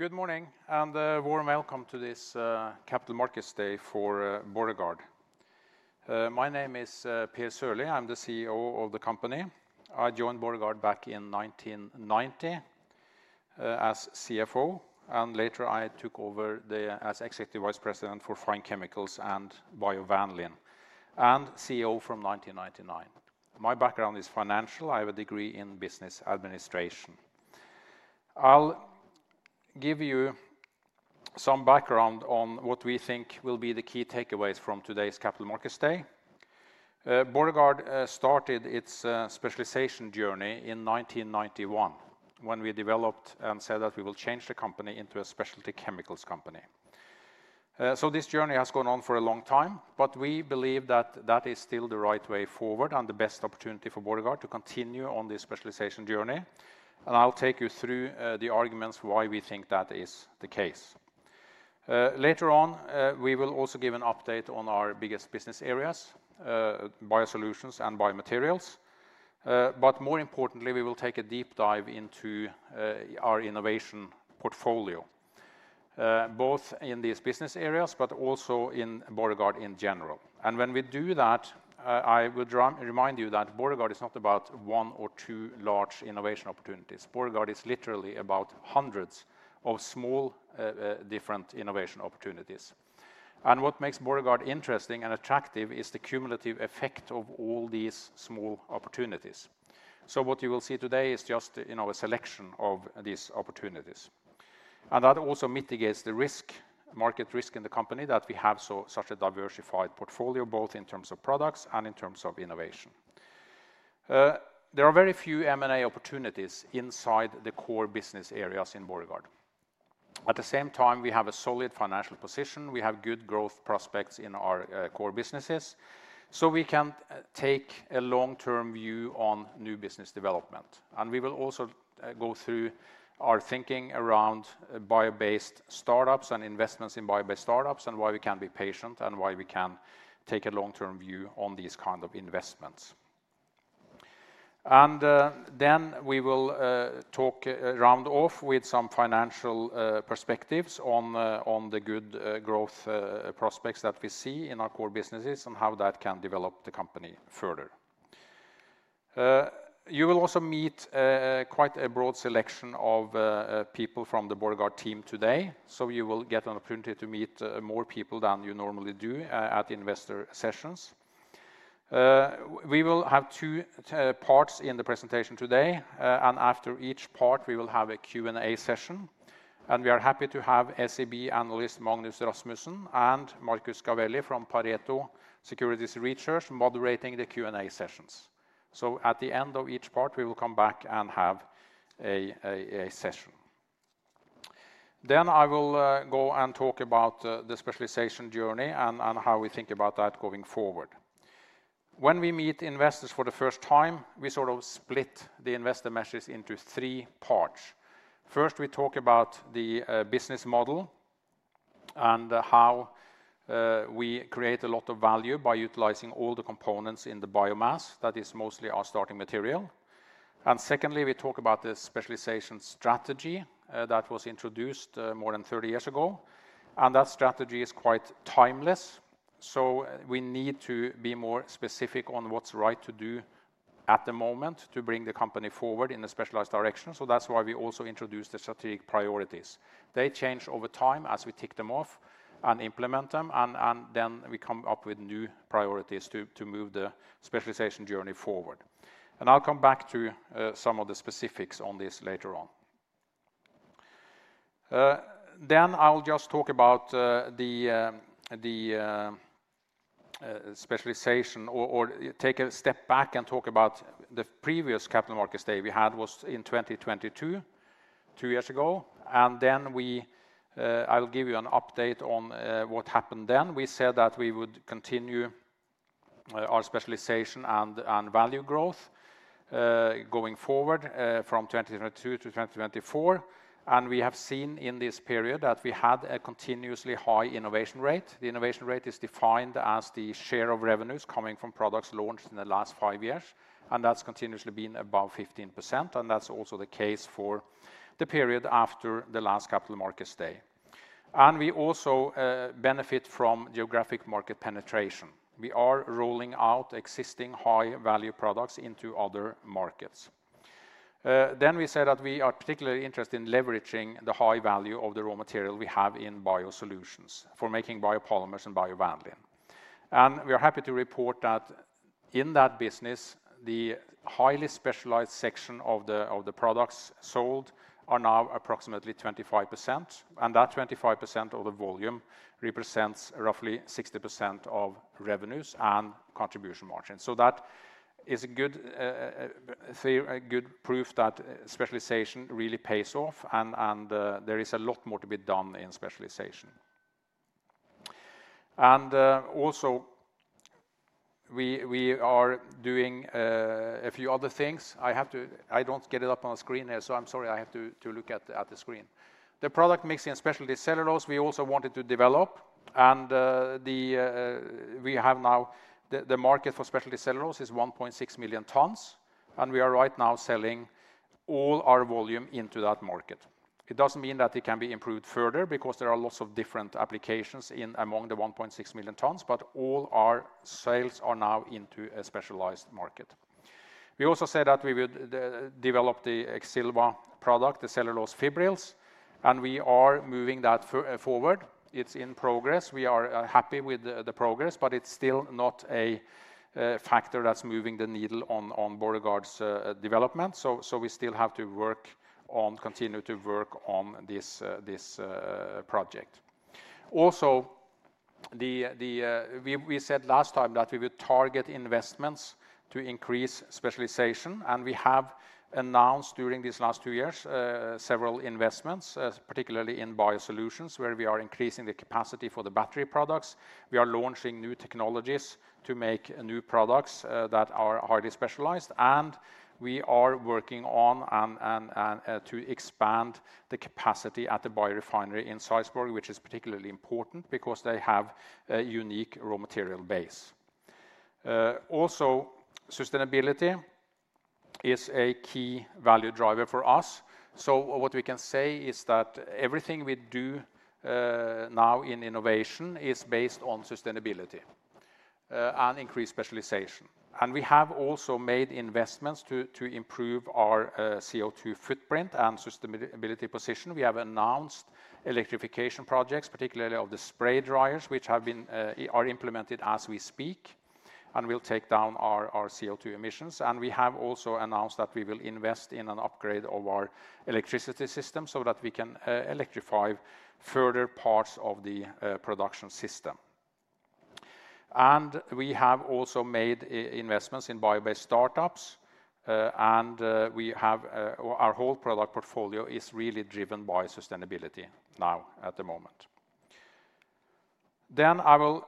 Good morning, and a warm welcome to this Capital Markets Day for Borregaard. My name is Per Sørli. I'm the CEO of the company. I joined Borregaard back in 1990 as CFO, and later I took over as Executive Vice President for Fine Chemicals and BioVanillin, and CEO from 1999. My background is financial. I have a degree in business administration. I'll give you some background on what we think will be the key takeaways from today's Capital Markets Day. Borregaard started its specialization journey in 1991, when we developed and said that we will change the company into a specialty chemicals company. So this journey has gone on for a long time, but we believe that that is still the right way forward and the best opportunity for Borregaard to continue on this specialization journey. I'll take you through the arguments why we think that is the case. Later on, we will also give an update on our biggest business areas, BioSolutions and BioMaterials. More importantly, we will take a deep dive into our innovation portfolio, both in these business areas, but also in Borregaard in general. When we do that, I would remind you that Borregaard is not about one or two large innovation opportunities. Borregaard is literally about hundreds of small, different innovation opportunities. What makes Borregaard interesting and attractive is the cumulative effect of all these small opportunities. What you will see today is just, you know, a selection of these opportunities. And that also mitigates the risk, market risk in the company, that we have such a diversified portfolio, both in terms of products and in terms of innovation. There are very few M&A opportunities inside the core business areas in Borregaard. At the same time, we have a solid financial position. We have good growth prospects in our core businesses, so we can take a long-term view on new business development. And we will also go through our thinking around bio-based startups and investments in bio-based startups, and why we can be patient, and why we can take a long-term view on these kind of investments. And then we will talk round off with some financial perspectives on the good growth prospects that we see in our core businesses, and how that can develop the company further. You will also meet quite a broad selection of people from the Borregaard team today, so you will get an opportunity to meet more people than you normally do at investor sessions. We will have two parts in the presentation today, and after each part, we will have a Q&A session. And we are happy to have SEB Analyst Magnus Rasmussen and Marcus Gavelli from Pareto Securities Research moderating the Q&A sessions. So at the end of each part, we will come back and have a session. Then I will go and talk about the specialization journey and how we think about that going forward. When we meet investors for the first time, we sort of split the investor message into three parts. First, we talk about the business model and how we create a lot of value by utilizing all the components in the biomass that is mostly our starting material. And secondly, we talk about the specialization strategy that was introduced more than 30 years ago, and that strategy is quite timeless, so we need to be more specific on what's right to do at the moment to bring the company forward in a specialized direction. So that's why we also introduced the strategic priorities. They change over time as we tick them off and implement them, and then we come up with new priorities to move the specialization journey forward. And I'll come back to some of the specifics on this later on. Then I'll just talk about the specialization, or take a step back and talk about the previous Capital Markets Day we had was in 2022, two years ago. And then we'll give you an update on what happened then. We said that we would continue our specialization and value growth going forward from 2022 to 2024. And we have seen in this period that we had a continuously high innovation rate. The innovation rate is defined as the share of revenues coming from products launched in the last five years, and that's continuously been above 15%, and that's also the case for the period after the last Capital Markets Day. And we also benefit from geographic market penetration. We are rolling out existing high-value products into other markets. Then we said that we are particularly interested in leveraging the high value of the raw material we have in BioSolutions for making biopolymers and BioVanillin. And we are happy to report that in that business, the highly specialized section of the products sold are now approximately 25%, and that 25% of the volume represents roughly 60% of revenues and contribution margin. So that is a good proof that specialization really pays off, and there is a lot more to be done in specialization. And also, we are doing a few other things. I have to. I don't get it up on the screen here, so I'm sorry, I have to look at the screen. The product mixing and specialty cellulose, we also wanted to develop, and we have now the market for specialty cellulose is 1.6 million tons. And we are right now selling all our volume into that market. It doesn't mean that it can be improved further, because there are lots of different applications in among the 1.6 million tons, but all our sales are now into a specialized market. We also said that we would develop the Exilva product, the cellulose fibrils, and we are moving that forward. It's in progress. We are happy with the progress, but it's still not a factor that's moving the needle on Borregaard's development. So we still have to work on continue to work on this project. Also, the... We said last time that we would target investments to increase specialization, and we have announced during these last two years several investments, particularly in BioSolutions, where we are increasing the capacity for the battery products. We are launching new technologies to make new products that are highly specialized, and we are working on to expand the capacity at the biorefinery in Sarpsborg, which is particularly important because they have a unique raw material base. Also, sustainability is a key value driver for us. So what we can say is that everything we do now in innovation is based on sustainability and increased specialization. We have also made investments to improve our CO2 footprint and sustainability position. We have announced electrification projects, particularly of the spray dryers, which have been, are implemented as we speak, and will take down our, our CO2 emissions. And we have also announced that we will invest in an upgrade of our electricity system so that we can, electrify further parts of the, production system. And we have also made investments in bio-based startups, and, we have, our whole product portfolio is really driven by sustainability now, at the moment. Then I will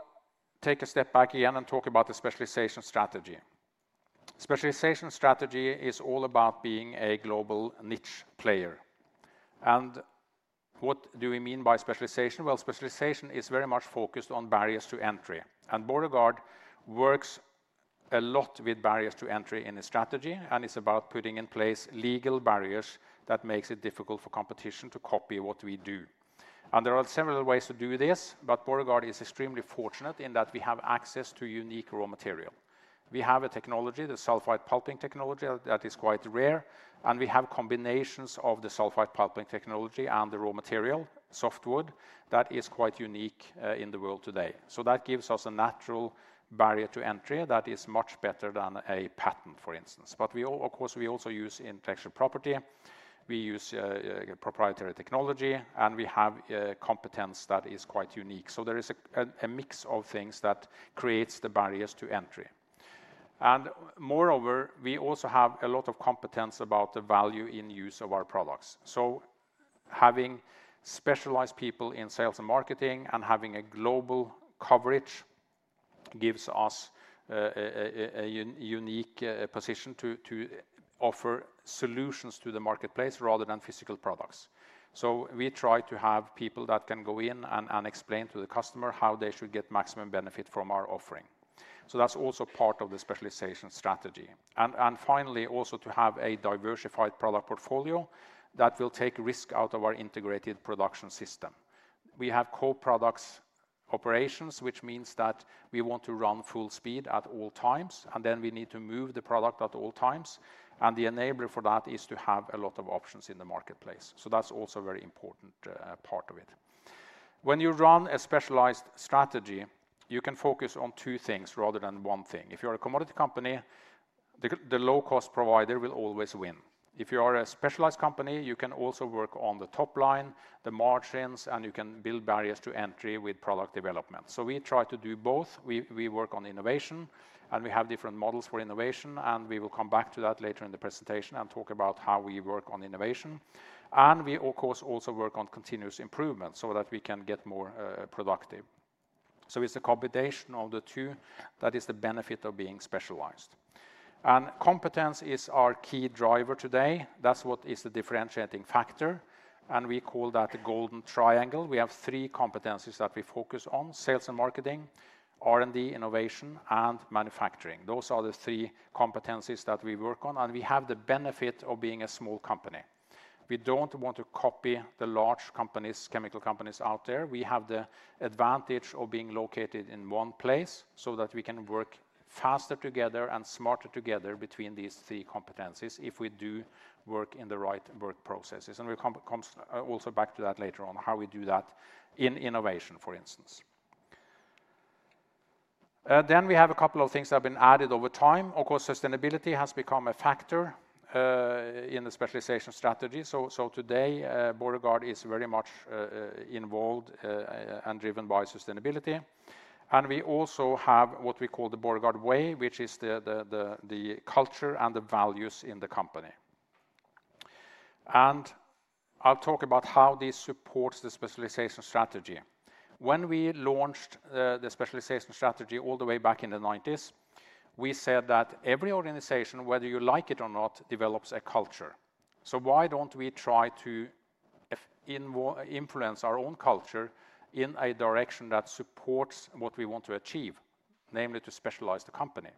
take a step back again and talk about the specialization strategy. Specialization strategy is all about being a global niche player. And what do we mean by specialization? Specialization is very much focused on barriers to entry, and Borregaard works a lot with barriers to entry in its strategy, and it's about putting in place legal barriers that makes it difficult for competition to copy what we do. And there are several ways to do this, but Borregaard is extremely fortunate in that we have access to unique raw material. We have a technology, the sulfite pulping technology, that is quite rare, and we have combinations of the sulfite pulping technology and the raw material, softwood, that is quite unique in the world today. So that gives us a natural barrier to entry that is much better than a patent, for instance. But we also, of course, use intellectual property, we use proprietary technology, and we have a competence that is quite unique. So there is a mix of things that creates the barriers to entry. And moreover, we also have a lot of competence about the value in use of our products. So having specialized people in sales and marketing, and having a global coverage, gives us a unique position to offer solutions to the marketplace rather than physical products. So we try to have people that can go in and explain to the customer how they should get maximum benefit from our offering. So that's also part of the specialization strategy. And finally, also to have a diversified product portfolio that will take risk out of our integrated production system. We have co-products operations, which means that we want to run full speed at all times, and then we need to move the product at all times, and the enabler for that is to have a lot of options in the marketplace. So that's also a very important part of it. When you run a specialized strategy, you can focus on two things rather than one thing. If you are a commodity company, the low-cost provider will always win. If you are a specialized company, you can also work on the top line, the margins, and you can build barriers to entry with product development. So we try to do both. We work on innovation, and we have different models for innovation, and we will come back to that later in the presentation and talk about how we work on innovation. We, of course, also work on continuous improvement so that we can get more productive. So it's a combination of the two that is the benefit of being specialized. Competence is our key driver today. That's what is the differentiating factor, and we call that the golden triangle. We have three competencies that we focus on: sales and marketing, R&D, innovation, and manufacturing. Those are the three competencies that we work on, and we have the benefit of being a small company. We don't want to copy the large companies, chemical companies out there. We have the advantage of being located in one place, so that we can work faster together and smarter together between these three competencies if we do work in the right work processes. We'll come also back to that later on, how we do that in innovation, for instance. Then we have a couple of things that have been added over time. Of course, sustainability has become a factor in the specialization strategy. Today, Borregaard is very much involved and driven by sustainability. And we also have what we call the Borregaard Way, which is the culture and the values in the company. And I'll talk about how this supports the specialization strategy. When we launched the specialization strategy all the way back in the 1990s, we said that every organization, whether you like it or not, develops a culture. Why don't we try to have more influence on our own culture in a direction that supports what we want to achieve, namely, to specialize the company.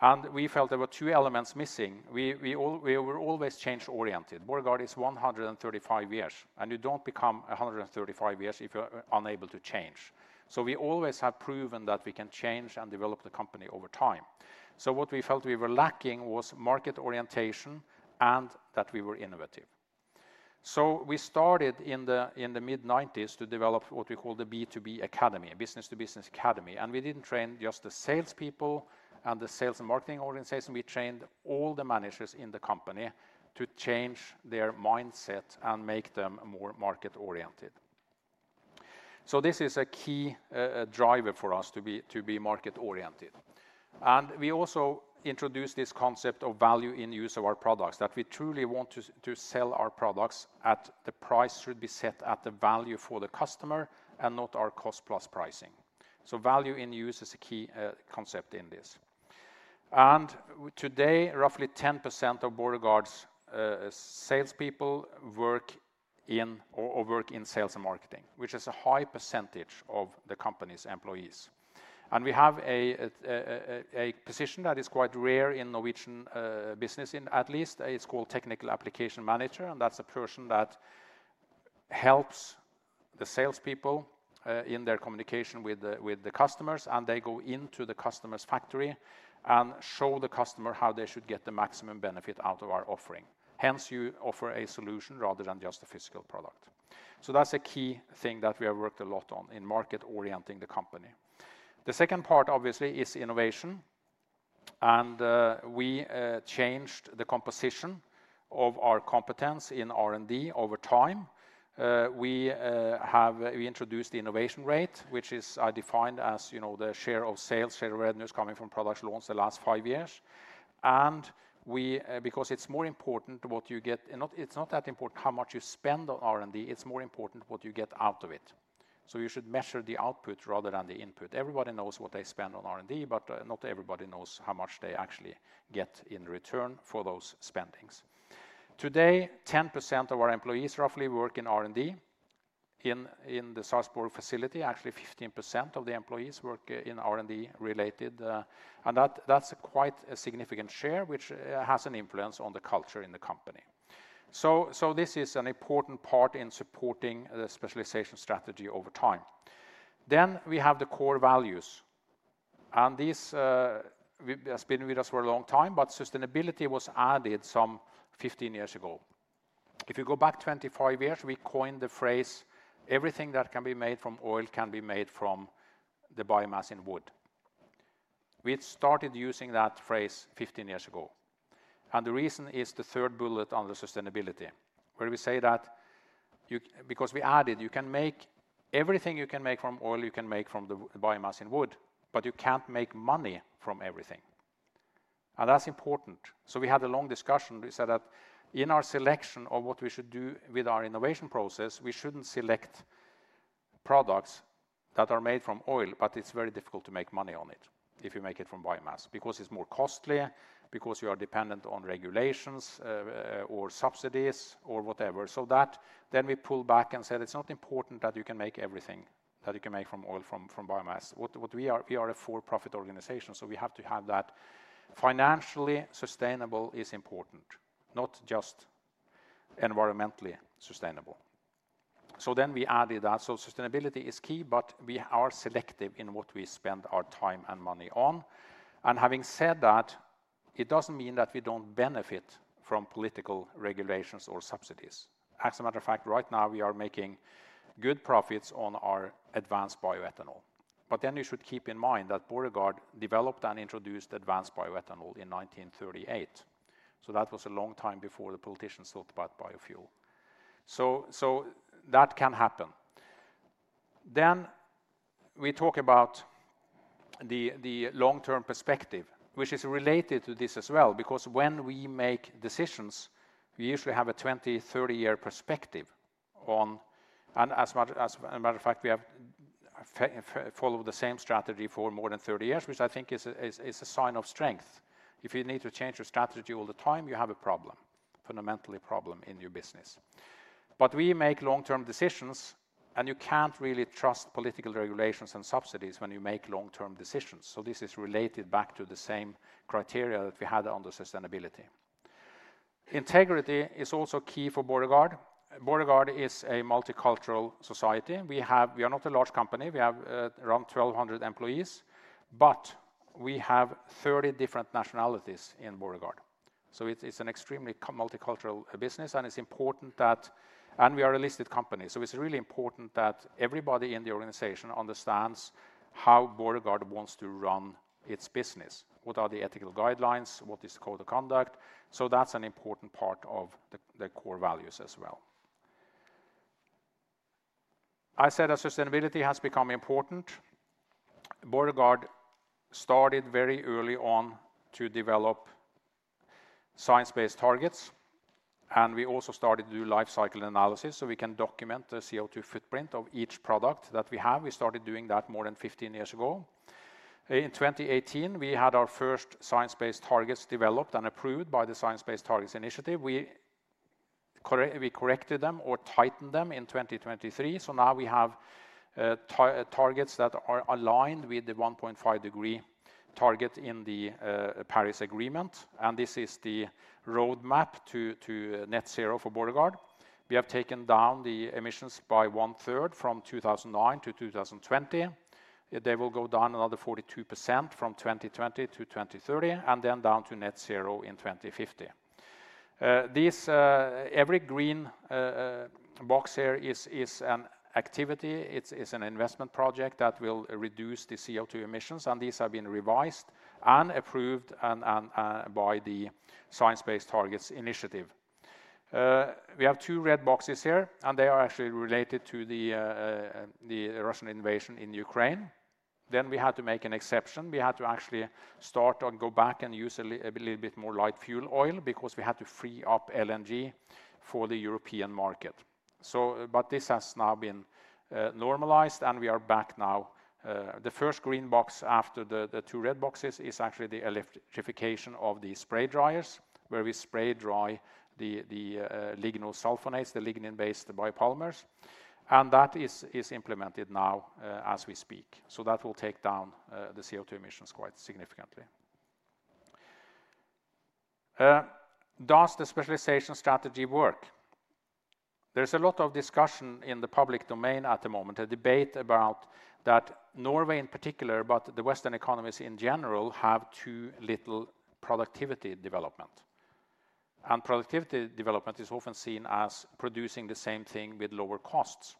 And we felt there were two elements missing. We were always change-oriented. Borregaard is 135 years, and you don't become a 135 years if you're unable to change, so we always have proven that we can change and develop the company over time. What we felt we were lacking was market orientation and that we were innovative, so we started in the, in the mid-1990s to develop what we call the B2B Academy, a business-to-business academy, and we didn't train just the salespeople and the sales and marketing organization, we trained all the managers in the company to change their mindset and make them more market-oriented, so this is a key driver for us to be, to be market-oriented. And we also introduced this concept of value in use of our products, that we truly want to sell our products at the price should be set at the value for the customer and not our cost plus pricing. So value in use is a key concept in this. And today, roughly 10% of Borregaard's salespeople work in sales and marketing, which is a high percentage of the company's employees. And we have a position that is quite rare in Norwegian business in at least. It's called technical application manager, and that's a person that helps the salespeople in their communication with the customers, and they go into the customer's factory and show the customer how they should get the maximum benefit out of our offering. Hence, you offer a solution rather than just a physical product. So that's a key thing that we have worked a lot on in market orienting the company. The second part, obviously, is innovation, and we changed the composition of our competence in R&D over time. We have... We introduced the innovation rate, which is defined as, you know, the share of sales, share of revenues coming from product launch the last five years. And we, because it's more important what you get, and not- it's not that important how much you spend on R&D, it's more important what you get out of it. So you should measure the output rather than the input. Everybody knows what they spend on R&D, but not everybody knows how much they actually get in return for those spendings. Today, 10% of our employees roughly work in R&D. In the Sarpsborg facility, actually, 15% of the employees work in R&D related, and that's quite a significant share, which has an influence on the culture in the company. So this is an important part in supporting the specialization strategy over time. Then, we have the core values, and these has been with us for a long time, but sustainability was added some 15 years ago. If you go back 25 years, we coined the phrase, "Everything that can be made from oil can be made from the biomass in wood." We had started using that phrase 15 years ago, and the reason is the third bullet on the sustainability, where we say that you... Because we added, you can make everything you can make from oil, you can make from the biomass in wood, but you can't make money from everything, and that's important. So we had a long discussion. We said that in our selection of what we should do with our innovation process, we shouldn't select products that are made from oil, but it's very difficult to make money on it if you make it from biomass because it's more costly, because you are dependent on regulations, or subsidies or whatever. So that, then we pulled back and said, "It's not important that you can make everything that you can make from oil, from biomass." We are a for-profit organization, so we have to have that. Financially sustainable is important, not just environmentally sustainable. So then we added that. Sustainability is key, but we are selective in what we spend our time and money on. Having said that, it doesn't mean that we don't benefit from political regulations or subsidies. As a matter of fact, right now, we are making good profits on our advanced bioethanol. You should keep in mind that Borregaard developed and introduced advanced bioethanol in 1938, so that was a long time before the politicians thought about biofuel. That can happen. We talk about the long-term perspective, which is related to this as well, because when we make decisions, we usually have a 20-30-year perspective on... As a matter of fact, we have followed the same strategy for more than 30 years, which I think is a sign of strength. If you need to change your strategy all the time, you have a problem, fundamentally problem in your business. We make long-term decisions, and you can't really trust political regulations and subsidies when you make long-term decisions. This is related back to the same criteria that we had on the sustainability. Integrity is also key for Borregaard. Borregaard is a multicultural society. We have we are not a large company. We have around 1200 employees, but we have 30 different nationalities in Borregaard. It's an extremely multicultural business, and it's important that. We are a listed company, so it's really important that everybody in the organization understands how Borregaard wants to run its business. What are the ethical guidelines? What is code of conduct? That's an important part of the core values as well. I said that sustainability has become important. Borregaard started very early on to develop science-based targets, and we also started to do life cycle analysis, so we can document the CO2 footprint of each product that we have. We started doing that more than fifteen years ago. In 2018, we had our first science-based targets developed and approved by the Science Based Targets initiative. We corrected them or tightened them in 2023, so now we have targets that are aligned with the 1.5 degree target in the Paris Agreement, and this is the roadmap to net zero for Borregaard. We have taken down the emissions by one third from 2009 to 2020. They will go down another 42% from 2020 to 2030, and then down to net zero in 2050. This every green box here is an activity. It's an investment project that will reduce the CO2 emissions, and these have been revised and approved and by the Science Based Targets initiative. We have two red boxes here, and they are actually related to the Russian invasion in Ukraine, then we had to make an exception. We had to actually start or go back and use a little bit more light fuel oil, because we had to free up LNG for the European market. So but this has now been normalized, and we are back now. The first green box after the two red boxes is actually the electrification of the spray dryers, where we spray dry the lignosulfonates, the lignin-based biopolymers, and that is implemented now as we speak. So that will take down the CO2 emissions quite significantly. Does the specialization strategy work? There's a lot of discussion in the public domain at the moment, a debate about that Norway in particular, but the Western economies in general, have too little productivity development, and productivity development is often seen as producing the same thing with lower costs.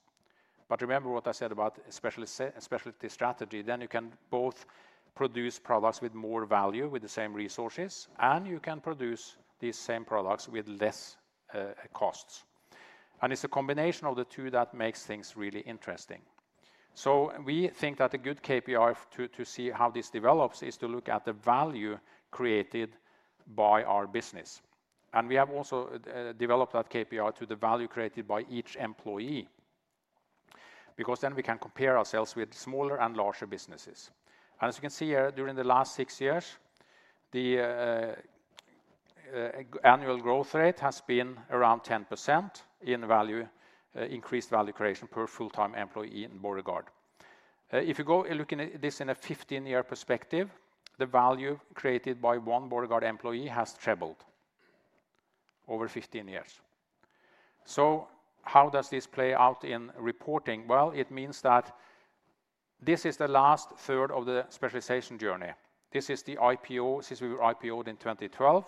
But remember what I said about specialty strategy, then you can both produce products with more value, with the same resources, and you can produce these same products with less costs. And it's a combination of the two that makes things really interesting. So we think that a good KPI to see how this develops is to look at the value created by our business. We have also developed that KPI to the value created by each employee, because then we can compare ourselves with smaller and larger businesses. As you can see here, during the last six years, the annual growth rate has been around 10% in value, increased value creation per full-time employee in Borregaard. If you go looking at this in a 15-year perspective, the value created by one Borregaard employee has tripled over 15 years. How does this play out in reporting? It means that this is the last third of the specialization journey. This is the IPO since we were IPO'd in 2012,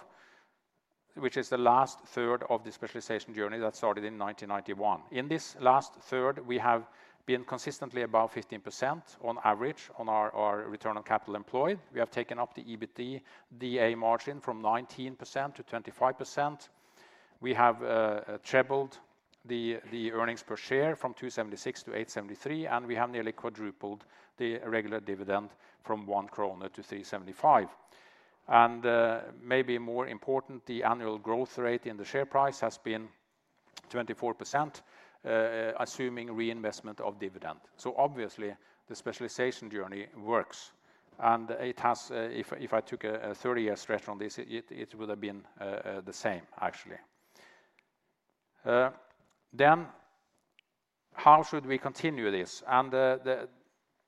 which is the last third of the specialization journey that started in 1991. In this last third, we have been consistently above 15% on average on our return on capital employed. We have taken up the EBITDA margin from 19%-25%. We have trebled the earnings per share from 2.76 to 8.73, and we have nearly quadrupled the regular dividend from 1-3.75 kroner. And maybe more important, the annual growth rate in the share price has been 24%, assuming reinvestment of dividend. So obviously the specialization journey works, and it has. If I took a 30-year stretch on this, it would have been the same actually. Then how should we continue this? And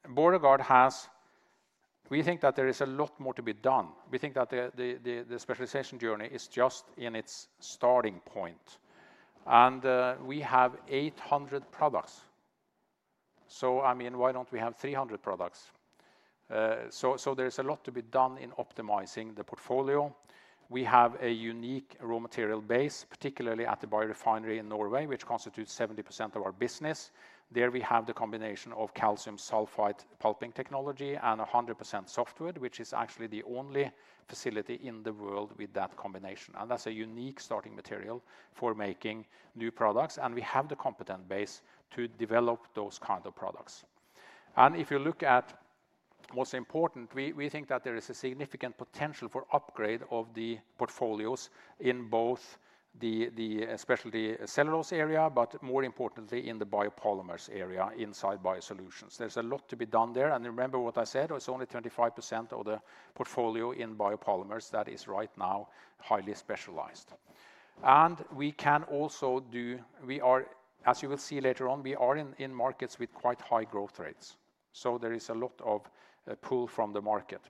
Borregaard has. We think that there is a lot more to be done. We think that the specialization journey is just in its starting point, and we have 800 products. So I mean, why don't we have 300 products? So, there is a lot to be done in optimizing the portfolio. We have a unique raw material base, particularly at the biorefinery in Norway, which constitutes 70% of our business. There we have the combination of calcium sulfite pulping technology and 100% softwood, which is actually the only facility in the world with that combination, and that's a unique starting material for making new products, and we have the competent base to develop those kind of products. And if you look at what's important, we think that there is a significant potential for upgrade of the portfolios in both the Specialty Cellulose area, but more importantly, in the Biopolymers area, inside BioSolutions. There's a lot to be done there. And remember what I said, it's only 25% of the portfolio in Biopolymers that is right now highly specialized. And we can also, we are, as you will see later on, we are in markets with quite high growth rates, so there is a lot of pull from the market.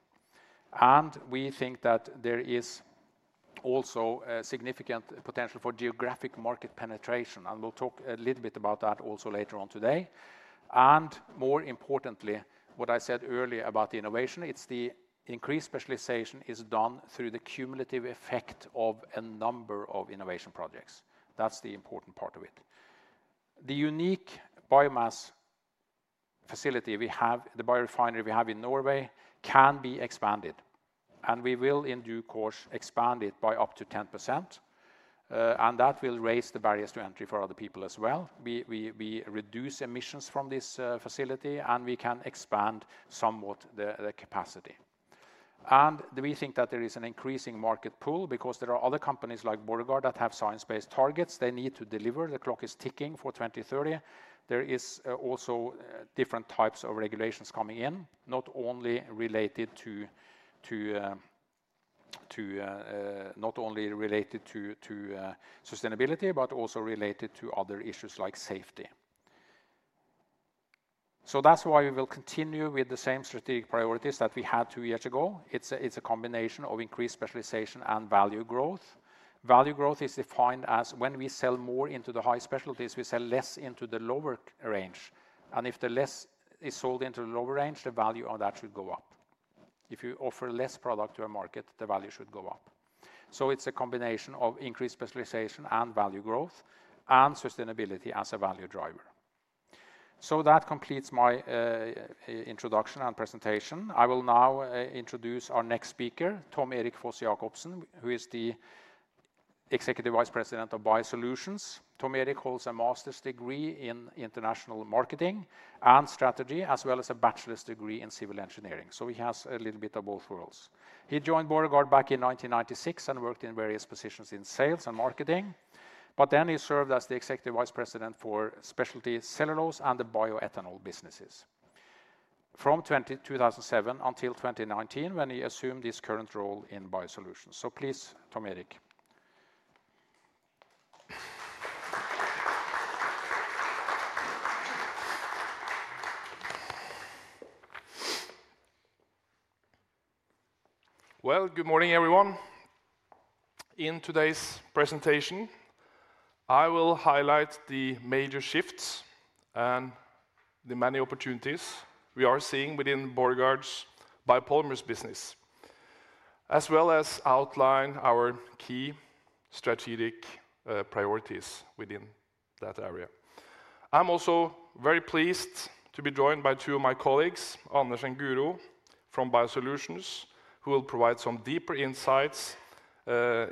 And we think that there is also a significant potential for geographic market penetration, and we'll talk a little bit about that also later on today. And more importantly, what I said earlier about the innovation, it's the increased specialization is done through the cumulative effect of a number of innovation projects. That's the important part of it. The unique biomass facility we have, the biorefinery we have in Norway, can be expanded, and we will in due course expand it by up to 10%, and that will raise the barriers to entry for other people as well. We reduce emissions from this facility, and we can expand somewhat the capacity.... And we think that there is an increasing market pool because there are other companies like Borregaard that have science-based targets they need to deliver. The clock is ticking for 2030. There is also different types of regulations coming in, not only related to sustainability, but also related to other issues like safety. So that's why we will continue with the same strategic priorities that we had two years ago. It's a combination of increased specialization and value growth. Value growth is defined as when we sell more into the high specialties, we sell less into the lower range, and if the less is sold into the lower range, the value of that should go up. If you offer less product to a market, the value should go up. It's a combination of increased specialization and value growth, and sustainability as a value driver. That completes my introduction and presentation. I will now introduce our next speaker, Tom Erik Foss-Jacobsen, who is the Executive Vice President of BioSolutions. Tom Erik holds a master's degree in international marketing and strategy, as well as a bachelor's degree in civil engineering, so he has a little bit of both worlds. He joined Borregaard back in 1996 and worked in various positions in sales and marketing, but then he served as the Executive Vice President for specialty cellulose and the bioethanol businesses from 2007 until 2019, when he assumed his current role in BioSolutions. Please, Tom Erik. Good morning, everyone. In today's presentation, I will highlight the major shifts and the many opportunities we are seeing within Borregaard's biopolymers business, as well as outline our key strategic priorities within that area. I'm also very pleased to be joined by two of my colleagues, Anders and Guro, from BioSolutions, who will provide some deeper insights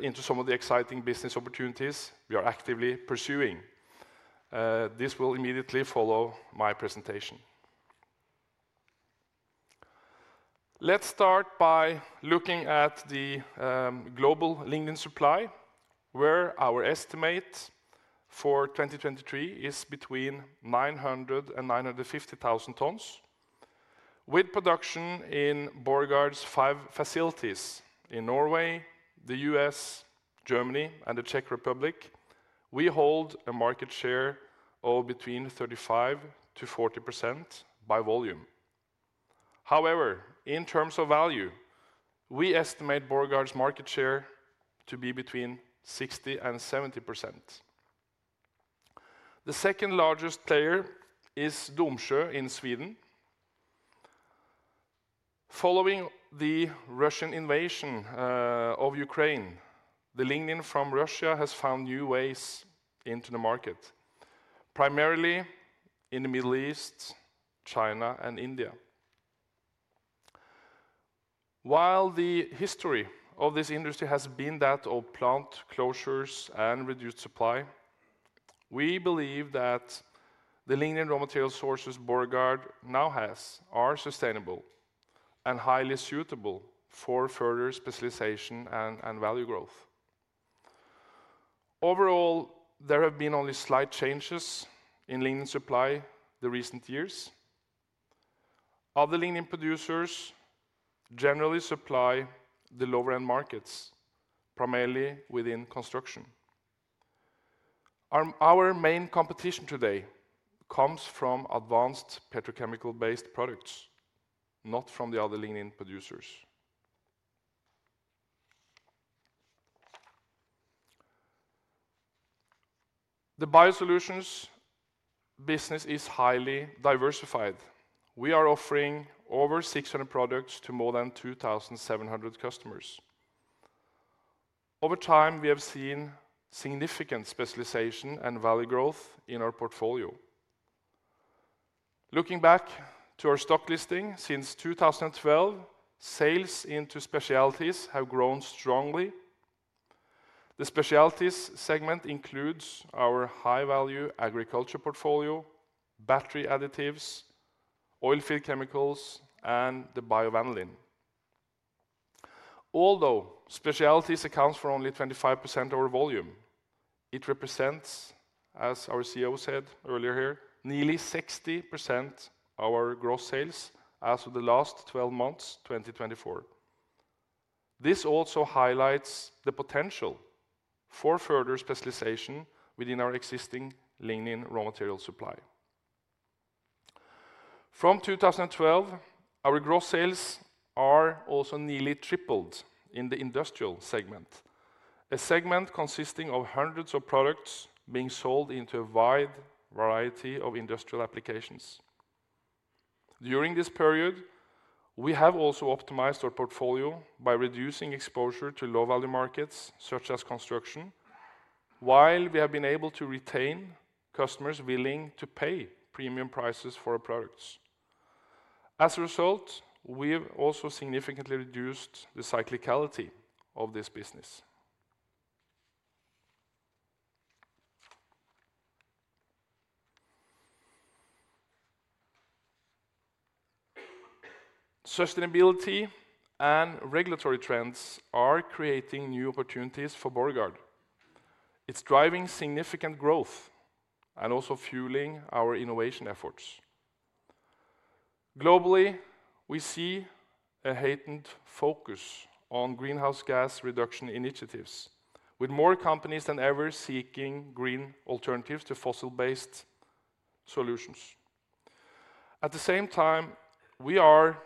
into some of the exciting business opportunities we are actively pursuing. This will immediately follow my presentation. Let's start by looking at the global lignin supply, where our estimate for 2023 is between 900 and 950 thousand tons. With production in Borregaard's five facilities in Norway, the U.S., Germany, and the Czech Republic, we hold a market share of between 35%-40% by volume. However, in terms of value, we estimate Borregaard's market share to be between 60%-70%. The second largest player is Domsjö in Sweden. Following the Russian invasion of Ukraine, the lignin from Russia has found new ways into the market, primarily in the Middle East, China, and India. While the history of this industry has been that of plant closures and reduced supply, we believe that the lignin raw material sources Borregaard now has are sustainable and highly suitable for further specialization and value growth. Overall, there have been only slight changes in lignin supply the recent years. Other lignin producers generally supply the lower-end markets, primarily within construction. Our main competition today comes from advanced petrochemical-based products, not from the other lignin producers. The BioSolutions business is highly diversified. We are offering over 600 products to more than 2,700 customers. Over time, we have seen significant specialization and value growth in our portfolio. Looking back to our stock listing since 2012, sales into specialties have grown strongly. The specialties segment includes our high-value agriculture portfolio, battery additives, oil field chemicals, and the BioVanillin. Although specialties accounts for only 25% of our volume, it represents, as our CEO said earlier here, nearly 60% our gross sales as of the last twelve months, 2024. This also highlights the potential for further specialization within our existing lignin raw material supply. From 2012, our gross sales are also nearly tripled in the industrial segment, a segment consisting of hundreds of products being sold into a wide variety of industrial applications. During this period, we have also optimized our portfolio by reducing exposure to low-value markets, such as construction, while we have been able to retain customers willing to pay premium prices for our products. As a result, we've also significantly reduced the cyclicality of this business. Sustainability and regulatory trends are creating new opportunities for Borregaard. It's driving significant growth and also fueling our innovation efforts. Globally, we see a heightened focus on greenhouse gas reduction initiatives, with more companies than ever seeking green alternatives to fossil-based solutions. At the same time, we are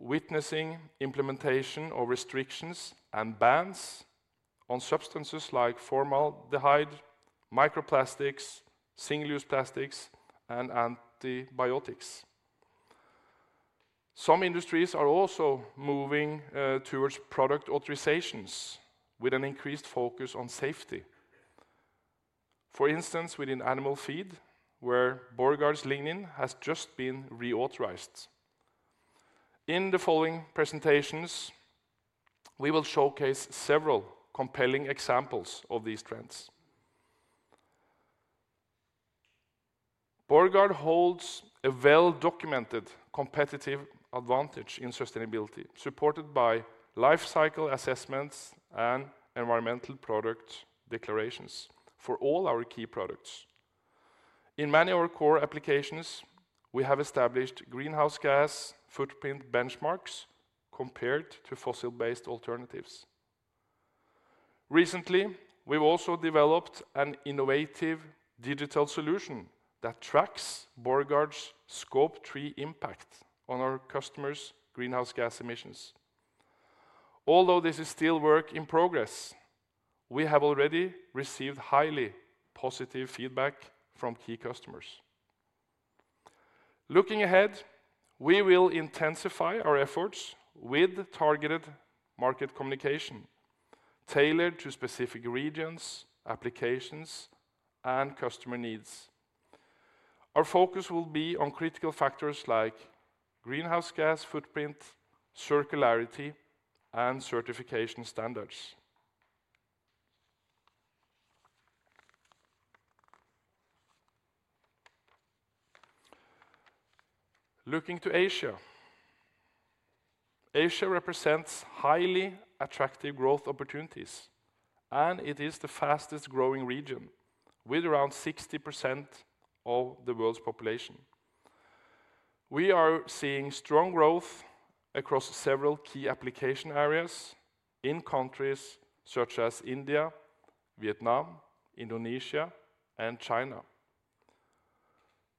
witnessing implementation of restrictions and bans on substances like formaldehyde, microplastics, single-use plastics, and antibiotics. Some industries are also moving towards product authorizations, with an increased focus on safety. For instance, within animal feed, where Borregaard's lignin has just been reauthorized. In the following presentations, we will showcase several compelling examples of these trends. Borregaard holds a well-documented competitive advantage in sustainability, supported by life cycle assessments and environmental product declarations for all our key products. In many of our core applications, we have established greenhouse gas footprint benchmarks compared to fossil-based alternatives. Recently, we've also developed an innovative digital solution that tracks Borregaard's Scope 3 impact on our customers' greenhouse gas emissions. Although this is still work in progress, we have already received highly positive feedback from key customers. Looking ahead, we will intensify our efforts with targeted market communication, tailored to specific regions, applications, and customer needs. Our focus will be on critical factors like greenhouse gas footprint, circularity, and certification standards. Looking to Asia, Asia represents highly attractive growth opportunities, and it is the fastest growing region, with around 60% of the world's population. We are seeing strong growth across several key application areas in countries such as India, Vietnam, Indonesia, and China.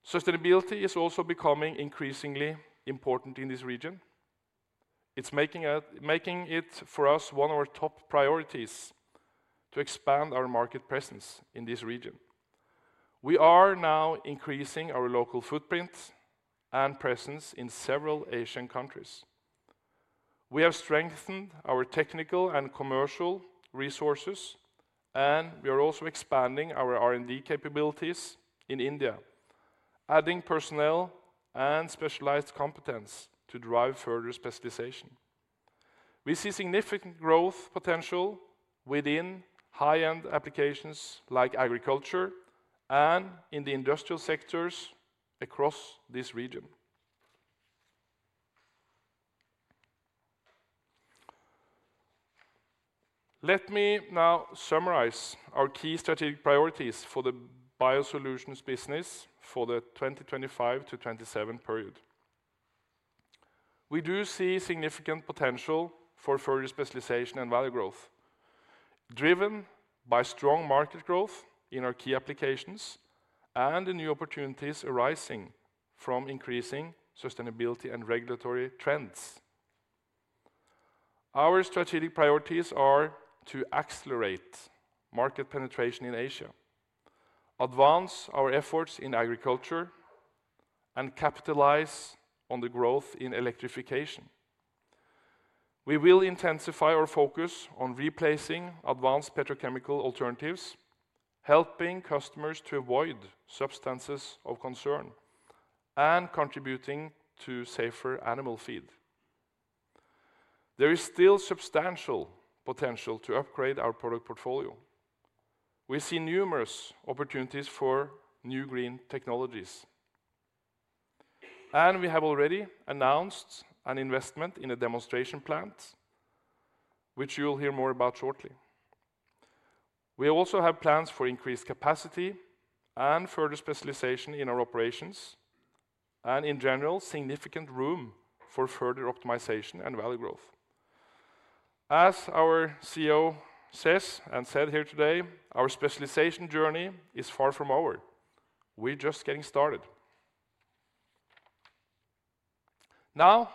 Sustainability is also becoming increasingly important in this region. It's making it for us one of our top priorities to expand our market presence in this region. We are now increasing our local footprint and presence in several Asian countries. We have strengthened our technical and commercial resources, and we are also expanding our R&D capabilities in India, adding personnel and specialized competence to drive further specialization. We see significant growth potential within high-end applications like agriculture and in the industrial sectors across this region. Let me now summarize our key strategic priorities for the BioSolutions business for the 2025 to 2027 period. We do see significant potential for further specialization and value growth, driven by strong market growth in our key applications and the new opportunities arising from increasing sustainability and regulatory trends. Our strategic priorities are to accelerate market penetration in Asia, advance our efforts in agriculture, and capitalize on the growth in electrification. We will intensify our focus on replacing advanced petrochemical alternatives, helping customers to avoid substances of concern, and contributing to safer animal feed. There is still substantial potential to upgrade our product portfolio. We see numerous opportunities for new green technologies, and we have already announced an investment in a demonstration plant, which you will hear more about shortly. We also have plans for increased capacity and further specialization in our operations, and in general, significant room for further optimization and value growth. As our CEO says and said here today, our specialization journey is far from over. We're just getting started. Now,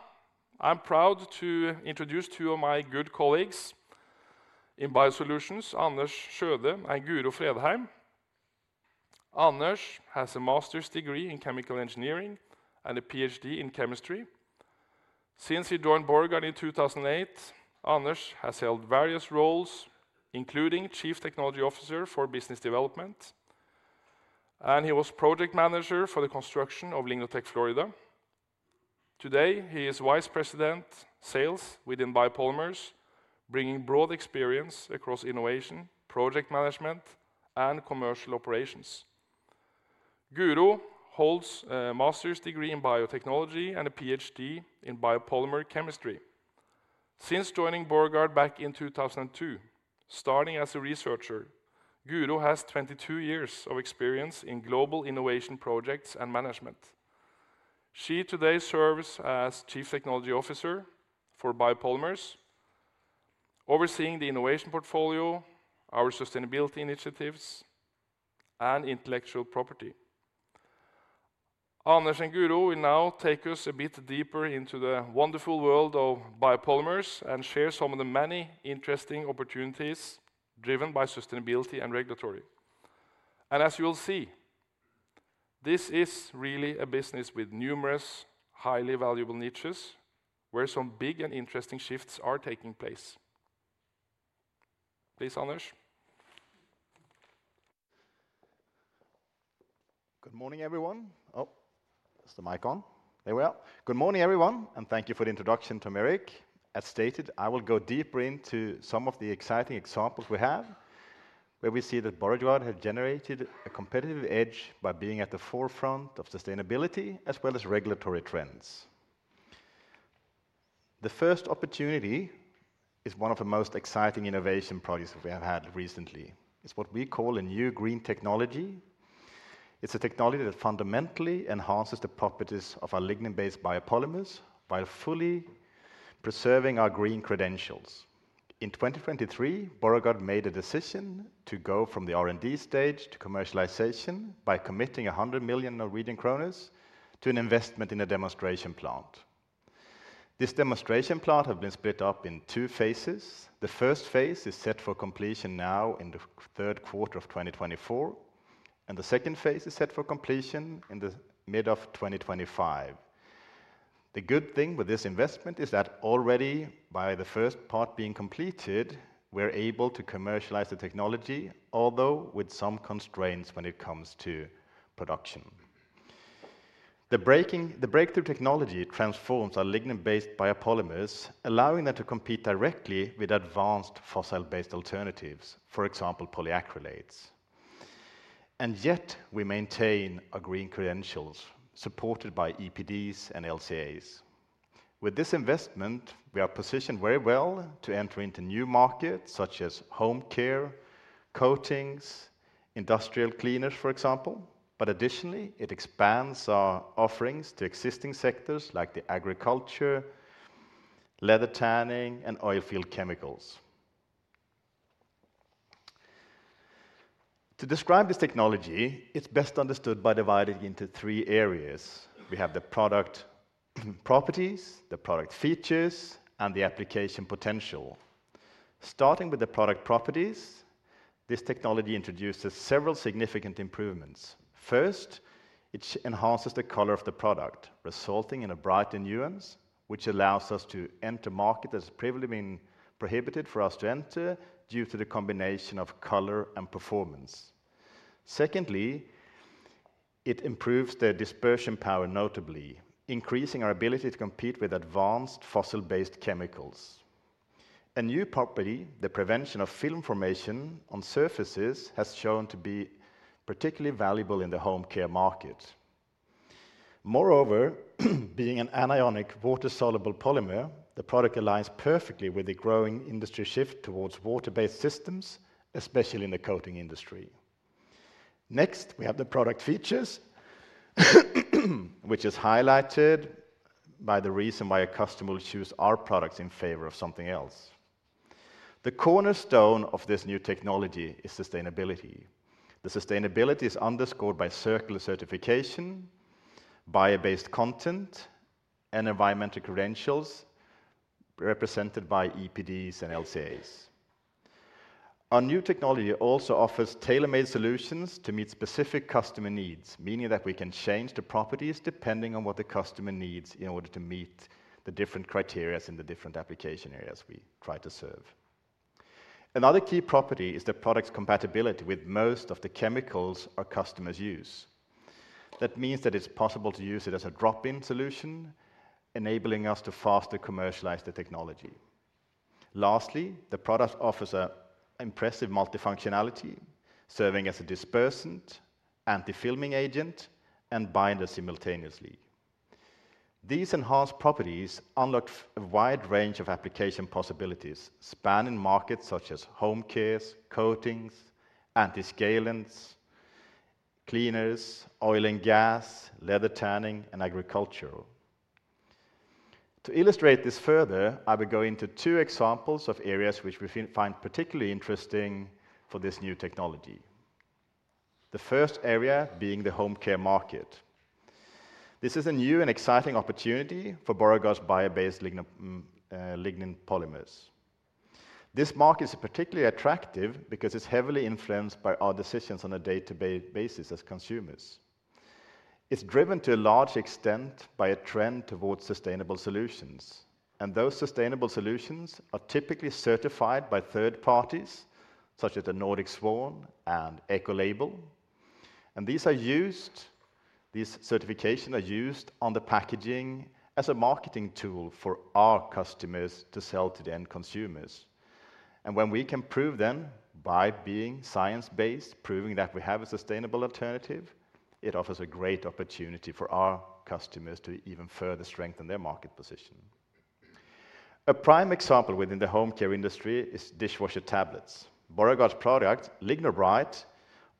I'm proud to introduce two of my good colleagues in BioSolutions, Anders Sjøde and Guro Fredheim. Anders has a master's degree in chemical engineering and a PhD in chemistry. Since he joined Borregaard in 2008, Anders has held various roles, including Chief Technology Officer for Business Development, and he was Project Manager for the construction of LignoTech Florida. Today, he is Vice President Sales within Biopolymers, bringing broad experience across innovation, project management, and commercial operations. Guro holds a master's degree in biotechnology and a PhD in biopolymer chemistry. Since joining Borregaard back in 2002, starting as a researcher, Guro has 22 years of experience in global innovation projects and management. She today serves as Chief Technology Officer for Biopolymers, overseeing the innovation portfolio, our sustainability initiatives, and intellectual property. Anders and Guro will now take us a bit deeper into the wonderful world of biopolymers and share some of the many interesting opportunities driven by sustainability and regulatory. As you will see, this is really a business with numerous, highly valuable niches, where some big and interesting shifts are taking place. Please, Anders. Good morning, everyone. Oh, is the mic on? There we are. Good morning, everyone, and thank you for the introduction, Tom Erik. As stated, I will go deeper into some of the exciting examples we have, where we see that Borregaard has generated a competitive edge by being at the forefront of sustainability as well as regulatory trends. The first opportunity is one of the most exciting innovation projects we have had recently. It's what we call a new green technology. It's a technology that fundamentally enhances the properties of our lignin-based biopolymers by fully preserving our green credentials. In 2023, Borregaard made a decision to go from the R&D stage to commercialization by committing 100 million Norwegian kroner to an investment in a demonstration plant. This demonstration plant has been split up in two phases. The first phase is set for completion now in the third quarter of 2024, and the second phase is set for completion in the mid of 2025. The good thing with this investment is that already by the first part being completed, we're able to commercialize the technology, although with some constraints when it comes to production. The breakthrough technology transforms our lignin-based biopolymers, allowing them to compete directly with advanced fossil-based alternatives, for example, polyacrylates. And yet we maintain our green credentials, supported by EPDs and LCAs. With this investment, we are positioned very well to enter into new markets, such as home care, coatings, industrial cleaners, for example. But additionally, it expands our offerings to existing sectors like the agriculture, leather tanning, and oil field chemicals. To describe this technology, it's best understood by dividing it into three areas. We have the product properties, the product features, and the application potential. Starting with the product properties, this technology introduces several significant improvements. First, it enhances the color of the product, resulting in a brighter nuance, which allows us to enter markets that's previously been prohibited for us to enter due to the combination of color and performance. Secondly, it improves the dispersion power, notably increasing our ability to compete with advanced fossil-based chemicals. A new property, the prevention of film formation on surfaces, has shown to be particularly valuable in the home care market. Moreover, being an anionic water-soluble polymer, the product aligns perfectly with the growing industry shift towards water-based systems, especially in the coating industry. Next, we have the product features, which is highlighted by the reason why a customer will choose our products in favor of something else. The cornerstone of this new technology is sustainability. The sustainability is underscored by circular certification, bio-based content, and environmental credentials, represented by EPDs and LCAs. Our new technology also offers tailor-made solutions to meet specific customer needs, meaning that we can change the properties depending on what the customer needs in order to meet the different criteria in the different application areas we try to serve. Another key property is the product's compatibility with most of the chemicals our customers use. That means that it's possible to use it as a drop-in solution, enabling us to faster commercialize the technology. Lastly, the product offers an impressive multifunctionality, serving as a dispersant, antifilming agent, and binder simultaneously. These enhanced properties unlock a wide range of application possibilities, spanning markets such as home care, coatings, antiscalants, cleaners, oil and gas, leather tanning, and agriculture. To illustrate this further, I will go into two examples of areas which we find particularly interesting for this new technology. The first area being the home care market. This is a new and exciting opportunity for Borregaard's bio-based lignin, lignin polymers. This market is particularly attractive because it's heavily influenced by our decisions on a day-to-basis as consumers. It's driven to a large extent by a trend towards sustainable solutions, and those sustainable solutions are typically certified by third parties, such as the Nordic Swan and Ecolabel. And these certifications are used on the packaging as a marketing tool for our customers to sell to the end consumers. And when we can prove them by being science-based, proving that we have a sustainable alternative, it offers a great opportunity for our customers to even further strengthen their market position. A prime example within the home care industry is dishwasher tablets. Borregaard's product, LignoBrite,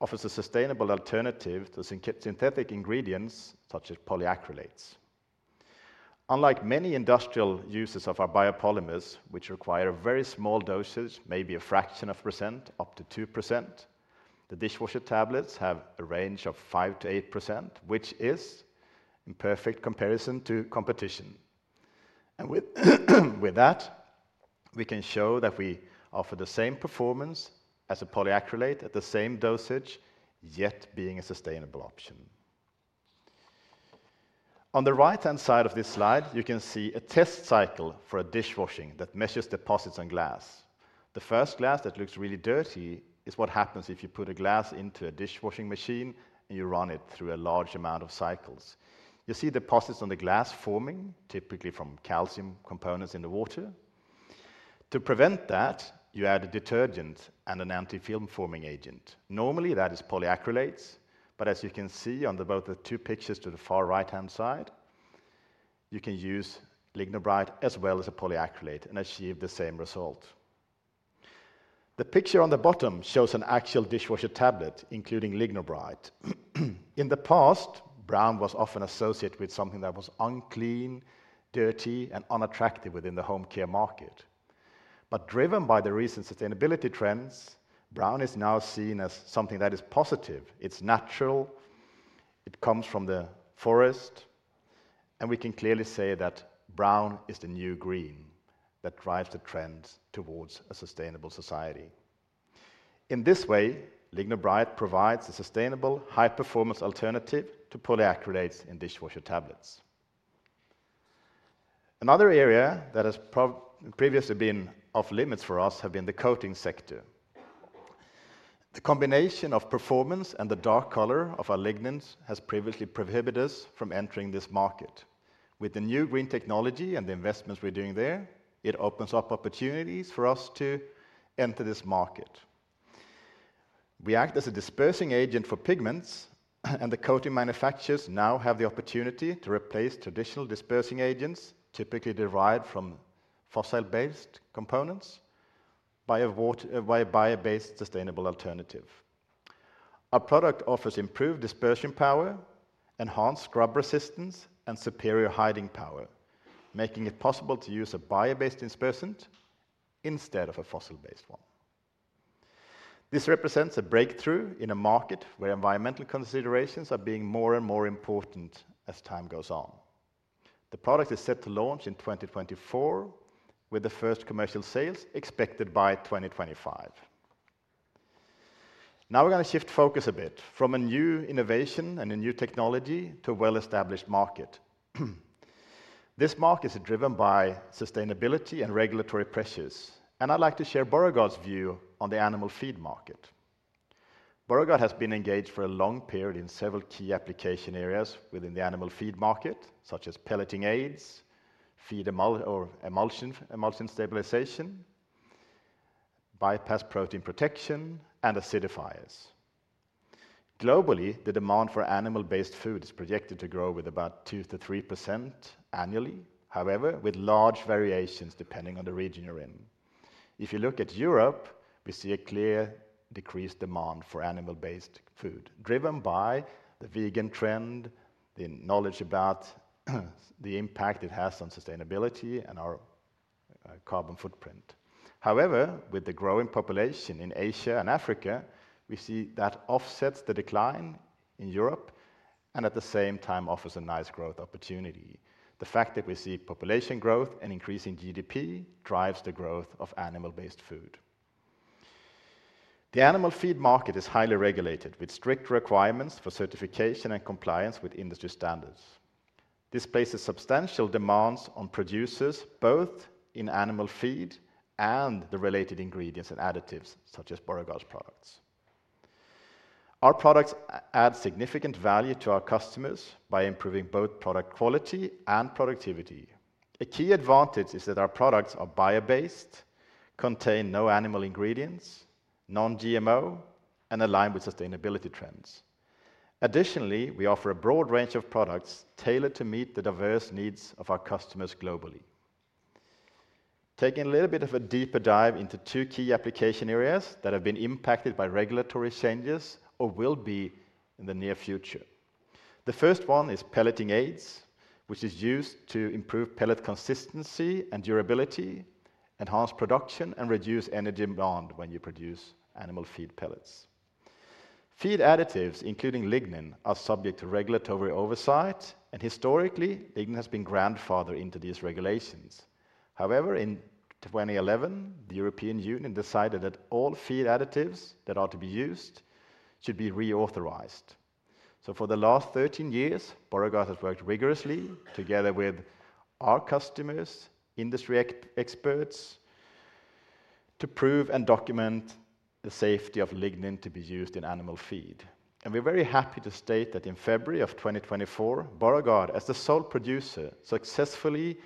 offers a sustainable alternative to synthetic ingredients, such as polyacrylates. Unlike many industrial uses of our biopolymers, which require very small doses, maybe a fraction of percent, up to 2%, the dishwasher tablets have a range of 5%-8%, which is in perfect comparison to competition. And with that, we can show that we offer the same performance as a polyacrylate at the same dosage, yet being a sustainable option. On the right-hand side of this slide, you can see a test cycle for a dishwashing that measures deposits on glass. The first glass that looks really dirty is what happens if you put a glass into a dishwashing machine, and you run it through a large amount of cycles. You see deposits on the glass forming, typically from calcium components in the water. To prevent that, you add a detergent and an anti-film forming agent. Normally, that is polyacrylates, but as you can see on both the two pictures to the far right-hand side, you can use LignoBrite as well as a polyacrylate and achieve the same result. The picture on the bottom shows an actual dishwasher tablet, including LignoBrite. In the past, brown was often associated with something that was unclean, dirty, and unattractive within the home care market. But driven by the recent sustainability trends, brown is now seen as something that is positive. It's natural, it comes from the forest, and we can clearly say that brown is the new green that drives the trends towards a sustainable society. In this way, LignoBrite provides a sustainable, high-performance alternative to polyacrylates in dishwasher tablets. Another area that has previously been off limits for us have been the coating sector. The combination of performance and the dark color of our lignins has previously prohibited us from entering this market. With the new green technology and the investments we're doing there, it opens up opportunities for us to enter this market. We act as a dispersing agent for pigments, and the coating manufacturers now have the opportunity to replace traditional dispersing agents, typically derived from fossil-based components, by a bio-based, sustainable alternative. Our product offers improved dispersion power, enhanced scrub resistance, and superior hiding power, making it possible to use a bio-based dispersant instead of a fossil-based one. This represents a breakthrough in a market where environmental considerations are being more and more important as time goes on. The product is set to launch in 2024, with the first commercial sales expected by 2025. Now, we're gonna shift focus a bit from a new innovation and a new technology to a well-established market. This market is driven by sustainability and regulatory pressures, and I'd like to share Borregaard's view on the animal feed market. Borregaard has been engaged for a long period in several key application areas within the animal feed market, such as pelleting aids, feed emulsion, emulsion stabilization, bypass protein protection, and acidifiers. Globally, the demand for animal-based food is projected to grow with about 2%-3% annually. However, with large variations, depending on the region you're in. If you look at Europe, we see a clear decreased demand for animal-based food, driven by the vegan trend, the knowledge about the impact it has on sustainability, and our carbon footprint. However, with the growing population in Asia and Africa, we see that offsets the decline in Europe, and at the same time, offers a nice growth opportunity. The fact that we see population growth and increasing GDP drives the growth of animal-based food. The animal feed market is highly regulated, with strict requirements for certification and compliance with industry standards. This places substantial demands on producers, both in animal feed and the related ingredients and additives, such as Borregaard's products. Our products add significant value to our customers by improving both product quality and productivity. A key advantage is that our products are bio-based, contain no animal ingredients, non-GMO, and aligned with sustainability trends. Additionally, we offer a broad range of products tailored to meet the diverse needs of our customers globally. Taking a little bit of a deeper dive into two key application areas that have been impacted by regulatory changes or will be in the near future. The first one is pelleting aids, which is used to improve pellet consistency and durability, enhance production, and reduce energy demand when you produce animal feed pellets. Feed additives, including lignin, are subject to regulatory oversight, and historically, lignin has been grandfathered into these regulations. However, in 2011, the European Union decided that all feed additives that are to be used should be reauthorized. So for the last 13 years, Borregaard has worked rigorously, together with our customers, industry experts to prove and document the safety of lignin to be used in animal feed. And we're very happy to state that in February of 2024, Borregaard, as the sole producer, successfully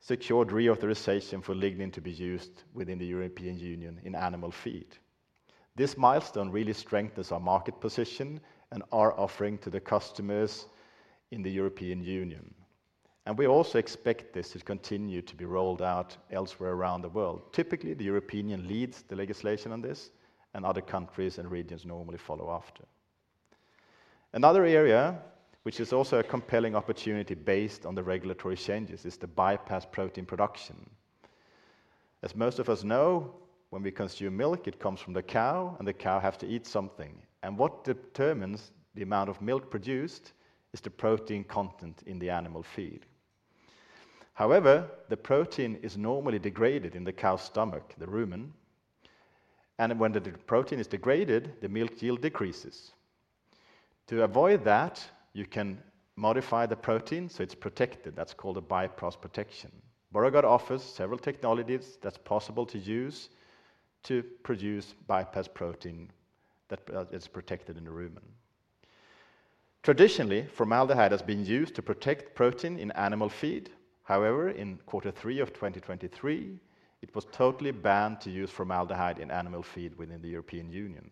secured reauthorization for lignin to be used within the European Union in animal feed. This milestone really strengthens our market position and our offering to the customers in the European Union, and we also expect this to continue to be rolled out elsewhere around the world. Typically, the European Union leads the legislation on this, and other countries and regions normally follow after. Another area, which is also a compelling opportunity based on the regulatory changes, is the bypass protein production. As most of us know, when we consume milk, it comes from the cow, and the cow have to eat something, and what determines the amount of milk produced is the protein content in the animal feed. However, the protein is normally degraded in the cow's stomach, the rumen, and when the protein is degraded, the milk yield decreases. To avoid that, you can modify the protein, so it's protected. That's called a bypass protection. Borregaard offers several technologies that's possible to use to produce bypass protein that is protected in the rumen. Traditionally, formaldehyde has been used to protect protein in animal feed. However, in quarter three of 2023, it was totally banned to use formaldehyde in animal feed within the European Union.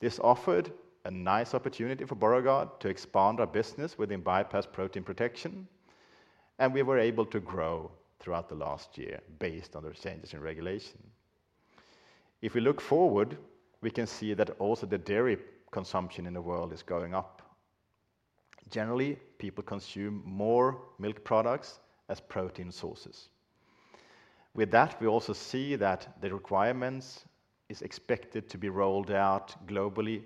This offered a nice opportunity for Borregaard to expand our business within bypass protein protection, and we were able to grow throughout the last year based on the changes in regulation. If we look forward, we can see that also the dairy consumption in the world is going up. Generally, people consume more milk products as protein sources. With that, we also see that the requirements is expected to be rolled out globally,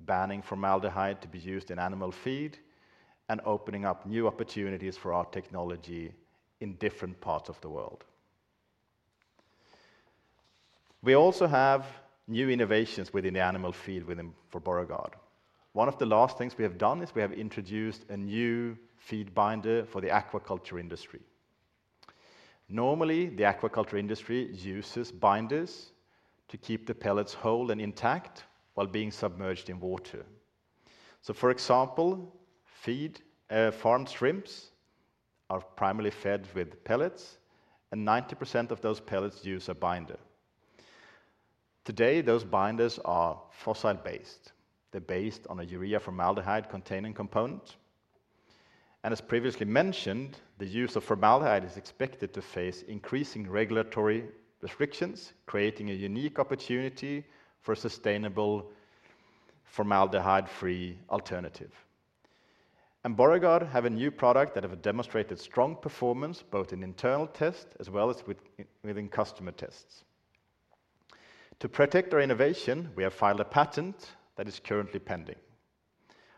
banning formaldehyde to be used in animal feed and opening up new opportunities for our technology in different parts of the world. We also have new innovations within the animal feed for Borregaard. One of the last things we have done is we have introduced a new feed binder for the aquaculture industry. Normally, the aquaculture industry uses binders to keep the pellets whole and intact while being submerged in water. So, for example, farmed shrimps are primarily fed with pellets, and 90% of those pellets use a binder. Today, those binders are fossil-based. They're based on a urea formaldehyde-containing component, and as previously mentioned, the use of formaldehyde is expected to face increasing regulatory restrictions, creating a unique opportunity for a sustainable formaldehyde-free alternative. Borregaard have a new product that have demonstrated strong performance, both in internal tests as well as within customer tests. To protect our innovation, we have filed a patent that is currently pending.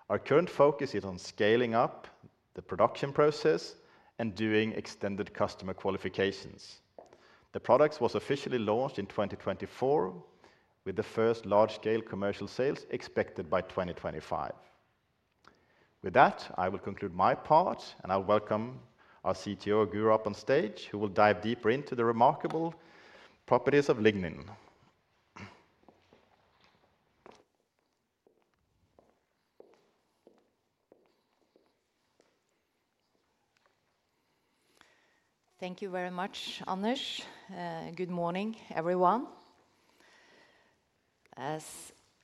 Our current focus is on scaling up the production process and doing extended customer qualifications. The product was officially launched in 2024, with the first large-scale commercial sales expected by 2025. With that, I will conclude my part, and I welcome our CTO, Guro, up on stage, who will dive deeper into the remarkable properties of lignin. Thank you very much, Anders. Good morning, everyone. As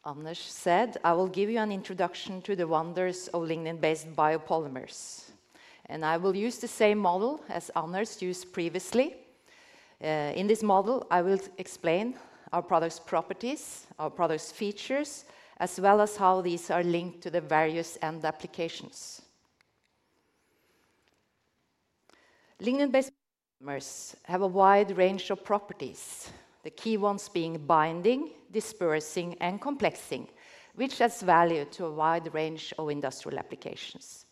Anders said, I will give you an introduction to the wonders of lignin-based biopolymers, and I will use the same model as Anders used previously. In this model, I will explain our product's properties, our product's features, as well as how these are linked to the various end applications. Lignin-based have a wide range of properties, the key ones being binding, dispersing, and complexing, which adds value to a wide range of industrial applications.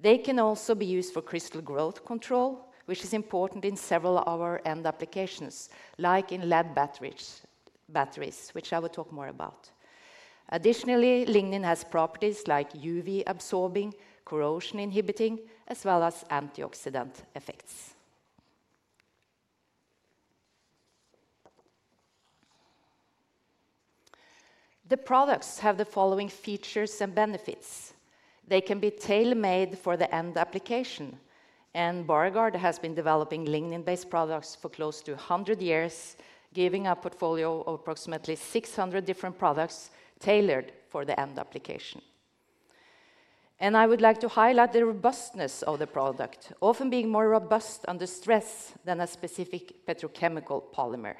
They can also be used for crystal growth control, which is important in several of our end applications, like in lead batteries, batteries, which I will talk more about. Additionally, lignin has properties like UV absorbing, corrosion inhibiting, as well as antioxidant effects. The products have the following features and benefits. They can be tailor-made for the end application, and Borregaard has been developing lignin-based products for close to a hundred years, giving a portfolio of approximately 600 different products tailored for the end application. I would like to highlight the robustness of the product, often being more robust under stress than a specific petrochemical polymer.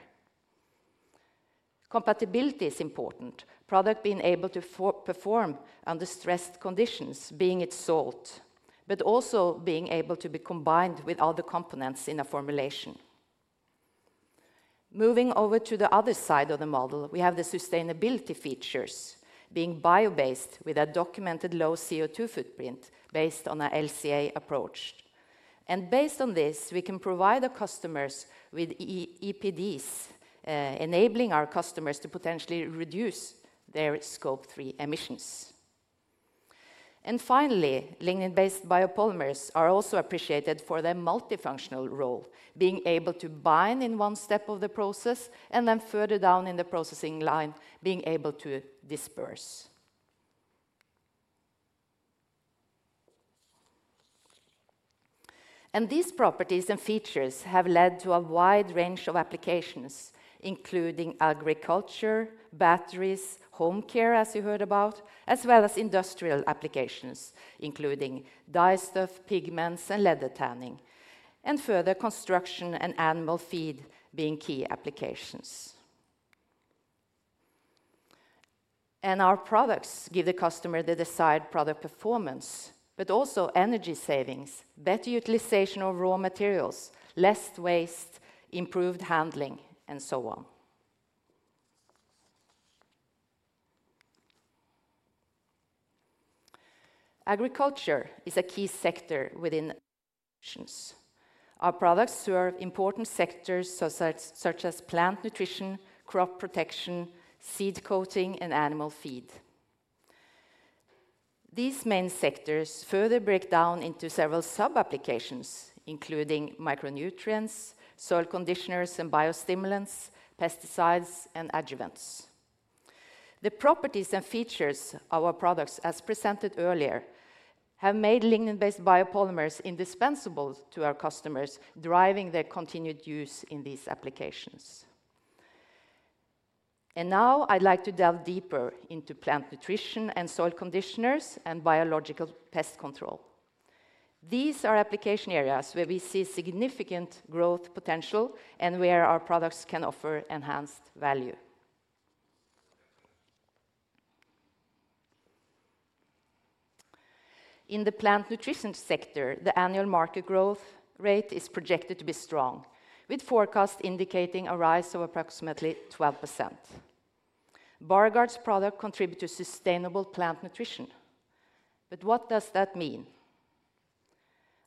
Compatibility is important, product being able to perform under stressed conditions, being it salt, but also being able to be combined with other components in a formulation. Moving over to the other side of the model, we have the sustainability features, being bio-based with a documented low CO2 footprint based on a LCA approach. Based on this, we can provide our customers with EPDs, enabling our customers to potentially reduce their Scope 3 emissions. Finally, lignin-based biopolymers are also appreciated for their multifunctional role, being able to bind in one step of the process, and then further down in the processing line, being able to disperse. These properties and features have led to a wide range of applications, including agriculture, batteries, home care, as you heard about, as well as industrial applications, including dyestuff, pigments, and leather tanning, and further, construction and animal feed being key applications. Our products give the customer the desired product performance, but also energy savings, better utilization of raw materials, less waste, improved handling, and so on. Agriculture is a key sector within solutions. Our products serve important sectors, such as plant nutrition, crop protection, seed coating, and animal feed. These main sectors further break down into several sub-applications, including micronutrients, soil conditioners and biostimulants, pesticides, and adjuvants. The properties and features of our products, as presented earlier, have made lignin-based biopolymers indispensable to our customers, driving their continued use in these applications. Now, I'd like to delve deeper into plant nutrition and soil conditioners and biological pest control. These are application areas where we see significant growth potential and where our products can offer enhanced value. In the plant nutrition sector, the annual market growth rate is projected to be strong, with forecasts indicating a rise of approximately 12%. Borregaard's product contribute to sustainable plant nutrition. What does that mean?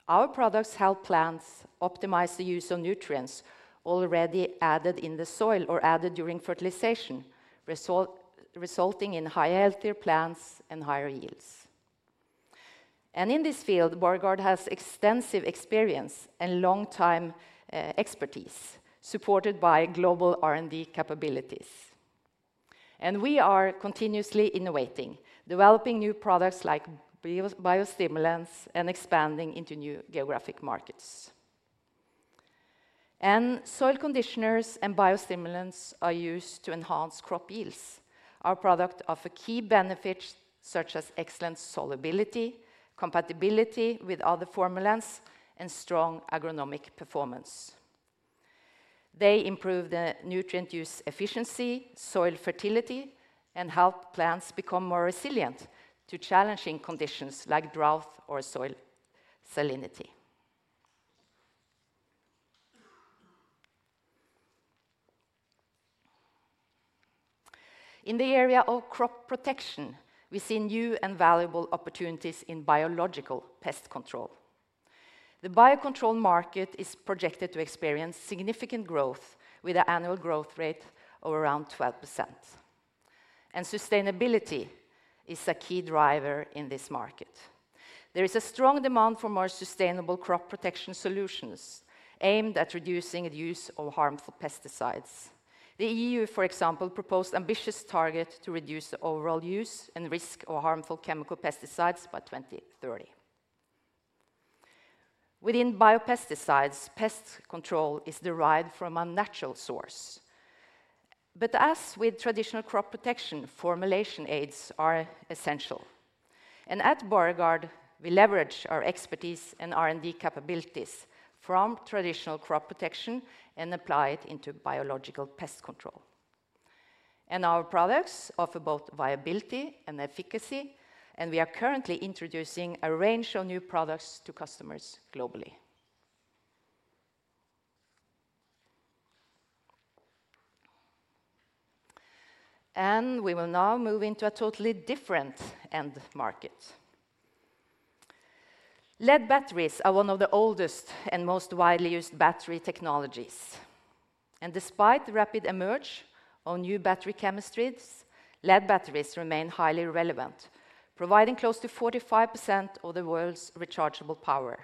Our products help plants optimize the use of nutrients already added in the soil or added during fertilization, resulting in higher, healthier plants and higher yields. In this field, Borregaard has extensive experience and long-time expertise, supported by global R&D capabilities. We are continuously innovating, developing new products like biostimulants, and expanding into new geographic markets. Soil conditioners and biostimulants are used to enhance crop yields. Our product offer key benefits, such as excellent solubility, compatibility with other formulas, and strong agronomic performance. They improve the nutrient use efficiency, soil fertility, and help plants become more resilient to challenging conditions like drought or soil salinity. In the area of crop protection, we see new and valuable opportunities in biological pest control. The biocontrol market is projected to experience significant growth with an annual growth rate of around 12%, and sustainability is a key driver in this market. There is a strong demand for more sustainable crop protection solutions aimed at reducing the use of harmful pesticides. The E.U., for example, proposed ambitious target to reduce the overall use and risk of harmful chemical pesticides by 2030. Within biopesticides, pest control is derived from a natural source. But as with traditional crop protection, formulation aids are essential, and at Borregaard, we leverage our expertise and R&D capabilities from traditional crop protection and apply it into biological pest control. And our products offer both viability and efficacy, and we are currently introducing a range of new products to customers globally. And we will now move into a totally different end market. Lead batteries are one of the oldest and most widely used battery technologies, and despite the rapid emergence of new battery chemistries, lead batteries remain highly relevant, providing close to 45% of the world's rechargeable power.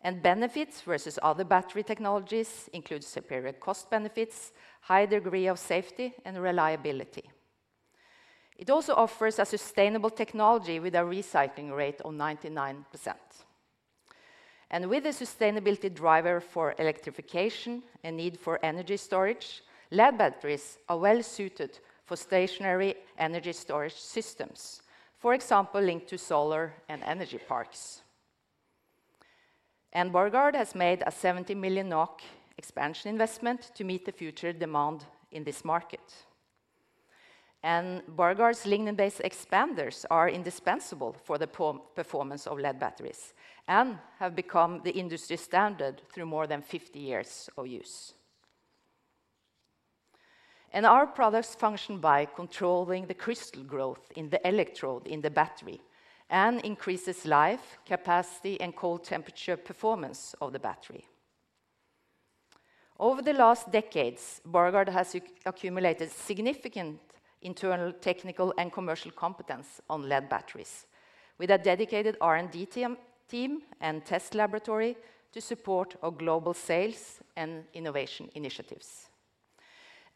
And benefits versus other battery technologies include superior cost benefits, high degree of safety, and reliability. It also offers a sustainable technology with a recycling rate of 99%. With the sustainability driver for electrification and need for energy storage, lead batteries are well-suited for stationary energy storage systems, for example, linked to solar and energy parks. Borregaard has made a 70 million NOK expansion investment to meet the future demand in this market. Borregaard's lignin-based expanders are indispensable for the performance of lead batteries and have become the industry standard through more than 50 years of use. Our products function by controlling the crystal growth in the electrode in the battery and increases life, capacity, and cold temperature performance of the battery. Over the last decades, Borregaard has accumulated significant internal technical and commercial competence on lead batteries, with a dedicated R&D team and test laboratory to support our global sales and innovation initiatives.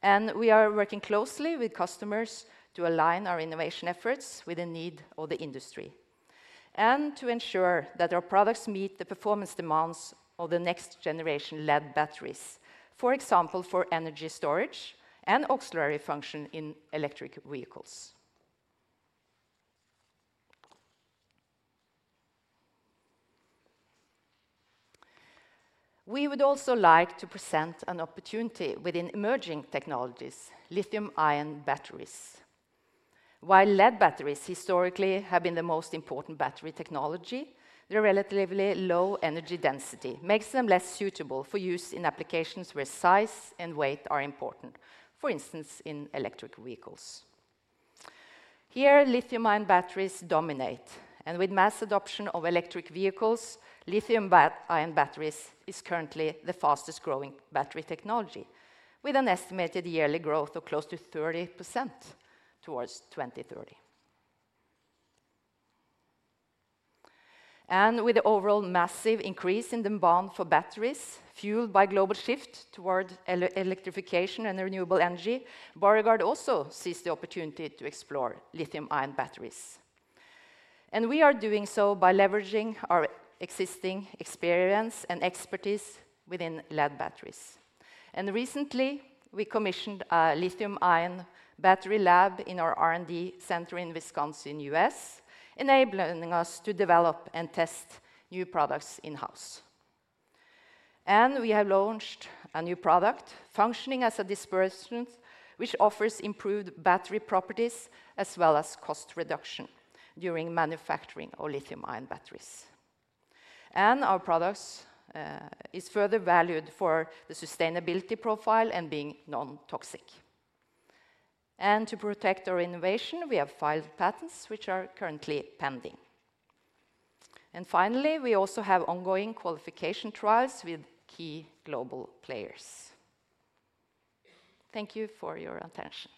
And we are working closely with customers to align our innovation efforts with the need of the industry, and to ensure that our products meet the performance demands of the next generation lead batteries, for example, for energy storage and auxiliary function in electric vehicles. We would also like to present an opportunity within emerging technologies, lithium-ion batteries. While lead batteries historically have been the most important battery technology, their relatively low energy density makes them less suitable for use in applications where size and weight are important, for instance, in electric vehicles. Here, lithium-ion batteries dominate, and with mass adoption of electric vehicles, lithium-ion batteries is currently the fastest growing battery technology, with an estimated yearly growth of close to 30% towards 2030. With the overall massive increase in demand for batteries, fueled by global shift toward electrification and renewable energy, Borregaard also sees the opportunity to explore lithium-ion batteries. We are doing so by leveraging our existing experience and expertise within lead batteries. Recently, we commissioned a lithium-ion battery lab in our R&D center in Wisconsin, US, enabling us to develop and test new products in-house. We have launched a new product functioning as a dispersion, which offers improved battery properties, as well as cost reduction during manufacturing of lithium-ion batteries. Our products is further valued for the sustainability profile and being non-toxic. To protect our innovation, we have filed patents, which are currently pending. Finally, we also have ongoing qualification trials with key global players. Thank you for your attention.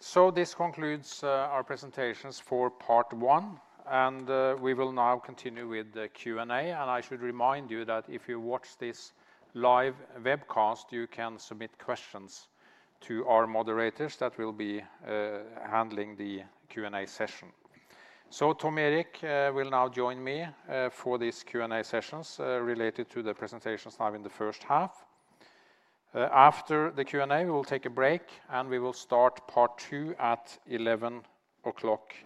So this concludes our presentations for part one, and we will now continue with the Q&A. And I should remind you that if you watch this live webcast, you can submit questions to our moderators that will be handling the Q&A session. So Tom Erik will now join me for this Q&A sessions related to the presentations now in the first half. After the Q&A, we will take a break, and we will start part two at 11:00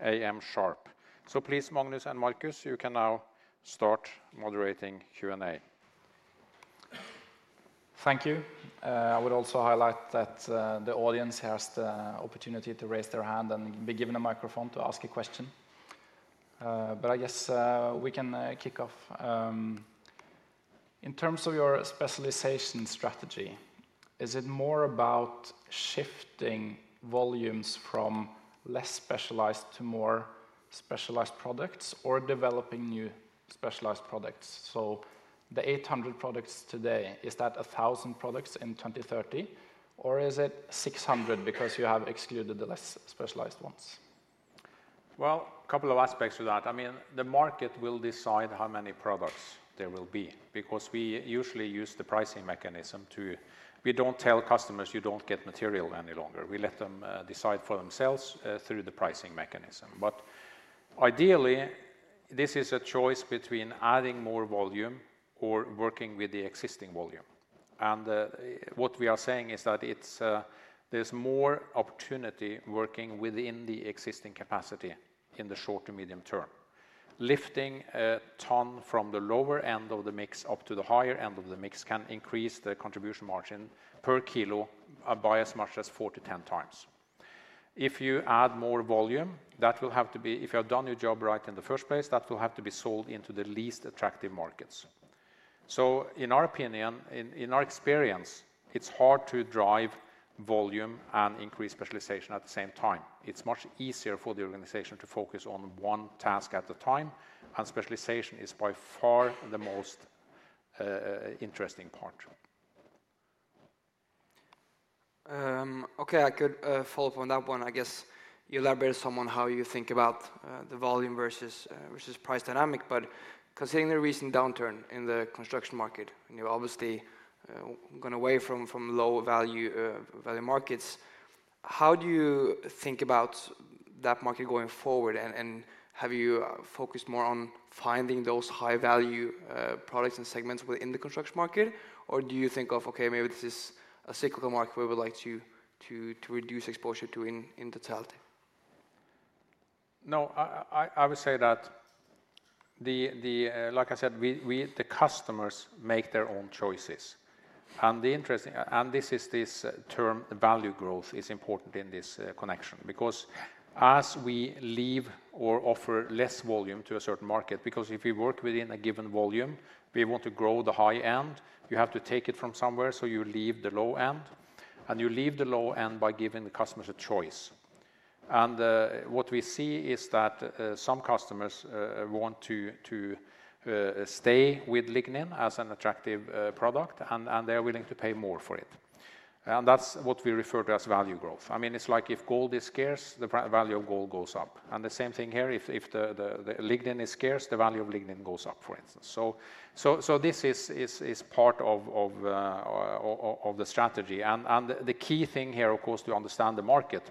A.M. sharp. So please, Magnus and Marcus, you can now start moderating Q&A. Thank you. I would also highlight that the audience has the opportunity to raise their hand and be given a microphone to ask a question. But I guess we can kick off. In terms of your specialization strategy, is it more about shifting volumes from less specialized to more specialized products, or developing new specialized products? So the 800 products today, is that 1,000 products in 2030, or is it 600 because you have excluded the less specialized ones? A couple of aspects to that. I mean, the market will decide how many products there will be, because we usually use the pricing mechanism to. We don't tell customers, "You don't get material any longer." We let them decide for themselves through the pricing mechanism. But ideally, this is a choice between adding more volume or working with the existing volume. And what we are saying is that it's, there's more opportunity working within the existing capacity in the short to medium term. Lifting a ton from the lower end of the mix up to the higher end of the mix can increase the contribution margin per kilo by as much as four to 10x. If you add more volume, that will have to be. If you have done your job right in the first place, that will have to be sold into the least attractive markets. So in our opinion, in our experience, it's hard to drive volume and increase specialization at the same time. It's much easier for the organization to focus on one task at a time, and specialization is by far the most interesting part. Okay, I could follow up on that one, I guess. You elaborated some on how you think about the volume versus versus price dynamic. But considering the recent downturn in the construction market, and you're obviously going away from from low value value markets, how do you think about that market going forward? And, and have you focused more on finding those high-value products and segments within the construction market? Or do you think of, "Okay, maybe this is a cyclical market we would like to reduce exposure to in totality? No, I would say that. Like I said, we, the customers make their own choices, and the interesting, and this is this term, value growth, is important in this connection. Because as we leave or offer less volume to a certain market, because if we work within a given volume, we want to grow the high end, you have to take it from somewhere, so you leave the low end, and you leave the low end by giving the customers a choice. And what we see is that some customers want to stay with lignin as an attractive product, and they are willing to pay more for it, and that's what we refer to as value growth. I mean, it's like if gold is scarce, the value of gold goes up, and the same thing here. If the lignin is scarce, the value of lignin goes up, for instance. So this is part of the strategy. And the key thing here, of course, to understand the market,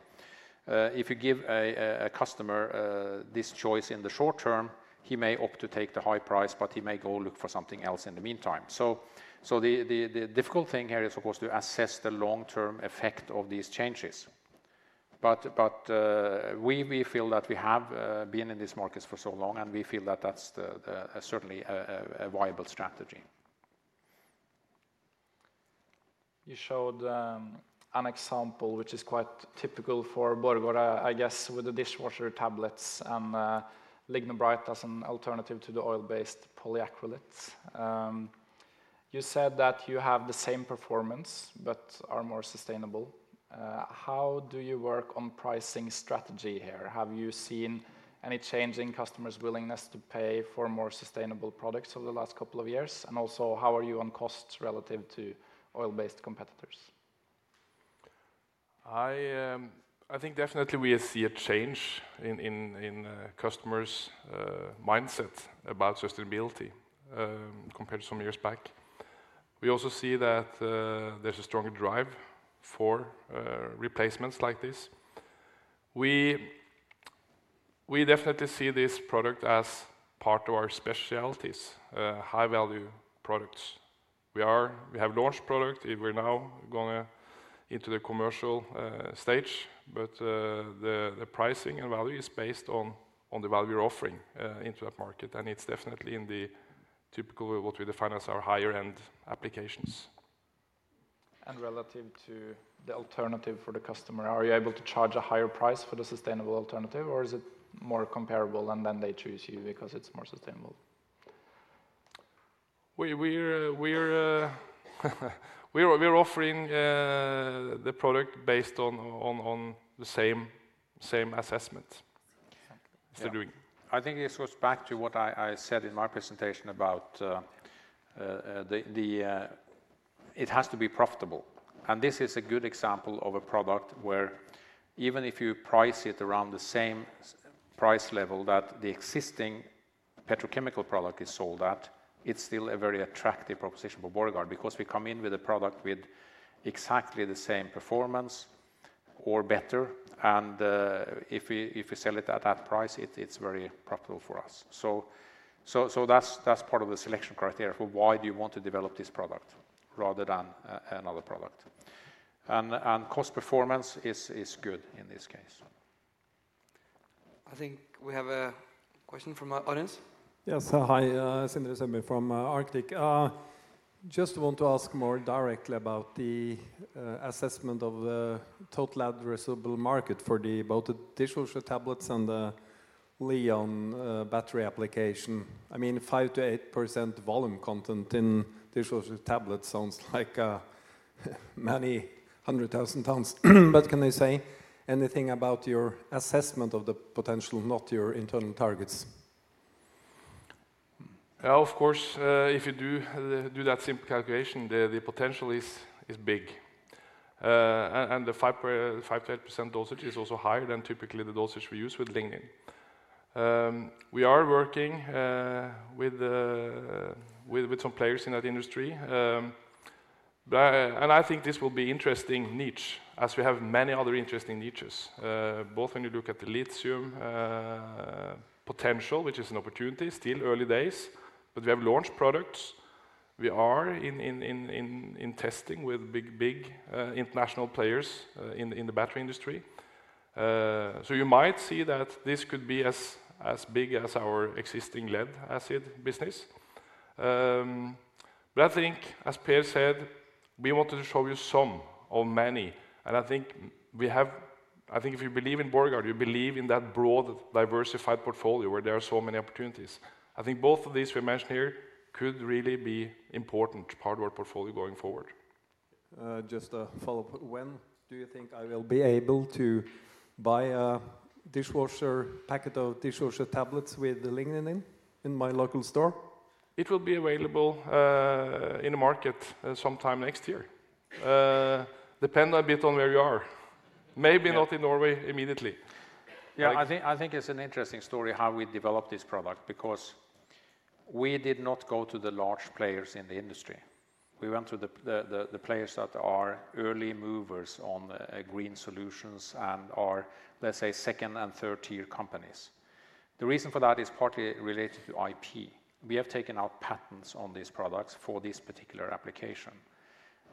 if you give a customer this choice in the short term, he may opt to take the high price, but he may go look for something else in the meantime. So the difficult thing here is, of course, to assess the long-term effect of these changes. But we feel that we have been in this market for so long, and we feel that that's certainly a viable strategy. You showed an example which is quite typical for Borregaard, I guess, with the dishwasher tablets and LignoBrite as an alternative to the oil-based polyacrylates. You said that you have the same performance but are more sustainable. How do you work on pricing strategy here? Have you seen any change in customers' willingness to pay for more sustainable products over the last couple of years? And also, how are you on costs relative to oil-based competitors? I think definitely we see a change in customers' mindset about sustainability compared to some years back. We also see that there's a strong drive for replacements like this. We definitely see this product as part of our specialties high-value products. We have launched product, and we're now going into the commercial stage, but the pricing and value is based on the value we're offering into that market, and it's definitely in the typical what we define as our higher-end applications. Relative to the alternative for the customer, are you able to charge a higher price for the sustainable alternative, or is it more comparable, and then they choose you because it's more sustainable? We're offering the product based on the same assessment. I think this goes back to what I said in my presentation about the, the. It has to be profitable, and this is a good example of a product where even if you price it around the same price level that the existing petrochemical product is sold at, it's still a very attractive proposition for Borregaard because we come in with a product with exactly the same performance or better, and if we sell it at that price, it's very profitable for us. So that's part of the selection criteria for why do you want to develop this product rather than another product, and cost performance is good in this case. I think we have a question from our audience. Yes. Hi, Sindre Sørbye from Arctic. Just want to ask more directly about the assessment of the total addressable market for both the dishwasher tablets and the Lithium-ion battery application. I mean, 5%-8% volume content in dishwasher tablets sounds like many hundred thousand tons. But can you say anything about your assessment of the potential, not your internal targets? Yeah, of course, if you do that simple calculation, the potential is big. And the 5%-8% dosage is also higher than typically the dosage we use with lignin. We are working with some players in that industry. But, and I think this will be interesting niche as we have many other interesting niches. Both when you look at the lithium potential, which is an opportunity, still early days, but we have launched products. We are in testing with big international players in the battery industry. So you might see that this could be as big as our existing lead-acid business. But I think, as Per said, we wanted to show you some of many, and I think we have. I think if you believe in Borregaard, you believe in that broad, diversified portfolio where there are so many opportunities. I think both of these we mentioned here could really be important part of our portfolio going forward. Just a follow-up. When do you think I will be able to buy a dishwasher, packet of dishwasher tablets with the lignin in, in my local store? It will be available in the market sometime next year. Depend a bit on where you are. Maybe not in Norway immediately. Yeah, I think it's an interesting story how we developed this product, because we did not go to the large players in the industry. We went to the players that are early movers on green solutions and are, let's say, second- and third-tier companies. The reason for that is partly related to IP. We have taken out patents on these products for this particular application,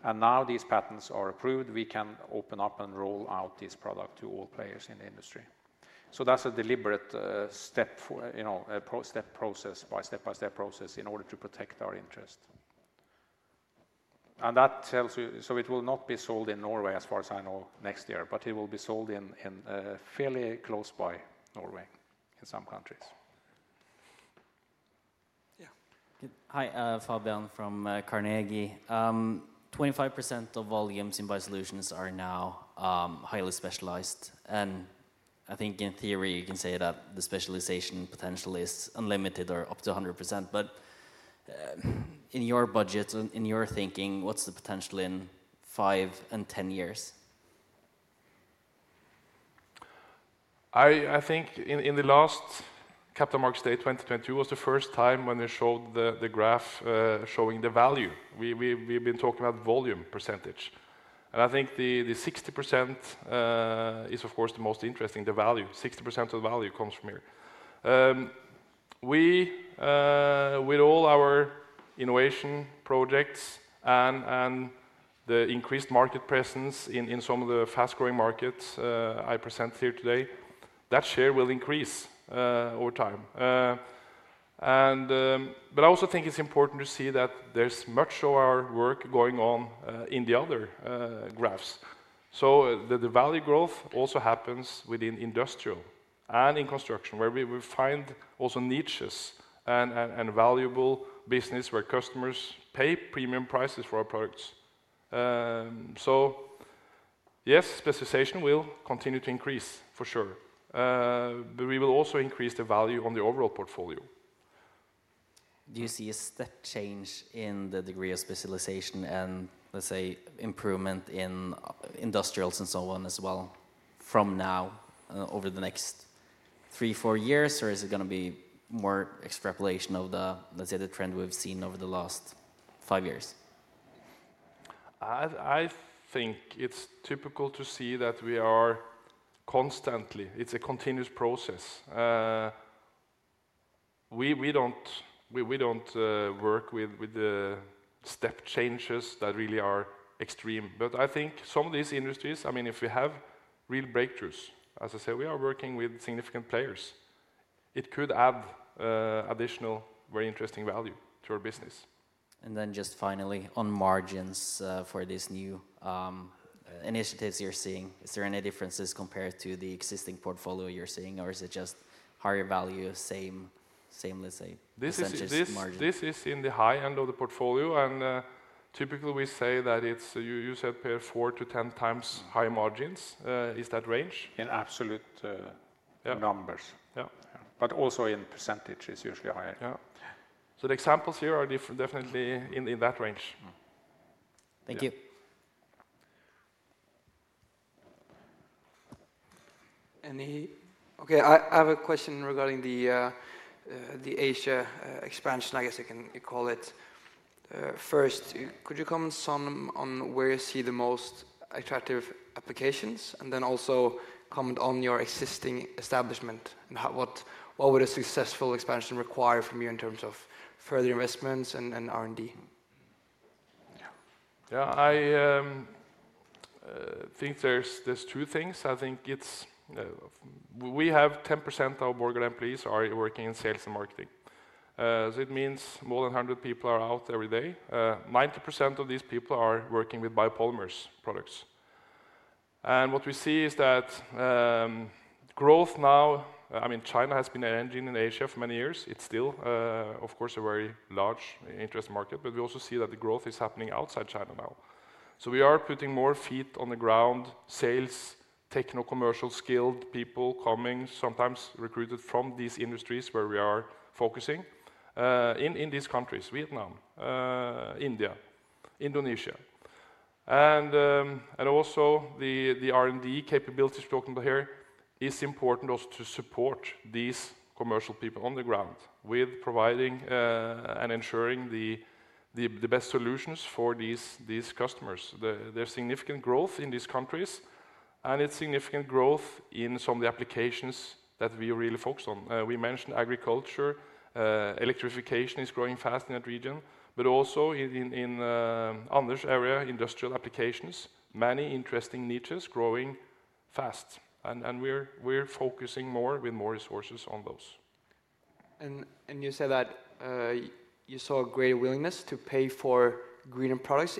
and now these patents are approved, we can open up and roll out this product to all players in the industry. So that's a deliberate step for, you know, step-by-step process in order to protect our interest. And that tells you... So it will not be sold in Norway, as far as I know, next year, but it will be sold in fairly close by Norway, in some countries. Good. Hi, Fabian from Carnegie. 25% of volumes in BioSolutions are now highly specialized, and I think in theory, you can say that the specialization potential is unlimited or up to 100%. But, in your budget, in your thinking, what's the potential in five and 10 years? I think in the last Capital Markets Day, 2022, was the first time when we showed the graph showing the value. We've been talking about volume percentage, and I think the 60% is of course the most interesting, the value. 60% of the value comes from here. With all our innovation projects and the increased market presence in some of the fast-growing markets I present here today, that share will increase over time. But I also think it's important to see that there's much of our work going on in the other graphs. So the value growth also happens within industrial and in construction, where we will find also niches and valuable business where customers pay premium prices for our products. Yes, specialization will continue to increase, for sure, but we will also increase the value on the overall portfolio. Do you see a step change in the degree of specialization and, let's say, improvement in industrials and so on as well from now over the next three, four years? Or is it gonna be more extrapolation of the, let's say, the trend we've seen over the last five years? I think it's typical to see that we are constantly... It's a continuous process. We don't work with the step changes that really are extreme. But I think some of these industries, I mean, if we have real breakthroughs, as I said, we are working with significant players. It could add additional, very interesting value to our business. And then just finally, on margins, for these new initiatives you're seeing, is there any differences compared to the existing portfolio you're seeing, or is it just higher value, same, same, let's say, percentages margin? This is in the high end of the portfolio, and typically, we say that it's, you said, pay four to 10x higher margins. Is that range? In absolute, numbers. But also in percentage, it's usually higher. So the examples here are definitely in that range. Thank you. Okay, I have a question regarding the Asia expansion, I guess I can call it. First, could you comment some on where you see the most attractive applications? And then also comment on your existing establishment, and how what would a successful expansion require from you in terms of further investments and R&D? Yeah. Yeah, think there's two things. I think it's we have 10% of Borregaard employees are working in sales and marketing. So it means more than a hundred people are out every day. 90% of these people are working with biopolymers products. And what we see is that growth now, I mean, China has been an engine in Asia for many years. It's still, of course, a very large interesting market, but we also see that the growth is happening outside China now. So we are putting more feet on the ground, sales, techno, commercial, skilled people coming, sometimes recruited from these industries where we are focusing in these countries: Vietnam, India, Indonesia. Also, the R&D capabilities talking about here is important also to support these commercial people on the ground with providing and ensuring the best solutions for these customers. There's significant growth in these countries, and it's significant growth in some of the applications that we really focus on. We mentioned agriculture, electrification is growing fast in that region, but also in Anders area, industrial applications, many interesting niches growing fast, and we're focusing more with more resources on those. You said that you saw a greater willingness to pay for greener products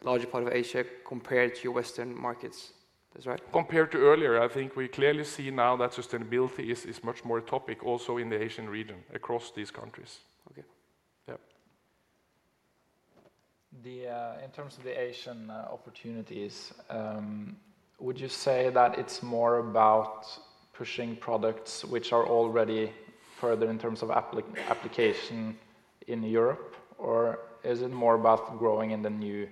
in a larger part of Asia compared to your Western markets. Is that right? Compared to earlier, I think we clearly see now that sustainability is much more a topic also in the Asian region, across these countries. Okay. Yeah. In terms of the Asian opportunities, would you say that it's more about pushing products which are already further in terms of application in Europe? Or is it more about growing in the new,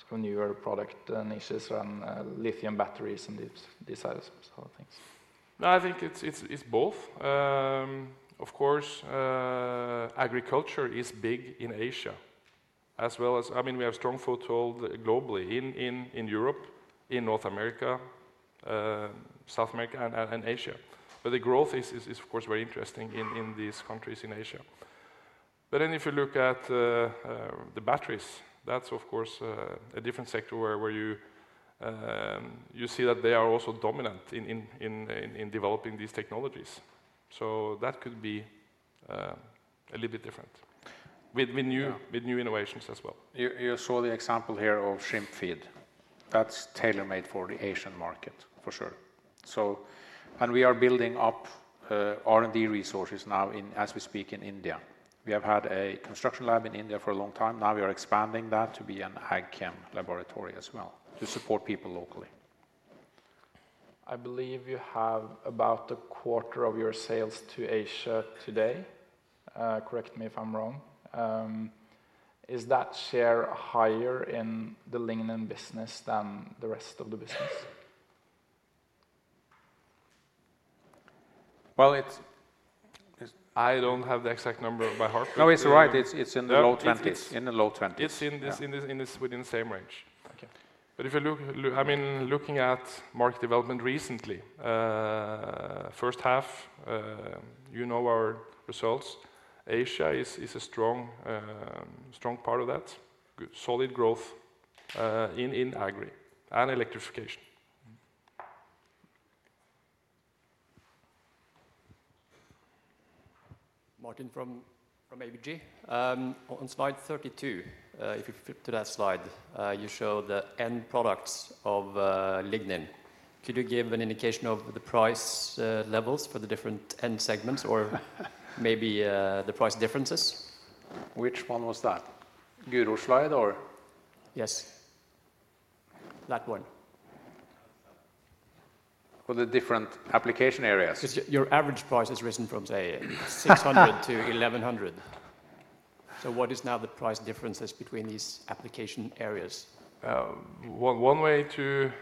sort of newer product niches and lithium batteries, and these sort of things? I think it's both. Of course, agriculture is big in Asia, as well as... I mean, we have strong foothold globally, in Europe, in North America, South America, and Asia. But the growth is, of course, very interesting in these countries in Asia. But then if you look at the batteries, that's of course a different sector where you see that they are also dominant in developing these technologies. So that could be a little bit different... with new innovations as well. You saw the example here of shrimp feed. That's tailor-made for the Asian market, for sure. So, and we are building up R&D resources now in, as we speak, in India. We have had a construction lab in India for a long time. Now we are expanding that to be an AgChem laboratory as well, to support people locally. I believe you have about a quarter of your sales to Asia today, correct me if I'm wrong. Is that share higher in the lignin business than the rest of the business? Well, it's- I don't have the exact number by heart. No, it's right. It's, it's in the low 20s. Yeah. In the low 20s. It's in this within the same range. Okay. But if you look, I mean, looking at market development recently, first half, you know our results, Asia is a strong part of that. Good solid growth in agri and electrification. Martin from ABG. On slide 32, if you flip to that slide, you show the end products of lignin. Could you give an indication of the price levels for the different end segments or maybe the price differences? Which one was that? Guro's slide or...? Yes. That one. For the different application areas? Your average price has risen from, say, 600 to 1,100. So what is now the price differences between these application areas? One way to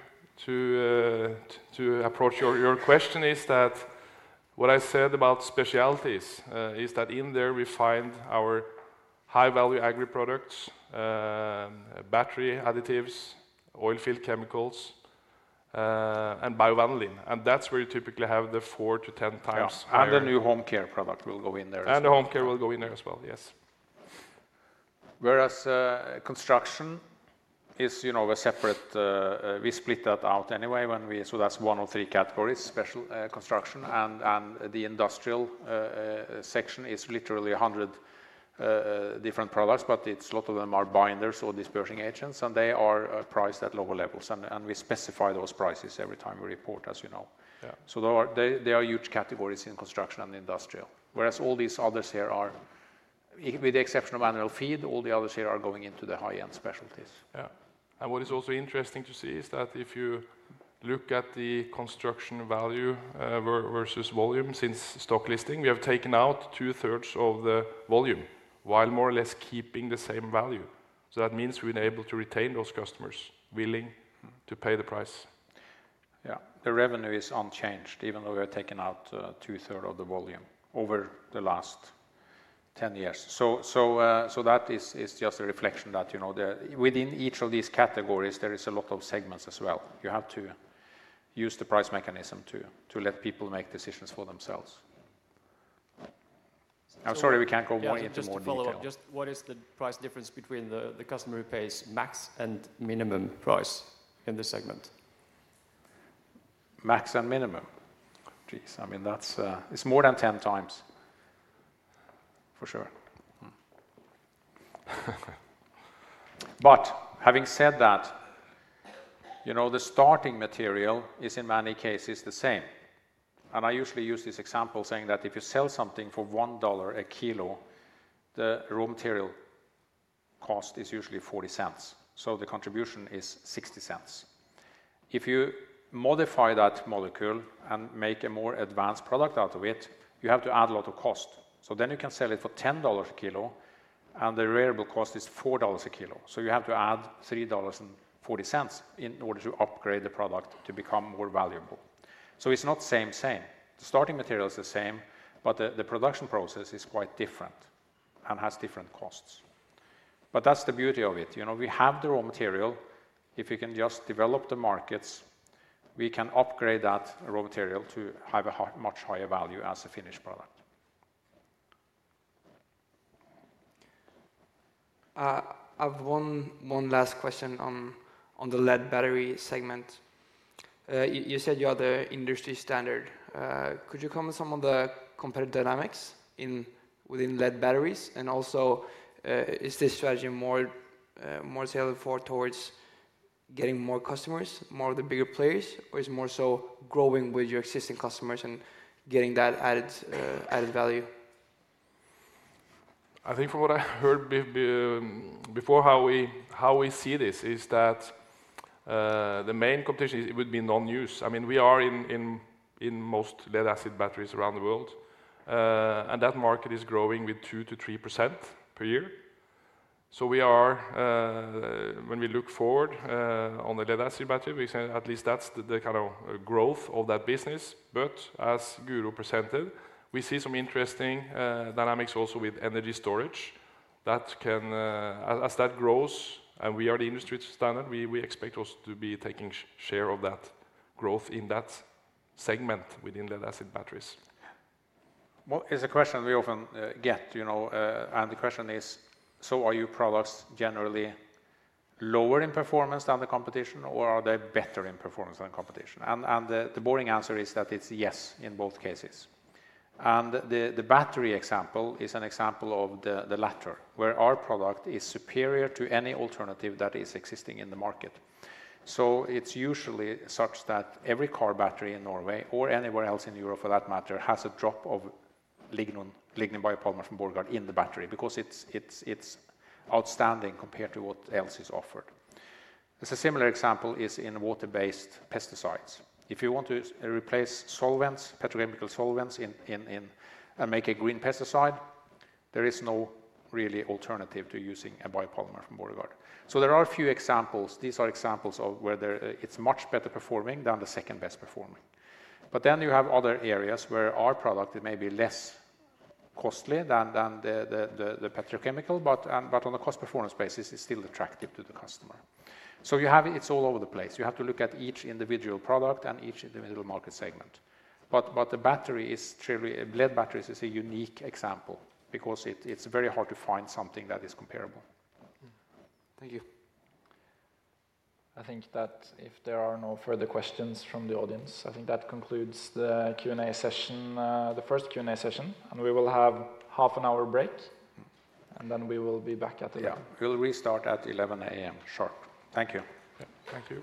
approach your question is that what I said about specialties is that in there we find our high-value agri products, battery additives, oilfield chemicals, and BioVanillin, and that's where you typically have the four to 10x- Yeah. And the new home care product will go in there as well. And the home care will go in there as well, yes. Whereas, construction is, you know, a separate... We split that out anyway, so that's one of three categories, special construction. And the industrial section is literally 100 different products, but it's a lot of them are binders or dispersing agents, and they are priced at lower levels. And we specify those prices every time we report, as you know. There are huge categories in construction and industrial. Whereas all these others here are, with the exception of animal feed, going into the high-end specialties. What is also interesting to see is that if you look at the construction value versus volume since stock listing, we have taken out two-thirds of the volume, while more or less keeping the same value. That means we've been able to retain those customers willing to pay the price. Yeah. The revenue is unchanged, even though we have taken out two-thirds of the volume over the last 10 years. So that is just a reflection that, you know, the... Within each of these categories, there is a lot of segments as well. You have to use the price mechanism to let people make decisions for themselves. I'm sorry, we can't go into more detail. Just to follow up, just what is the price difference between the customer who pays max and minimum price in this segment? Max and minimum? Geez, I mean, that's it, it's more than 10x, for sure. But having said that, you know, the starting material is, in many cases, the same. And I usually use this example saying that if you sell something for $1 a kilo, the raw material cost is usually $0.40, so the contribution is $0.60. If you modify that molecule and make a more advanced product out of it, you have to add a lot of cost. So then you can sell it for $10 a kilo, and the variable cost is $4 a kilo. So you have to add $3.40 in order to upgrade the product to become more valuable. So it's not same, same. The starting material is the same, but the production process is quite different and has different costs. But that's the beauty of it. You know, we have the raw material. If you can just develop the markets, we can upgrade that raw material to have a much higher value as a finished product. I've one last question on the lead battery segment. You said you are the industry standard. Could you comment some on the competitive dynamics within lead batteries? And also, is this strategy more tailored towards getting more customers, more of the bigger players, or is it more so growing with your existing customers and getting that added value? I think from what I heard before, how we see this is that, the main competition is, it would be non-use. I mean, we are in most lead-acid batteries around the world, and that market is growing with 2%-3% per year. So we are, when we look forward, on the lead-acid battery, we say at least that's the kind of growth of that business. But as Guro presented, we see some interesting dynamics also with energy storage. That can... As that grows, and we are the industry standard, we expect also to be taking share of that growth in that segment within lead-acid batteries. Yeah. Well, it's a question we often get, you know, and the question is: So are your products generally lower in performance than the competition, or are they better in performance than competition? And the boring answer is that it's yes in both cases. And the battery example is an example of the latter, where our product is superior to any alternative that is existing in the market. So it's usually such that every car battery in Norway, or anywhere else in Europe for that matter, has a drop of lignin, lignin biopolymer from Borregaard in the battery, because it's outstanding compared to what else is offered. There's a similar example in water-based pesticides. If you want to replace solvents, petrochemical solvents in and make a green pesticide, there is no real alternative to using a biopolymer from Borregaard. So there are a few examples. These are examples of where it's much better performing than the second best performing. But then you have other areas where our product may be less costly than the petrochemical, but on a cost performance basis, it's still attractive to the customer. So it's all over the place. You have to look at each individual product and each individual market segment. But the battery is truly, lead batteries is a unique example because it's very hard to find something that is comparable. Thank you. I think that if there are no further questions from the audience, I think that concludes the Q&A session, the first Q&A session, and we will have half an hour break, and then we will be back at 11:00 A.M. Yeah. We'll restart at 11:00 A.M. sharp. Thank you. Yeah. Thank you.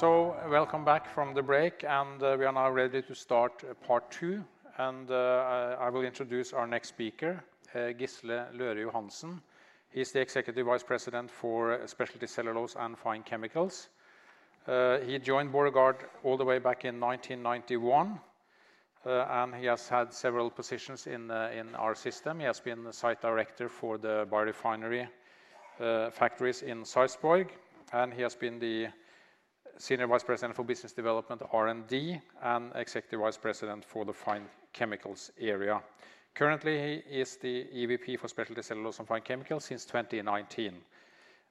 Welcome back from the break, and we are now ready to start part two. I will introduce our next speaker, Gisle Løhre Johansen. He's the Executive Vice President for Specialty Cellulose and Fine Chemicals. He joined Borregaard all the way back in 1991, and he has had several positions in our system. He has been the site director for the biorefinery factories in Sarpsborg, and he has been the Senior Vice President for Business Development, R&D, and Executive Vice President for the Fine Chemicals area. Currently, he is the EVP for Specialty Cellulose and Fine Chemicals since 2019,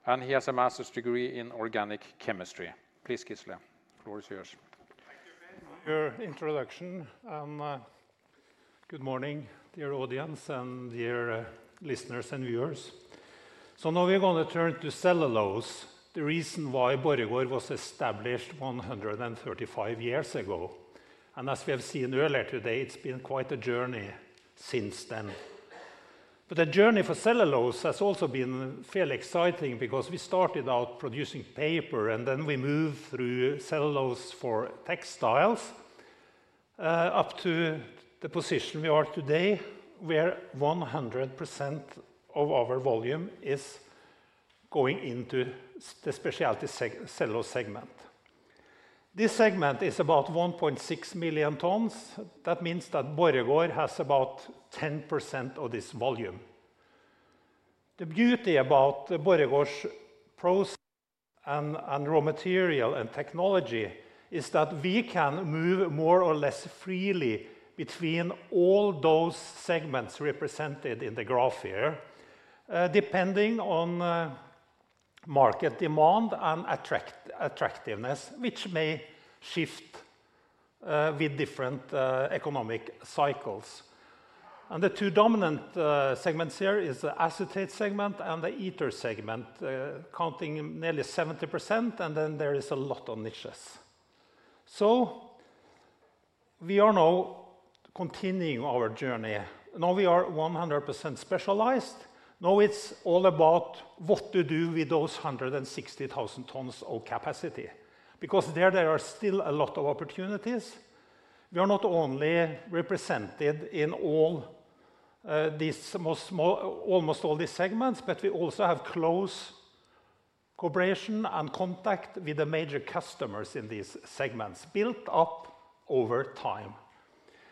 and he has a master's degree in organic chemistry. Please, Gisle, the floor is yours. Thank you, Per, for your introduction, and good morning, dear audience and dear listeners and viewers. So now we're gonna turn to cellulose, the reason why Borregaard was established 135 years ago. And as we have seen earlier today, it's been quite a journey since then. But the journey for cellulose has also been fairly exciting because we started out producing paper, and then we moved through cellulose for textiles, up to the position we are today, where 100% of our volume is going into the specialty cellulose segment. This segment is about 1.6 million tons. That means that Borregaard has about 10% of this volume. The beauty about Borregaard's process and raw material and technology is that we can move more or less freely between all those segments represented in the graph here, depending on market demand and attractiveness, which may shift with different economic cycles. The two dominant segments here are the acetate segment and the ether segment, counting nearly 70%, and then there is a lot of niches. We are now continuing our journey. Now we are 100% specialized. Now it's all about what to do with those 160,000 tons of capacity, because there are still a lot of opportunities. We are not only represented in all these small almost all these segments, but we also have close cooperation and contact with the major customers in these segments built up over time.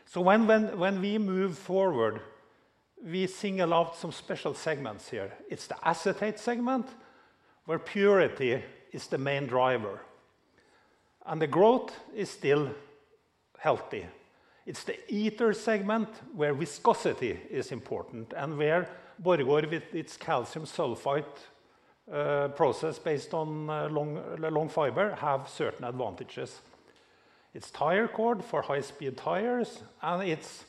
So when we move forward, we single out some special segments here. It's the acetate segment, where purity is the main driver, and the growth is still healthy. It's the ether segment, where viscosity is important, and where Borregaard, with its calcium sulfite process based on long fiber, have certain advantages. It's tire cord for high-speed tires, and it's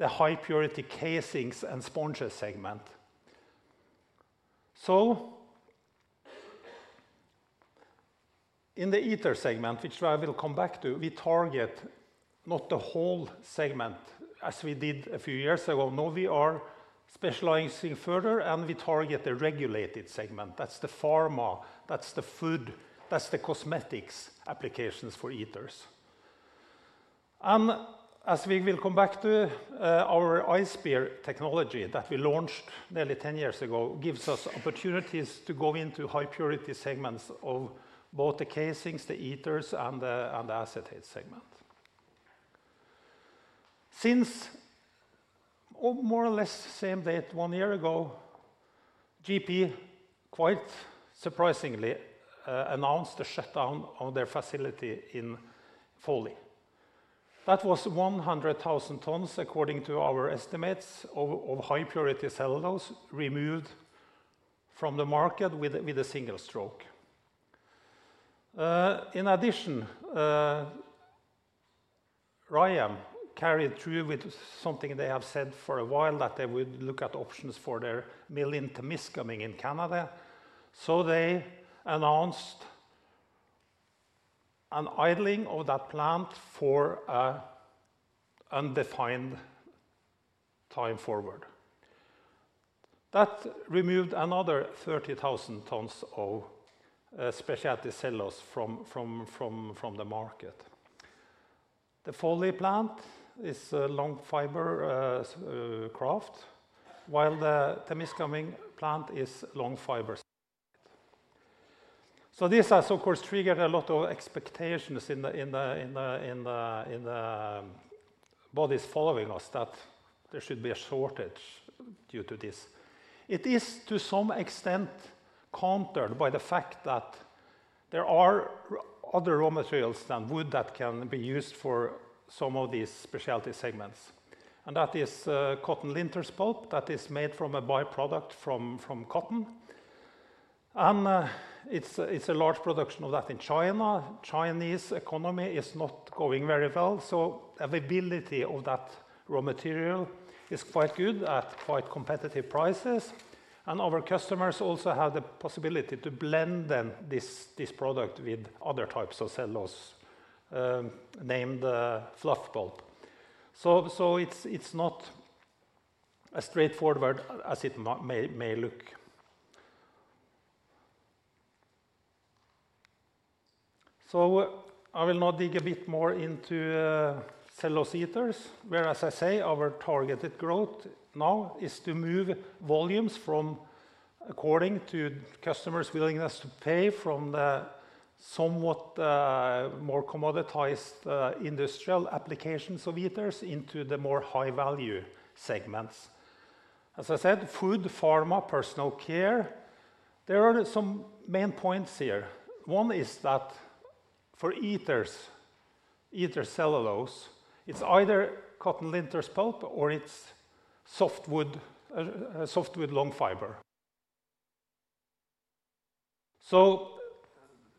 the high purity casings and sponges segment. So, in the ether segment, which I will come back to, we target not the whole segment as we did a few years ago. No, we are specializing further, and we target the regulated segment. That's the pharma, that's the food, that's the cosmetics applications for ethers. As we will come back to, our Ice Bear technology that we launched nearly 10 years ago gives us opportunities to go into high purity segments of both the casings, the ethers, and the acetate segment. Since, more or less the same date 1 year ago, GP, quite surprisingly, announced the shutdown of their facility in Foley. That was 100,000 tons, according to our estimates, of high purity cellulose removed from the market with a single stroke. In addition, Rayonier carried through with something they have said for a while, that they would look at options for their mill in Temiscaming in Canada. So they announced an idling of that plant for an indefinite time forward. That removed another 30,000 tons of specialty cellulose from the market. The Foley plant is a long fiber kraft, while the Temiscaming plant is long fiber. So this has, of course, triggered a lot of expectations in the bodies following us that there should be a shortage due to this. It is, to some extent, countered by the fact that there are other raw materials than wood that can be used for some of these specialty segments, and that is cotton linters pulp that is made from a by-product from cotton. And it's a large production of that in China. Chinese economy is not going very well, so availability of that raw material is quite good at quite competitive prices. And our customers also have the possibility to blend then this product with other types of cellulose named fluff pulp. It's not as straightforward as it may look. I will now dig a bit more into cellulose ethers, where, as I say, our targeted growth now is to move volumes from according to customers' willingness to pay from the somewhat more commoditized industrial applications of ethers into the more high value segments. As I said, food, pharma, personal care, there are some main points here. One is that for ethers, ether cellulose, it's either cotton linters pulp or it's softwood long fiber. So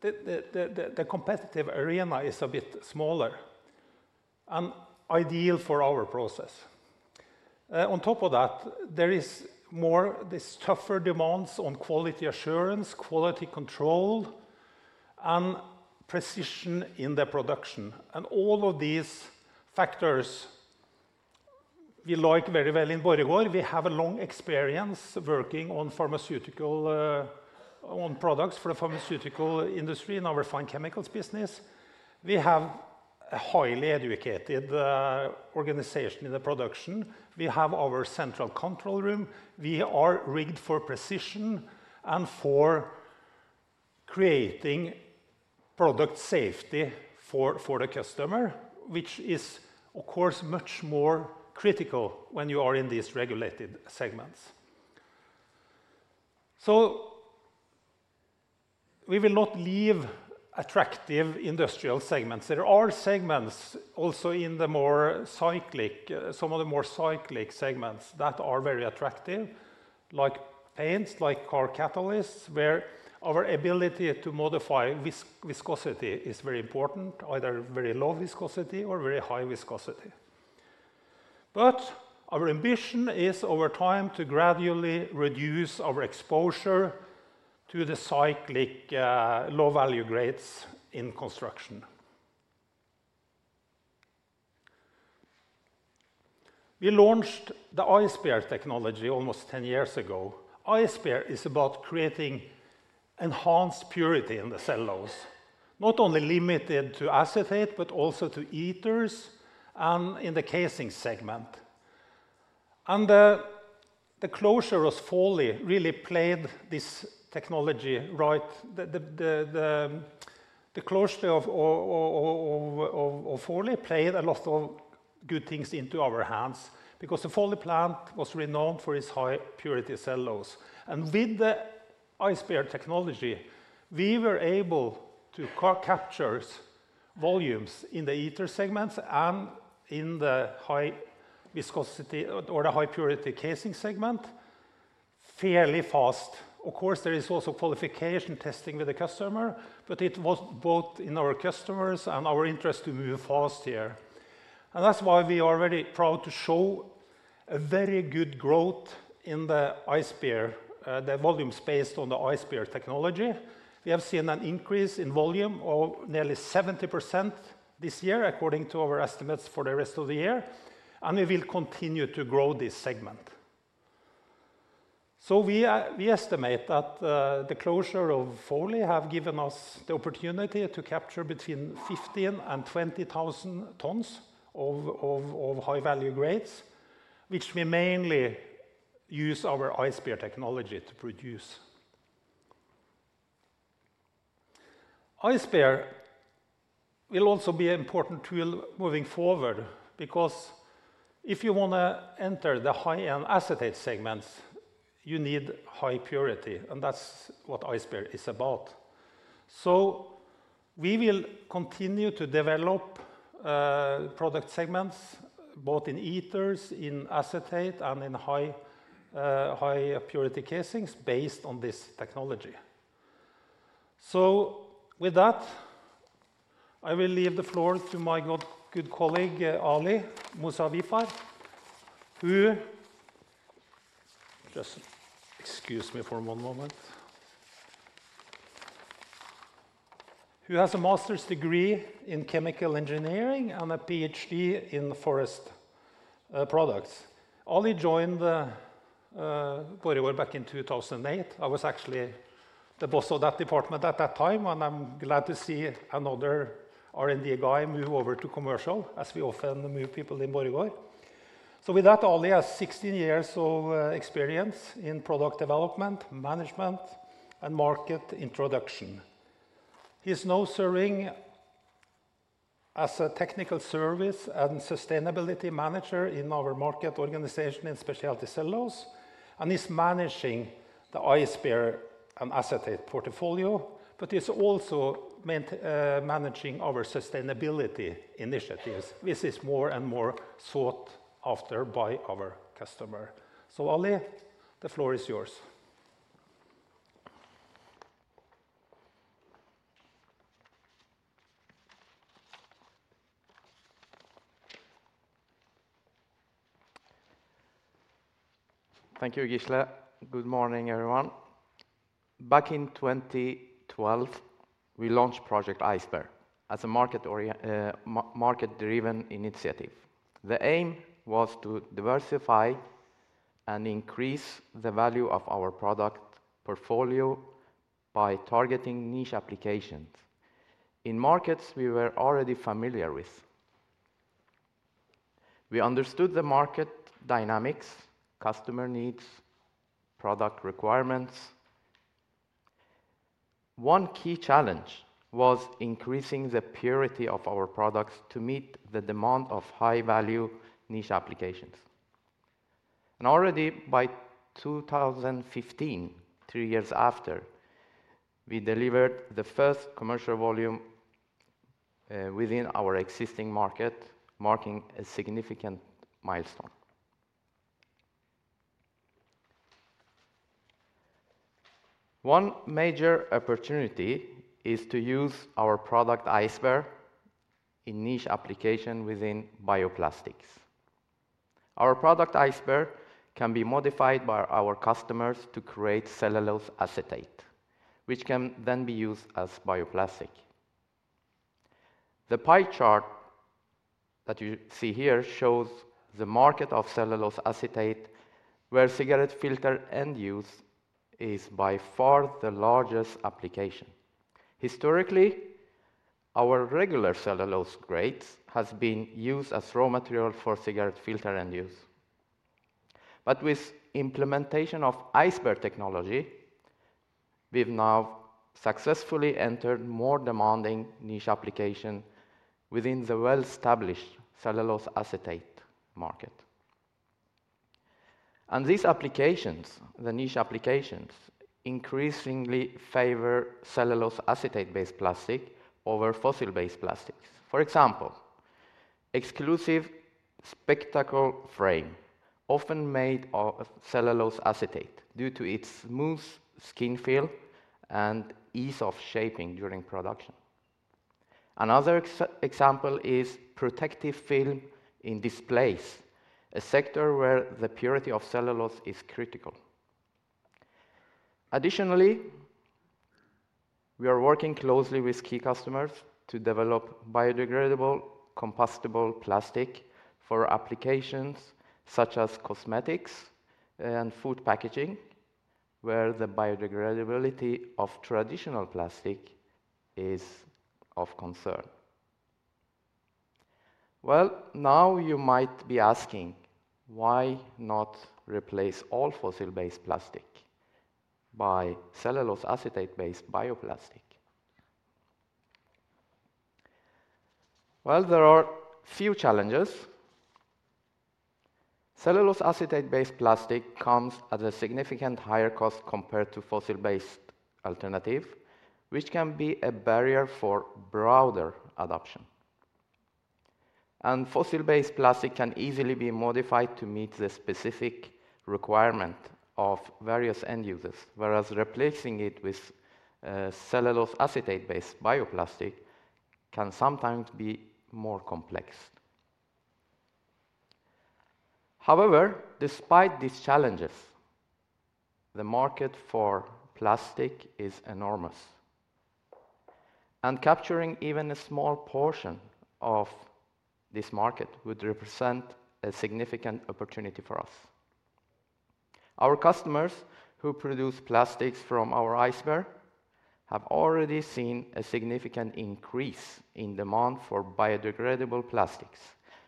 the competitive arena is a bit smaller and ideal for our process. On top of that, there's tougher demands on quality assurance, quality control, and precision in the production. All of these factors we like very well in Borregaard. We have a long experience working on pharmaceutical products for the pharmaceutical industry in our fine chemicals business. We have a highly educated organization in the production. We have our central control room. We are rigged for precision and for creating product safety for the customer, which is, of course, much more critical when you are in these regulated segments. So we will not leave attractive industrial segments. There are segments also in the more cyclic, some of the more cyclic segments, that are very attractive, like paints, like car catalysts, where our ability to modify viscosity is very important, either very low viscosity or very high viscosity. But our ambition is, over time, to gradually reduce our exposure to the cyclic low-value grades in construction. We launched the Ice Bear technology almost ten years ago. Bear is about creating enhanced purity in the cellulose, not only limited to acetate, but also to ethers and in the casing segment. The closure of Foley really played this technology right. The closure of Foley played a lot of good things into our hands, because the Foley plant was renowned for its high purity cellulose. With the Ice Bear technology, we were able to capture volumes in the ether segments and in the high viscosity or the high purity casing segment fairly fast. Of course, there is also qualification testing with the customer, but it was both in our customers and our interest to move fast here. That's why we are very proud to show a very good growth in the Ice Bear volumes based on the Ice Bear technology. We have seen an increase in volume of nearly 70% this year, according to our estimates for the rest of the year, and we will continue to grow this segment. So we estimate that the closure of Foley has given us the opportunity to capture between 15 and 20 thousand tons of high value grades, which we mainly use our Ice Bear technology to produce. Ice Bear will also be an important tool moving forward, because if you wanna enter the high-end acetate segments, you need high purity, and that's what Ice Bear is about. So we will continue to develop product segments, both in ethers, in acetate, and in high purity casings based on this technology. So with that, I will leave the floor to my good colleague, Ali Moosavifar, who... Just excuse me for one moment. Who has a master's degree in chemical engineering and a PhD in forest products. Ali joined the Borregaard back in 2008. I was actually the boss of that department at that time, and I'm glad to see another R&D guy move over to commercial, as we often move people in Borregaard. So with that, Ali has 16 years of experience in product development, management, and market introduction. He's now serving as a technical service and sustainability manager in our market organization in specialty cellulose, and he's managing the Ice Bear and acetate portfolio, but he's also managing our sustainability initiatives, which is more and more sought after by our customer. So Ali, the floor is yours. Thank you, Gisle. Good morning, everyone. Back in 2012, we launched Project Ice Bear as a market-driven initiative. The aim was to diversify and increase the value of our product portfolio by targeting niche applications in markets we were already familiar with. We understood the market dynamics, customer needs, product requirements. One key challenge was increasing the purity of our products to meet the demand of high-value niche applications. Already by 2015, three years after, we delivered the first commercial volume within our existing market, marking a significant milestone. One major opportunity is to use our product, Ice Bear, in niche application within bioplastics. Our product, Ice Bear, can be modified by our customers to create cellulose acetate, which can then be used as bioplastic. The pie chart that you see here shows the market of cellulose acetate, where cigarette filter end use is by far the largest application. Historically, our regular cellulose grades has been used as raw material for cigarette filter end use, but with implementation of Ice Bear technology, we've now successfully entered more demanding niche application within the well-established cellulose acetate market, and these applications, the niche applications, increasingly favor cellulose acetate-based plastic over fossil-based plastics. For example, exclusive spectacle frame, often made of cellulose acetate due to its smooth skin feel and ease of shaping during production. Another example is protective film in displays, a sector where the purity of cellulose is critical. Additionally, we are working closely with key customers to develop biodegradable, compostable plastic for applications such as cosmetics and food packaging, where the biodegradability of traditional plastic is of concern... Now you might be asking, why not replace all fossil-based plastic by cellulose acetate-based bioplastic? There are a few challenges. Cellulose acetate-based plastic comes at a significant higher cost compared to fossil-based alternative, which can be a barrier for broader adoption. Fossil-based plastic can easily be modified to meet the specific requirement of various end users, whereas replacing it with cellulose acetate-based bioplastic can sometimes be more complex. However, despite these challenges, the market for plastic is enormous, and capturing even a small portion of this market would represent a significant opportunity for us. Our customers who produce plastics from our Ice Bear have already seen a significant increase in demand for biodegradable plastics,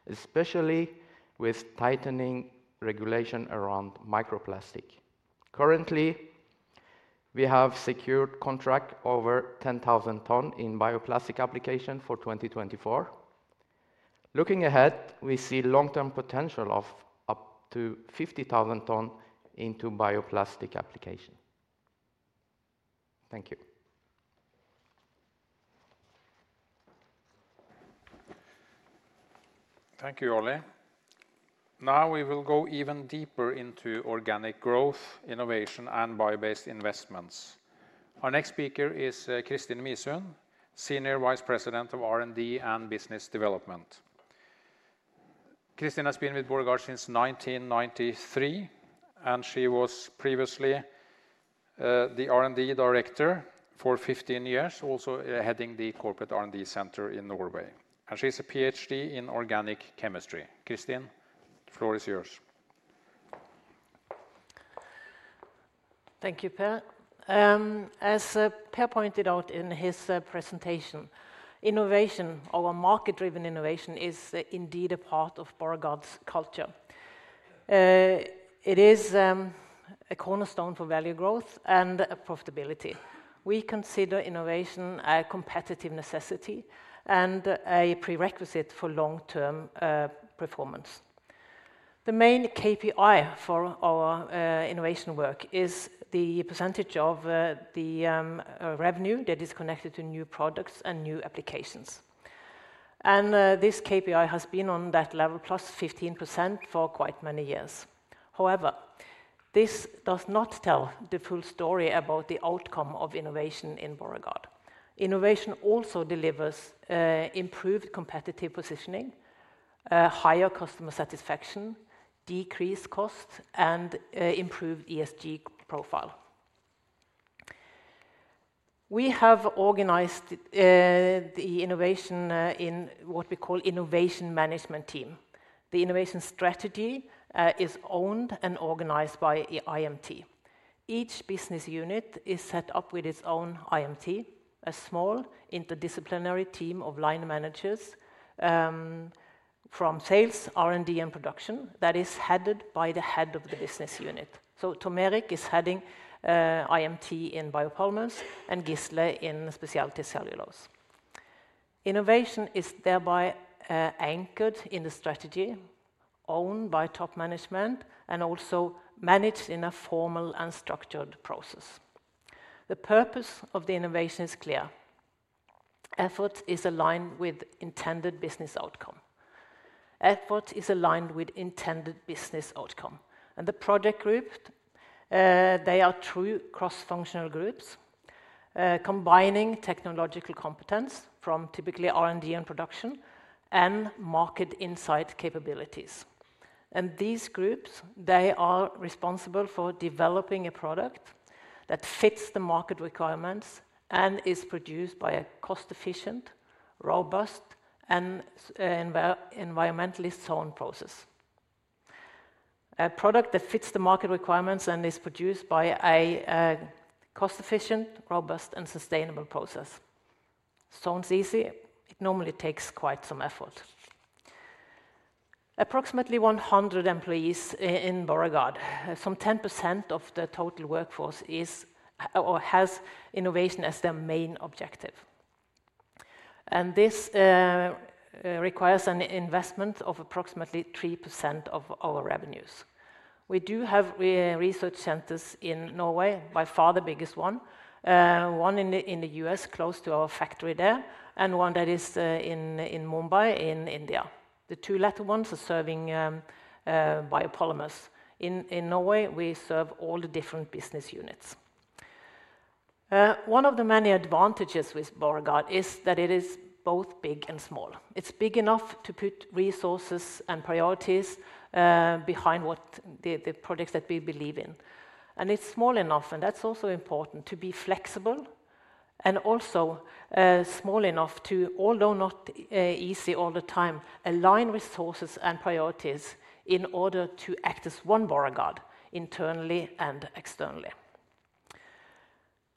especially with tightening regulation around microplastic. Currently, we have secured contract over 10,000 tons in bioplastic application for 2024. Looking ahead, we see long-term potential of up to 50,000 ton into bioplastic application. Thank you. Thank you, Ali. Now we will go even deeper into organic growth, innovation, and bio-based investments. Our next speaker is Kristin Misund, Senior Vice President of R&D and Business Development. Kristin has been with Borregaard since 1993, and she was previously the R&D director for 15 years, also heading the corporate R&D center in Norway, and she has a PhD in organic chemistry. Kristin, the floor is yours. Thank you, Per. As Per pointed out in his presentation, innovation or market-driven innovation is indeed a part of Borregaard's culture. It is a cornerstone for value growth and profitability. We consider innovation a competitive necessity and a prerequisite for long-term performance. The main KPI for our innovation work is the percentage of the revenue that is connected to new products and new applications, and this KPI has been on that level plus 15% for quite many years. However, this does not tell the full story about the outcome of innovation in Borregaard. Innovation also delivers improved competitive positioning, higher customer satisfaction, decreased costs, and improved ESG profile. We have organized the innovation in what we call innovation management team. The innovation strategy is owned and organized by IMT. Each business unit is set up with its own IMT, a small interdisciplinary team of line managers from sales, R&D, and production, that is headed by the head of the business unit. So Tom Erik is heading IMT in Biopolymers and Gisle in Specialty Cellulose. Innovation is thereby anchored in the strategy, owned by top management, and also managed in a formal and structured process. The purpose of the innovation is clear. Effort is aligned with intended business outcome. And the project group, they are true cross-functional groups combining technological competence from typically R&D and production and market insight capabilities. And these groups, they are responsible for developing a product that fits the market requirements and is produced by a cost-efficient, robust, and environmentally sound process. A product that fits the market requirements and is produced by a cost-efficient, robust, and sustainable process. Sounds easy. It normally takes quite some effort. Approximately 100 employees in Borregaard, some 10% of the total workforce, is or has innovation as their main objective, and this requires an investment of approximately 3% of our revenues. We do have research centers in Norway, by far the biggest one, one in the U.S. close to our factory there, and one that is in Mumbai, in India. The two latter ones are serving biopolymers. In Norway, we serve all the different business units. One of the many advantages with Borregaard is that it is both big and small. It's big enough to put resources and priorities behind what the products that we believe in, and it's small enough, and that's also important, to be flexible, and also small enough to, although not easy all the time, align resources and priorities in order to act as one Borregaard, internally and externally.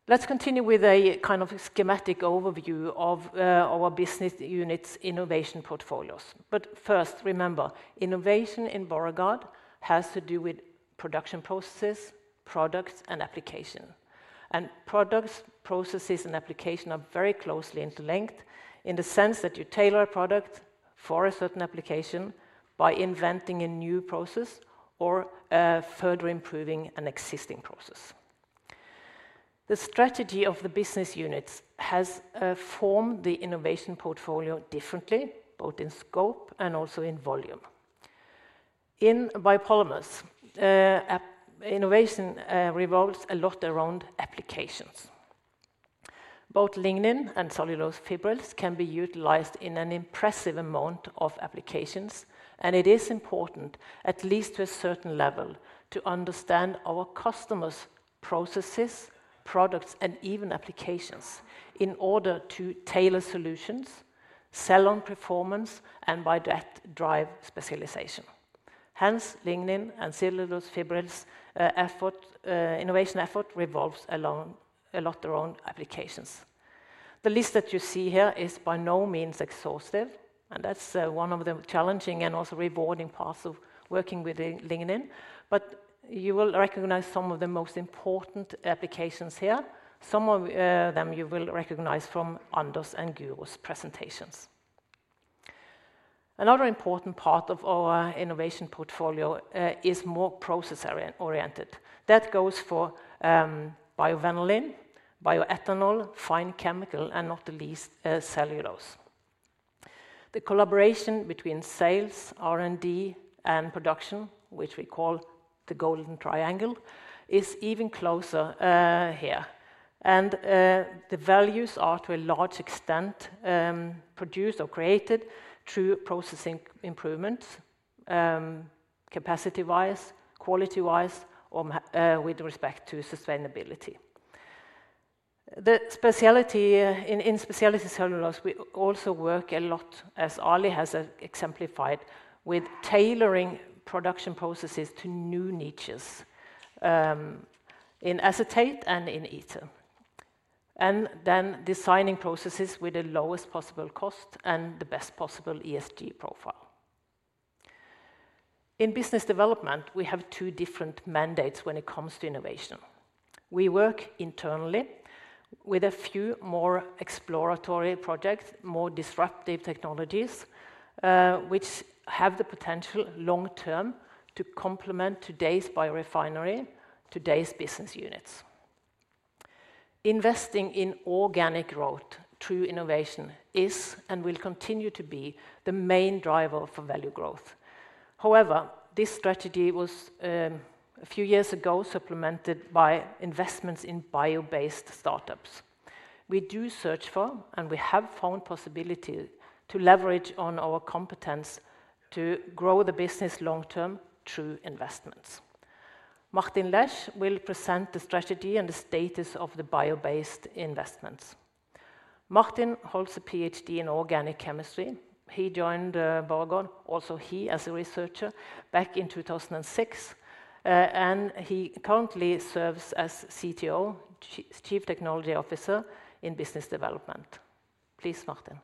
Let's continue with a kind of schematic overview of our business unit's innovation portfolios, but first, remember, innovation in Borregaard has to do with production processes, products, and application. Products, processes, and application are very closely interlinked in the sense that you tailor a product for a certain application by inventing a new process or further improving an existing process. The strategy of the business units has formed the innovation portfolio differently, both in scope and also in volume. In biopolymers, innovation revolves a lot around applications. Both lignin and cellulose fibrils can be utilized in an impressive amount of applications, and it is important, at least to a certain level, to understand our customers' processes, products, and even applications in order to tailor solutions, sell on performance, and by that, drive specialization. Hence, lignin and cellulose fibrils' innovation effort revolves a lot around applications. The list that you see here is by no means exhaustive, and that's one of the challenging and also rewarding parts of working with lignin, but you will recognize some of the most important applications here. Some of them you will recognize from Anders and Guro's presentations. Another important part of our innovation portfolio is more process-oriented. That goes for BioVanillin, bioethanol, fine chemical, and not the least, cellulose. The collaboration between sales, R&D, and production, which we call the golden triangle, is even closer here, and the values are, to a large extent, produced or created through processing improvements, capacity-wise, quality-wise, or with respect to sustainability. The specialty in specialty cellulose, we also work a lot, as Ali has exemplified, with tailoring production processes to new niches in acetate and in ether, and then designing processes with the lowest possible cost and the best possible ESG profile. In business development, we have two different mandates when it comes to innovation. We work internally with a few more exploratory projects, more disruptive technologies, which have the potential long term to complement today's biorefinery, today's business units. Investing in organic growth through innovation is and will continue to be the main driver for value growth. However, this strategy was a few years ago supplemented by investments in bio-based startups. We do search for, and we have found possibility to leverage on our competence to grow the business long term through investments. Martin Lersch will present the strategy and the status of the bio-based investments. Martin holds a PhD in organic chemistry. He joined Borregaard, also he as a researcher, back in 2006. And he currently serves as CTO, Chief Technology Officer in business development. Please, Martin.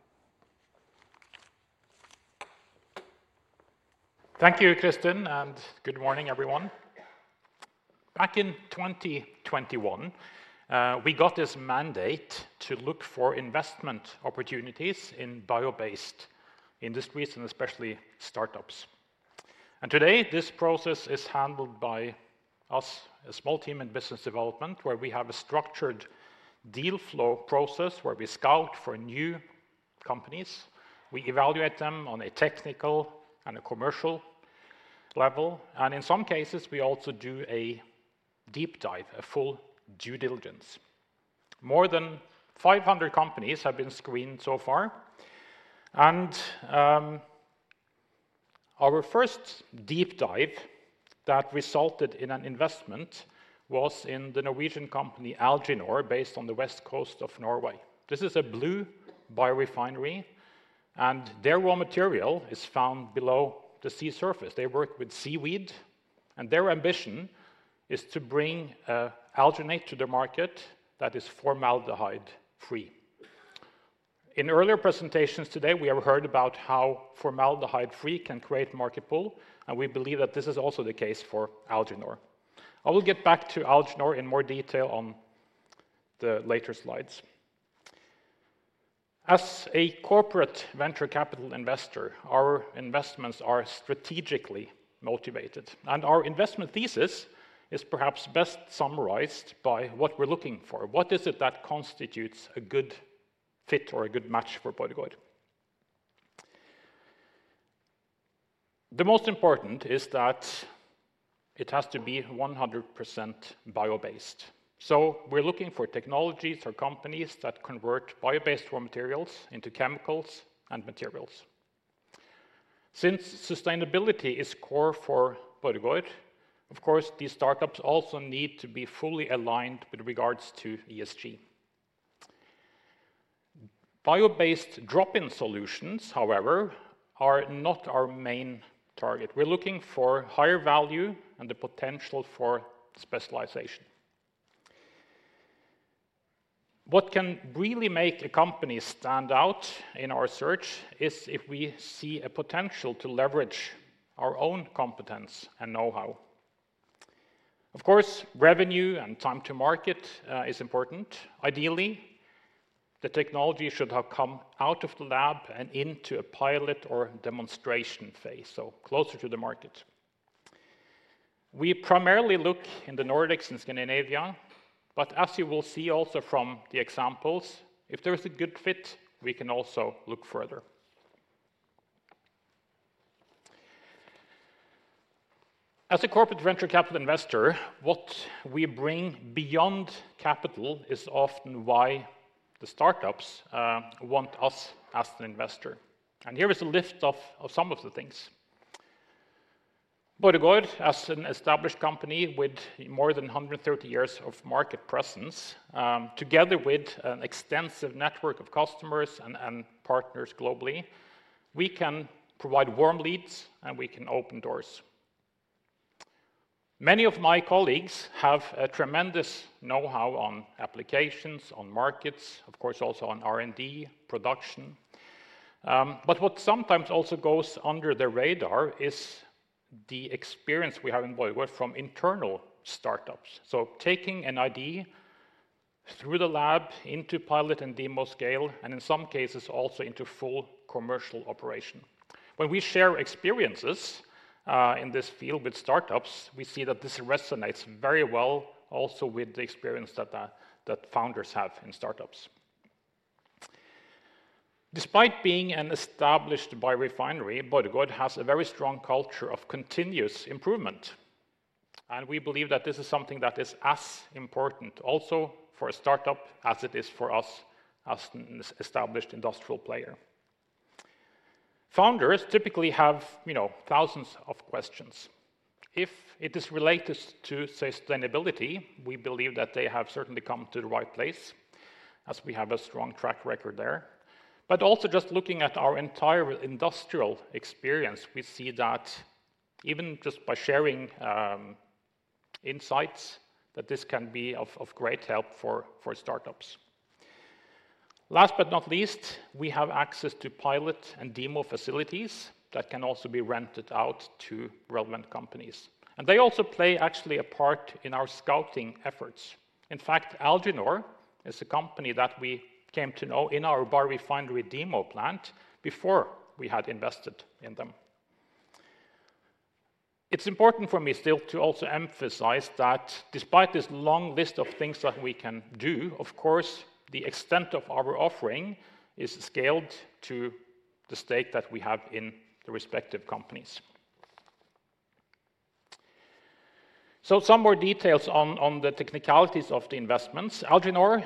Thank you, Kristin, and good morning, everyone. Back in 2021, we got this mandate to look for investment opportunities in bio-based industries, and especially startups. Today, this process is handled by us, a small team in business development, where we have a structured deal flow process where we scout for new companies. We evaluate them on a technical and a commercial level, and in some cases, we also do a deep dive, a full due diligence. More than 500 companies have been screened so far, and our first deep dive that resulted in an investment was in the Norwegian company, Alginor, based on the west coast of Norway. This is a blue biorefinery, and their raw material is found below the sea surface. They work with seaweed, and their ambition is to bring alginate to the market that is formaldehyde-free. In earlier presentations today, we have heard about how formaldehyde-free can create market pull, and we believe that this is also the case for Alginor. I will get back to Alginor in more detail on the later slides. As a corporate venture capital investor, our investments are strategically motivated, and our investment thesis is perhaps best summarized by what we're looking for. What is it that constitutes a good fit or a good match for Borregaard? The most important is that it has to be 100% bio-based. So we're looking for technologies or companies that convert bio-based raw materials into chemicals and materials. Since sustainability is core for Borregaard, of course, these startups also need to be fully aligned with regards to ESG.... Bio-based drop-in solutions, however, are not our main target. We're looking for higher value and the potential for specialization. What can really make a company stand out in our search is if we see a potential to leverage our own competence and know-how. Of course, revenue and time to market is important. Ideally, the technology should have come out of the lab and into a pilot or demonstration phase, so closer to the market. We primarily look in the Nordics and Scandinavia, but as you will see also from the examples, if there is a good fit, we can also look further. As a corporate venture capital investor, what we bring beyond capital is often why the startups want us as an investor, and here is a list of some of the things. Borregaard, as an established company with more than 130 years of market presence, together with an extensive network of customers and partners globally, we can provide warm leads, and we can open doors. Many of my colleagues have a tremendous know-how on applications, on markets, of course, also on R&D, production. But what sometimes also goes under the radar is the experience we have in Borregaard from internal startups, so taking an idea through the lab into pilot and demo scale, and in some cases, also into full commercial operation. When we share experiences in this field with startups, we see that this resonates very well also with the experience that founders have in startups. Despite being an established biorefinery, Borregaard has a very strong culture of continuous improvement, and we believe that this is something that is as important also for a startup as it is for us as an established industrial player. Founders typically have, you know, thousands of questions. If it is related to, say, sustainability, we believe that they have certainly come to the right place, as we have a strong track record there. But also just looking at our entire industrial experience, we see that even just by sharing insights, that this can be of great help for startups. Last but not least, we have access to pilot and demo facilities that can also be rented out to relevant companies, and they also play actually a part in our scouting efforts. In fact, Alginor is a company that we came to know in our biorefinery demo plant before we had invested in them. It's important for me still to also emphasize that despite this long list of things that we can do, of course, the extent of our offering is scaled to the stake that we have in the respective companies. So some more details on the technicalities of the investments. Alginor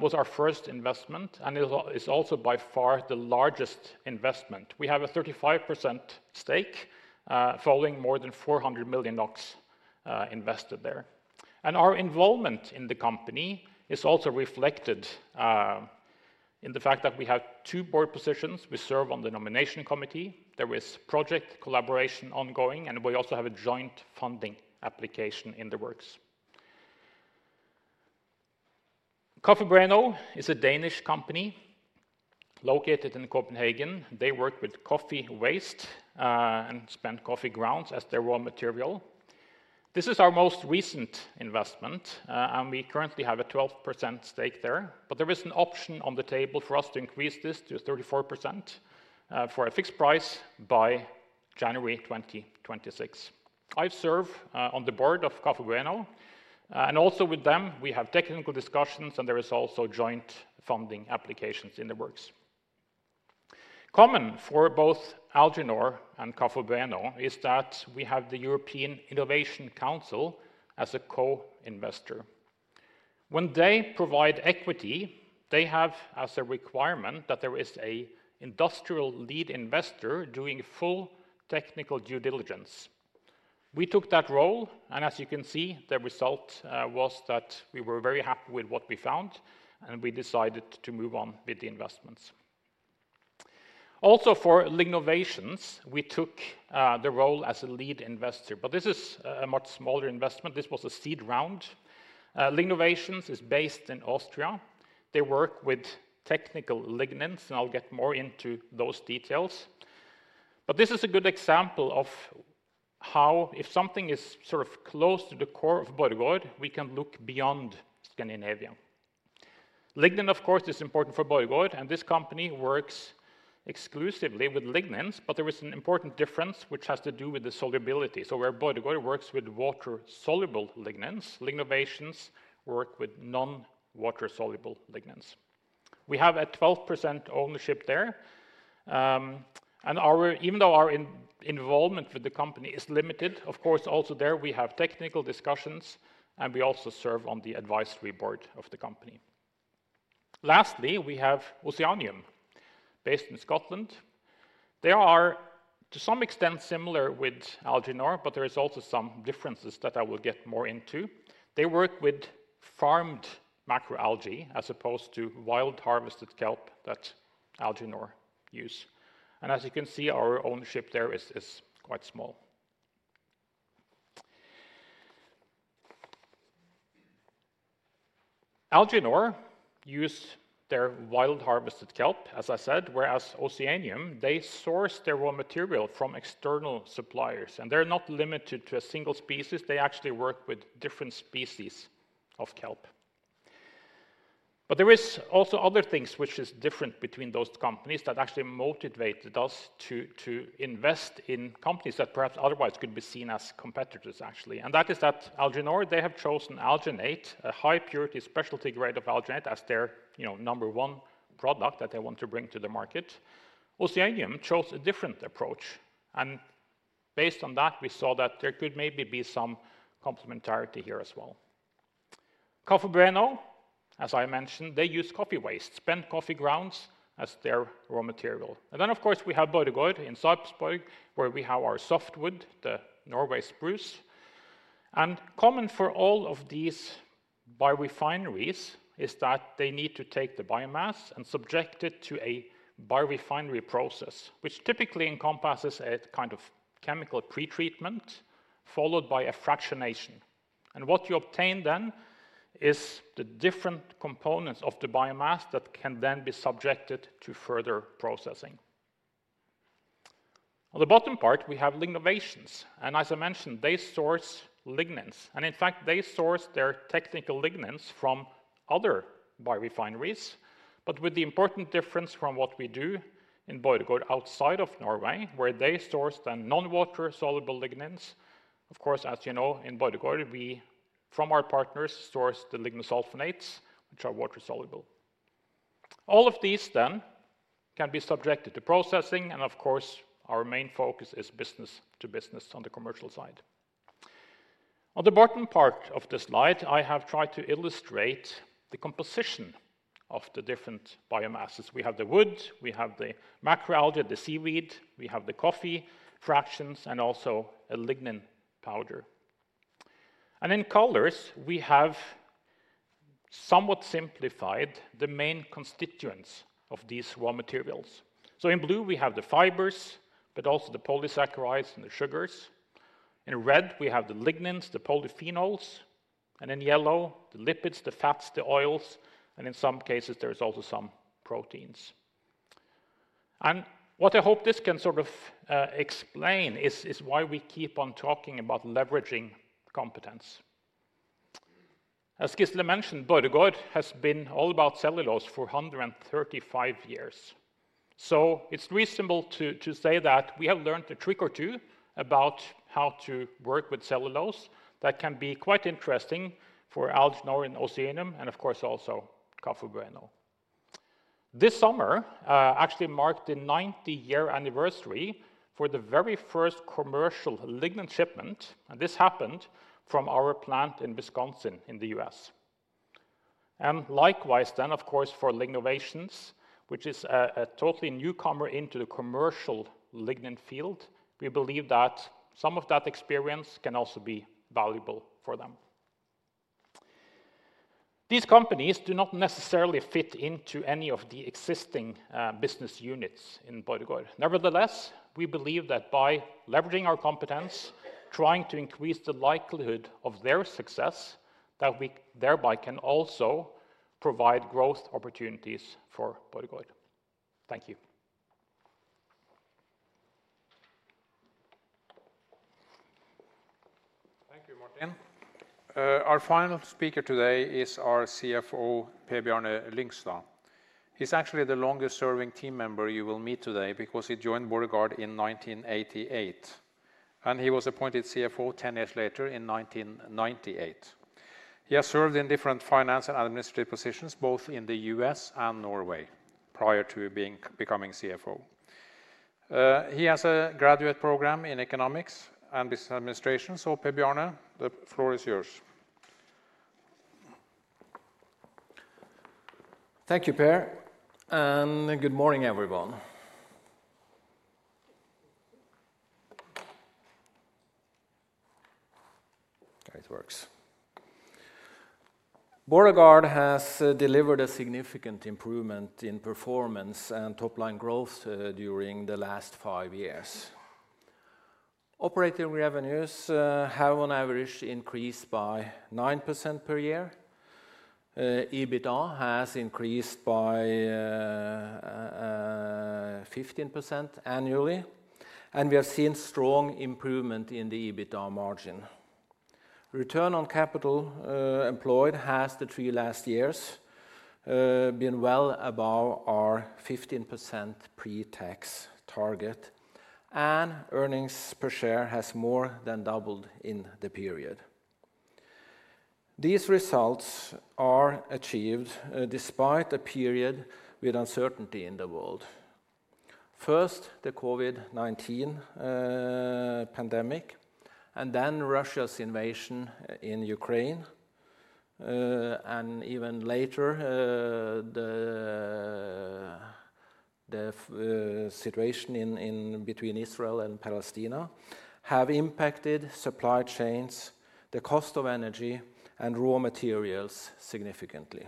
was our first investment, and it's also by far the largest investment. We have a 35% stake following more than 400 million NOK invested there. And our involvement in the company is also reflected in the fact that we have two board positions. We serve on the nomination committee. There is project collaboration ongoing, and we also have a joint funding application in the works. Bueno is a Danish company located in Copenhagen. They work with coffee waste, and spent coffee grounds as their raw material. This is our most recent investment, and we currently have a 12% stake there, but there is an option on the table for us to increase this to 34%, for a fixed price by January 2026. I serve, on the board of Kaffe Bueno, and also with them, we have technical discussions, and there is also joint funding applications in the works. Common for both Alginor and Kaffe Bueno is that we have the European Innovation Council as a co-investor. When they provide equity, they have as a requirement that there is a industrial lead investor doing full technical due diligence. We took that role, and as you can see, the result was that we were very happy with what we found, and we decided to move on with the investments. Also, for Lignovations, we took the role as a lead investor, but this is a much smaller investment. This was a seed round. Lignovations is based in Austria. They work with technical lignins, and I'll get more into those details. But this is a good example of how, if something is sort of close to the core of Borregaard, we can look beyond Scandinavia. Lignin, of course, is important for Borregaard, and this company works exclusively with lignins, but there is an important difference, which has to do with the solubility. So where Borregaard works with water-soluble lignins, Lignovations work with non-water-soluble lignins. We have a 12% ownership there, and our, even though our involvement with the company is limited, of course, also there, we have technical discussions, and we also serve on the advisory board of the company. Lastly, we have Oceanium based in Scotland. They are, to some extent, similar with Alginor, but there is also some differences that I will get more into. They work with farmed macroalgae, as opposed to wild-harvested kelp that Alginor use. As you can see, our ownership there is quite small. Alginor use their wild-harvested kelp, as I said, whereas Oceanium, they source their raw material from external suppliers, and they're not limited to a single species. They actually work with different species of kelp. But there is also other things which is different between those companies that actually motivated us to invest in companies that perhaps otherwise could be seen as competitors, actually. And that is that Alginor, they have chosen alginate, a high-purity specialty grade of alginate, as their, you know, number one product that they want to bring to the market. Oceanium chose a different approach, and based on that, we saw that there could maybe be some complementarity here as well. Kaffe Bueno, as I mentioned, they use coffee waste, spent coffee grounds, as their raw material. And then, of course, we have Borregaard in Sarpsborg, where we have our softwood, the Norway spruce. And common for all of these biorefineries is that they need to take the biomass and subject it to a biorefinery process, which typically encompasses a kind of chemical pretreatment, followed by a fractionation. What you obtain then is the different components of the biomass that can then be subjected to further processing. On the bottom part, we have Lignovations, and as I mentioned, they source lignins. And in fact, they source their technical lignins from other biorefineries, but with the important difference from what we do in Borregaard outside of Norway, where they source the non-water-soluble lignins. Of course, as you know, in Borregaard, we, from our partners, source the lignosulfonates, which are water-soluble. All of these then can be subjected to processing, and of course, our main focus is business to business on the commercial side. On the bottom part of the slide, I have tried to illustrate the composition of the different biomasses. We have the wood, we have the macroalgae, the seaweed, we have the coffee fractions, and also a lignin powder. And in colors, we have somewhat simplified the main constituents of these raw materials. So in blue, we have the fibers, but also the polysaccharides and the sugars. In red, we have the lignins, the polyphenols, and in yellow, the lipids, the fats, the oils, and in some cases, there is also some proteins. And what I hope this can sort of explain is why we keep on talking about leveraging competence. As Gisle mentioned, Borregaard has been all about cellulose for 135 years. So it's reasonable to say that we have learned a trick or two about how to work with cellulose that can be quite interesting for Alginor and Oceanium, and of course, also Kaffe Bueno. This summer actually marked the 90 year anniversary for the very first commercial lignin shipment, and this happened from our plant in Wisconsin, in the U.S. And likewise, then, of course, for Lignovations, which is a totally newcomer into the commercial lignin field, we believe that some of that experience can also be valuable for them. These companies do not necessarily fit into any of the existing business units in Borregaard. Nevertheless, we believe that by leveraging our competence, trying to increase the likelihood of their success, that we thereby can also provide growth opportunities for Borregaard. Thank you. Thank you, Martin. Our final speaker today is our CFO, Per Bjarne Lyngstad. He's actually the longest-serving team member you will meet today because he joined Borregaard in 1988, and he was appointed CFO ten years later in 1998. He has served in different finance and administrative positions, both in the U.S. and Norway, prior to becoming CFO. He has a graduate program in economics and business administration. So Per Bjarne, the floor is yours. Thank you, Per, and good morning, everyone. It works. Borregaard has delivered a significant improvement in performance and top-line growth during the last five years. Operating revenues have on average increased by 9% per year. EBITDA has increased by 15% annually, and we have seen strong improvement in the EBITDA margin. Return on capital employed has, the three last years, been well above our 15% pre-tax target, and earnings per share has more than doubled in the period. These results are achieved despite a period with uncertainty in the world. First, the COVID-19 pandemic, and then Russia's invasion in Ukraine and even later the situation in between Israel and Palestine have impacted supply chains, the cost of energy, and raw materials significantly.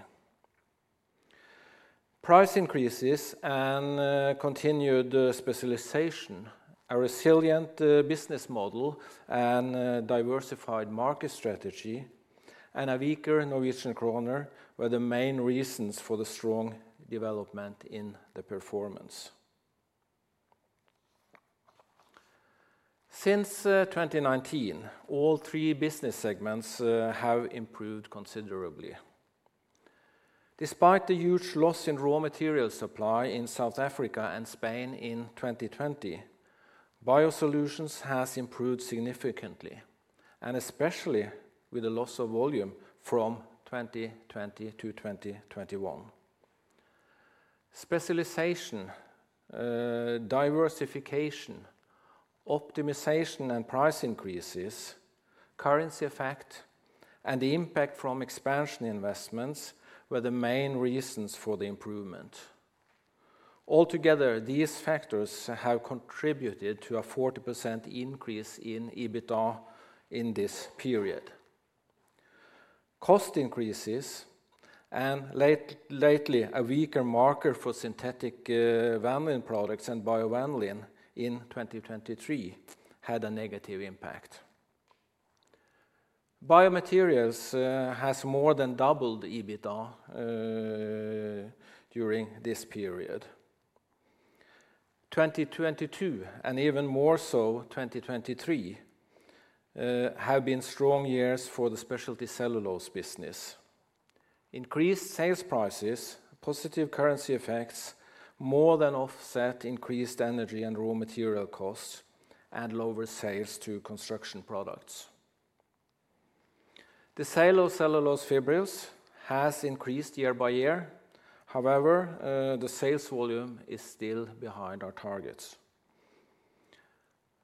Price increases and continued specialization, a resilient business model, and diversified market strategy, and a weaker Norwegian kroner were the main reasons for the strong development in the performance. Since 2019, all three business segments have improved considerably. Despite the huge loss in raw material supply in South Africa and Spain in 2020, BioSolutions has improved significantly, and especially with the loss of volume from 2020 to 2021. Specialization, diversification, optimization, and price increases, currency effect, and the impact from expansion investments were the main reasons for the improvement. Altogether, these factors have contributed to a 40% increase in EBITDA in this period. Cost increases, and lately, a weaker market for synthetic vanillin products and BioVanillin in 2023 had a negative impact. BioMaterials has more than doubled EBITDA during this period. 2022, and even more so 2023, have been strong years for the specialty cellulose business. Increased sales prices, positive currency effects, more than offset increased energy and raw material costs, and lower sales to construction products. The sale of cellulose fibrils has increased year by year. However, the sales volume is still behind our targets.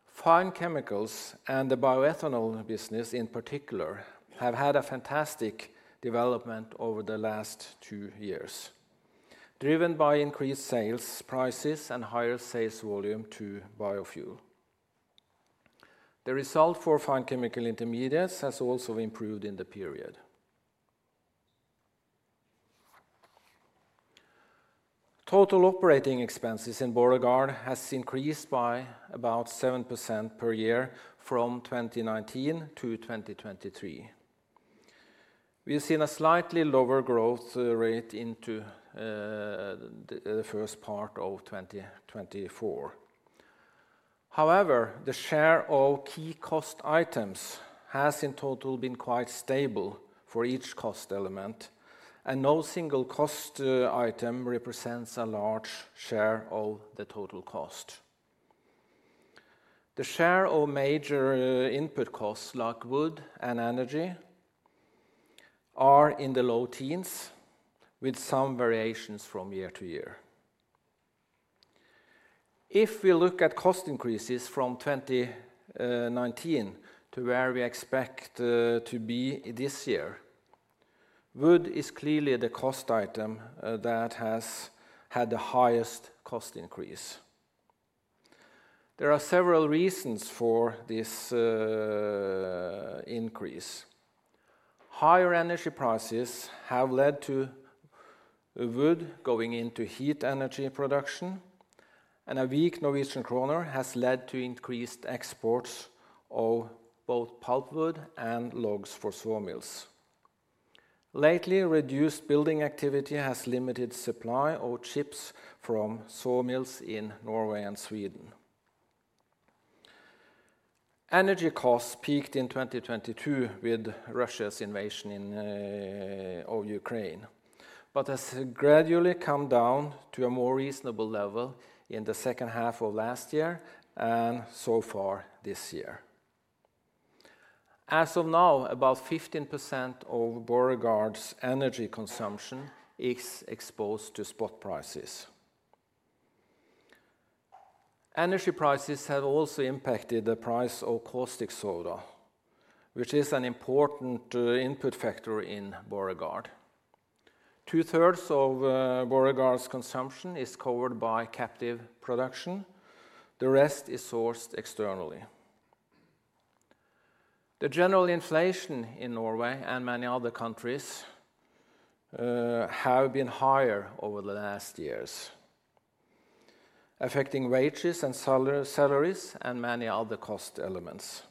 Fine Chemicals and the bioethanol business, in particular, have had a fantastic development over the last two years, driven by increased sales prices and higher sales volume to biofuel. The result for Fine Chemical Intermediates has also improved in the period. Total operating expenses in Borregaard has increased by about 7% per year from 2019 to 2023. We've seen a slightly lower growth rate into the first part of 2024. However, the share of key cost items has, in total, been quite stable for each cost element, and no single cost item represents a large share of the total cost. The share of major input costs, like wood and energy, are in the low teens, with some variations from year to year. If we look at cost increases from 2019 to where we expect to be this year, wood is clearly the cost item that has had the highest cost increase. There are several reasons for this increase. Higher energy prices have led to wood going into heat energy production, and a weak Norwegian kroner has led to increased exports of both pulpwood and logs for sawmills. Lately, reduced building activity has limited supply of chips from sawmills in Norway and Sweden. Energy costs peaked in 2022 with Russia's invasion of Ukraine, but has gradually come down to a more reasonable level in the second half of last year and so far this year. As of now, about 15% of Borregaard's energy consumption is exposed to spot prices. Energy prices have also impacted the price of caustic soda, which is an important input factor in Borregaard. Two-thirds of Borregaard's consumption is covered by captive production. The rest is sourced externally. The general inflation in Norway and many other countries have been higher over the last years, affecting wages and salaries, and many other cost elements.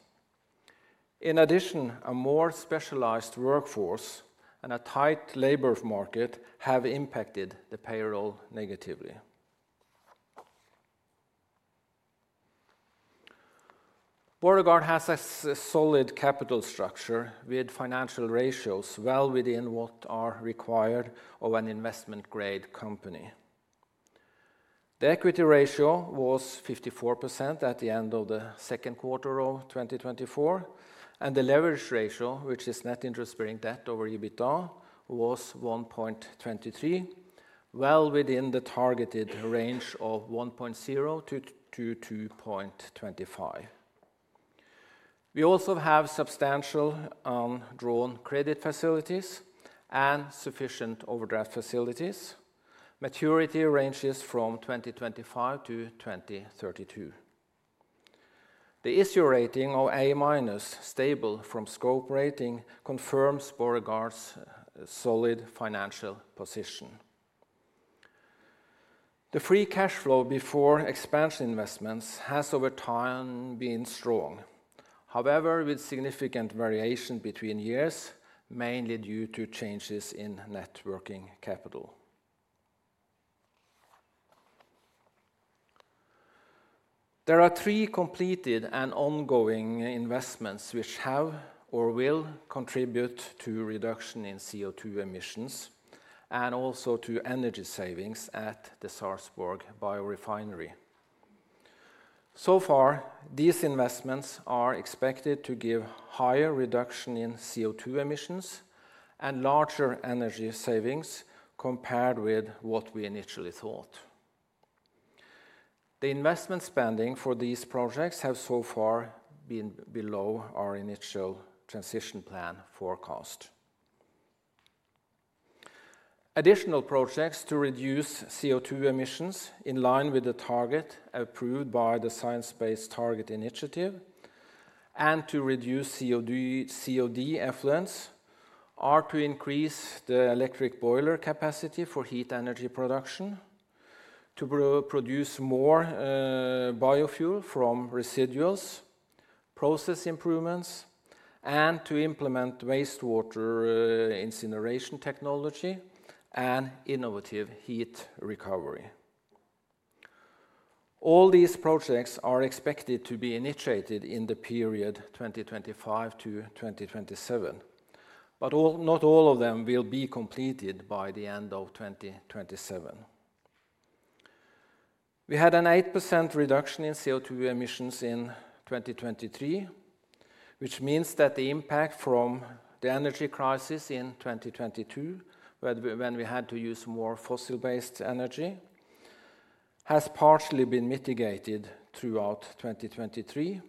In addition, a more specialized workforce and a tight labor market have impacted the payroll negatively. Borregaard has a solid capital structure, with financial ratios well within what are required of an investment-grade company. The equity ratio was 54% at the end of the second quarter of 2024, and the leverage ratio, which is net interest-bearing debt over EBITDA, was 1.23, well within the targeted range of 1.0 to 2.25. We also have substantial drawn credit facilities and sufficient overdraft facilities. Maturity ranges from 2025 to 2032. The issue rating of A minus, stable from Scope Ratings, confirms Borregaard's solid financial position. The free cash flow before expansion investments has over time been strong. However, with significant variation between years, mainly due to changes in net working capital. There are three completed and ongoing investments which have or will contribute to reduction in CO2 emissions, and also to energy savings at the Sarpsborg Biorefinery. So far, these investments are expected to give higher reduction in CO2 emissions and larger energy savings compared with what we initially thought. The investment spending for these projects have so far been below our initial transition plan forecast. Additional projects to reduce CO2 emissions in line with the target approved by the Science Based Targets initiative, and to reduce COD, COD effluents, are to increase the electric boiler capacity for heat energy production, to produce more biofuel from residuals, process improvements, and to implement wastewater incineration technology and innovative heat recovery. All these projects are expected to be initiated in the period 2025-2027, but all, not all of them will be completed by the end of 2027. We had an 8% reduction in CO2 emissions in 2023, which means that the impact from the energy crisis in 2022, where we--when we had to use more fossil-based energy, has partially been mitigated throughout 2023,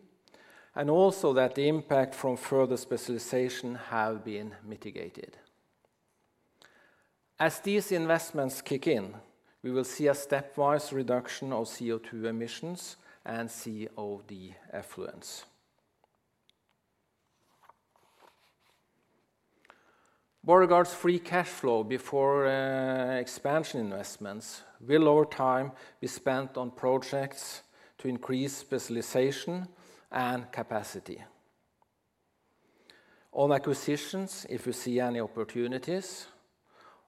and also that the impact from further specialization have been mitigated. As these investments kick in, we will see a stepwise reduction of CO2 emissions and COD effluent. Borregaard's free cash flow before expansion investments will, over time, be spent on projects to increase specialization and capacity. On acquisitions, if we see any opportunities,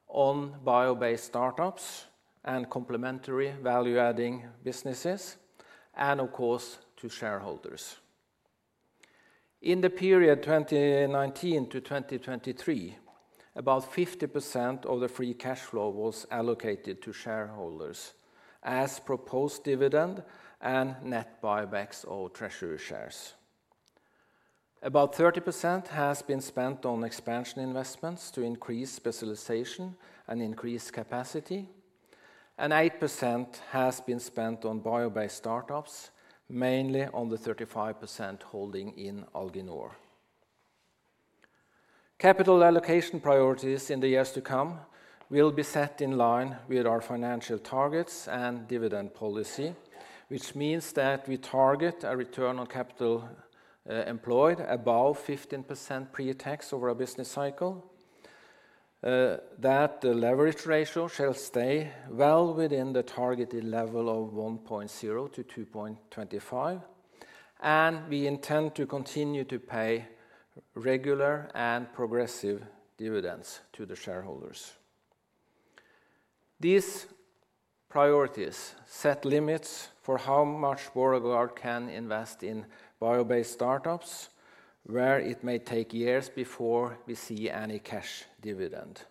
on bio-based startups and complementary value-adding businesses, and of course, to shareholders. In the period 2019 to 2023, about 50% of the free cash flow was allocated to shareholders as proposed dividend and net buybacks or treasury shares. About 30% has been spent on expansion investments to increase specialization and increase capacity, and 8% has been spent on bio-based startups, mainly on the 35% holding in Alginor. Capital allocation priorities in the years to come will be set in line with our financial targets and dividend policy, which means that we target a return on capital employed above 15% pre-tax over a business cycle. That the leverage ratio shall stay well within the targeted level of 1.0-2.25, and we intend to continue to pay regular and progressive dividends to the shareholders. These priorities set limits for how much Borregaard can invest in bio-based startups, where it may take years before we see any cash dividend.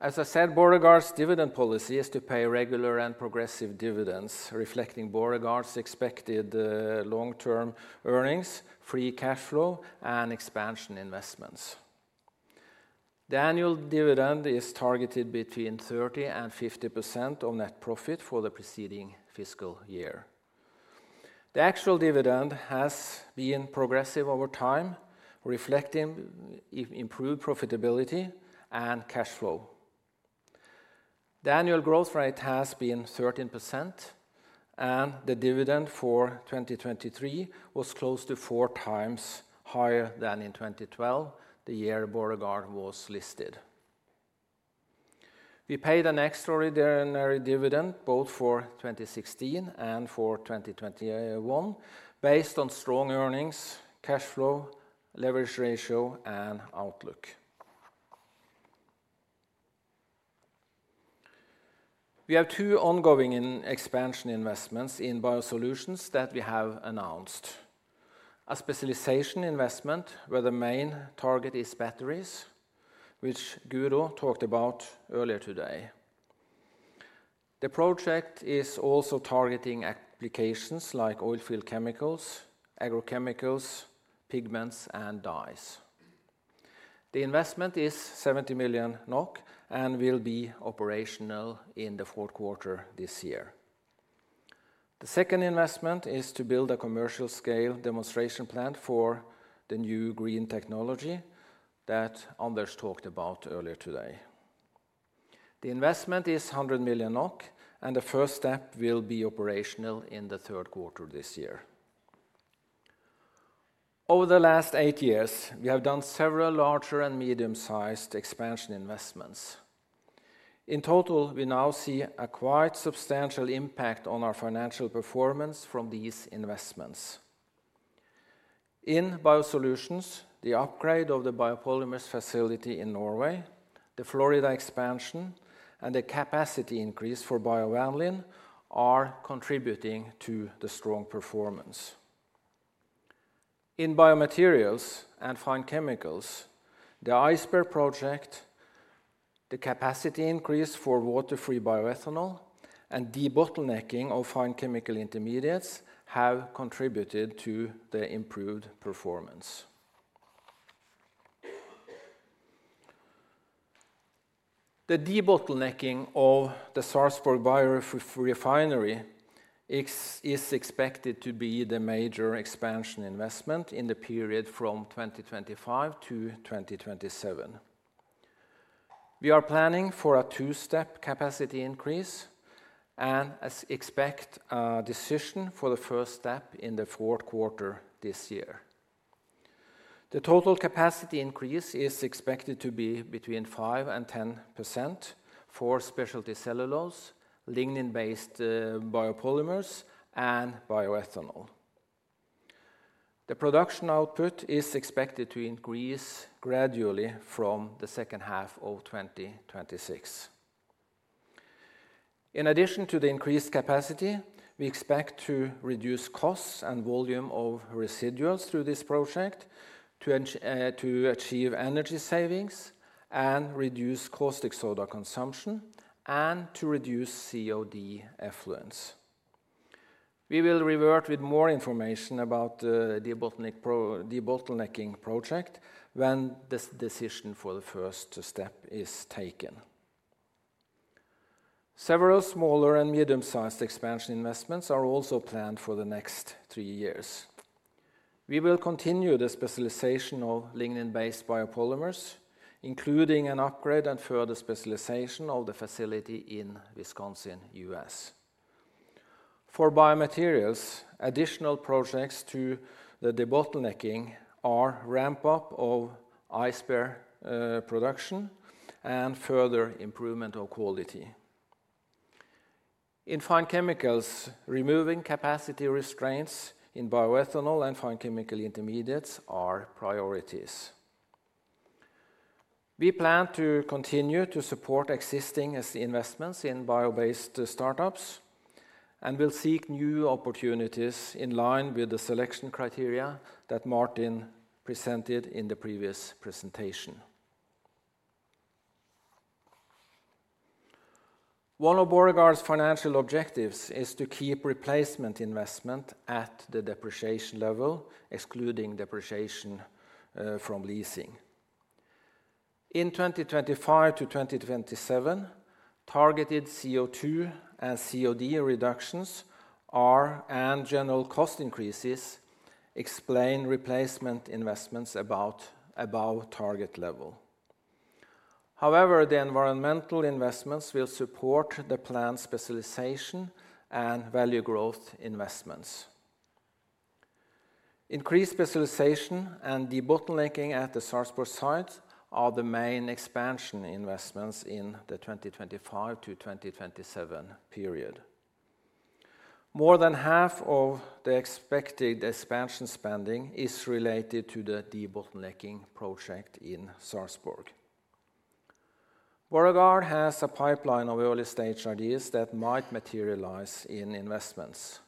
As I said, Borregaard's dividend policy is to pay regular and progressive dividends, reflecting Borregaard's expected long-term earnings, free cash flow, and expansion investments. The annual dividend is targeted between 30% and 50% on net profit for the preceding fiscal year. The actual dividend has been progressive over time, reflecting improved profitability and cash flow. The annual growth rate has been 13%, and the dividend for 2023 was close to four times higher than in 2012, the year Borregaard was listed. We paid an extraordinary dividend both for 2016 and for 2021, based on strong earnings, cash flow, leverage ratio, and outlook. We have two ongoing expansion investments in BioSolutions that we have announced. A specialization investment, where the main target is batteries, which Guro talked about earlier today. The project is also targeting applications like oilfield chemicals, agrochemicals, pigments, and dyes. The investment is 70 million NOK, and will be operational in the fourth quarter this year. The second investment is to build a commercial scale demonstration plant for the new green technology that Anders talked about earlier today. The investment is 100 million NOK, and the first step will be operational in the third quarter this year. Over the last eight years, we have done several larger and medium-sized expansion investments. In total, we now see a quite substantial impact on our financial performance from these investments. In BioSolutions, the upgrade of the biopolymers facility in Norway, the Florida expansion, and the capacity increase for BioVanillin are contributing to the strong performance. In BioMaterials and Fine Chemicals, the Ice Bear project, the capacity increase for water-free bioethanol, and debottlenecking of fine chemical intermediates have contributed to the improved performance. The debottlenecking of the Sarpsborg biorefinery is expected to be the major expansion investment in the period from 2025 to 2027. We are planning for a two-step capacity increase and expect a decision for the first step in the fourth quarter this year. The total capacity increase is expected to be between 5% and 10% for specialty cellulose, lignin-based biopolymers, and bioethanol. The production output is expected to increase gradually from the second half of 2026. In addition to the increased capacity, we expect to reduce costs and volume of residuals through this project to achieve energy savings and reduce caustic soda consumption, and to reduce COD effluent. We will revert with more information about the debottlenecking project when this decision for the first step is taken. Several smaller and medium-sized expansion investments are also planned for the next three years. We will continue the specialization of lignin-based biopolymers, including an upgrade and further specialization of the facility in Wisconsin, U.S. For bioMaterials, additional projects to the debottlenecking are ramp up of Ice Bear production, and further improvement of quality. In fine chemicals, removing capacity restraints in bioethanol and fine chemical intermediates are priorities. We plan to continue to support existing as investments in bio-based startups, and will seek new opportunities in line with the selection criteria that Martin presented in the previous presentation. One of Borregaard's financial objectives is to keep replacement investment at the depreciation level, excluding depreciation from leasing. In 2025 to 2027, targeted CO2 and COD reductions are, and general cost increases, explain replacement investments about above target level. However, the environmental investments will support the planned specialization and value growth investments. Increased specialization and debottlenecking at the Sarpsborg site are the main expansion investments in the 2025-2027 period. More than half of the expected expansion spending is related to the debottlenecking project in Sarpsborg. Borregaard has a pipeline of early-stage ideas that might materialize in investments.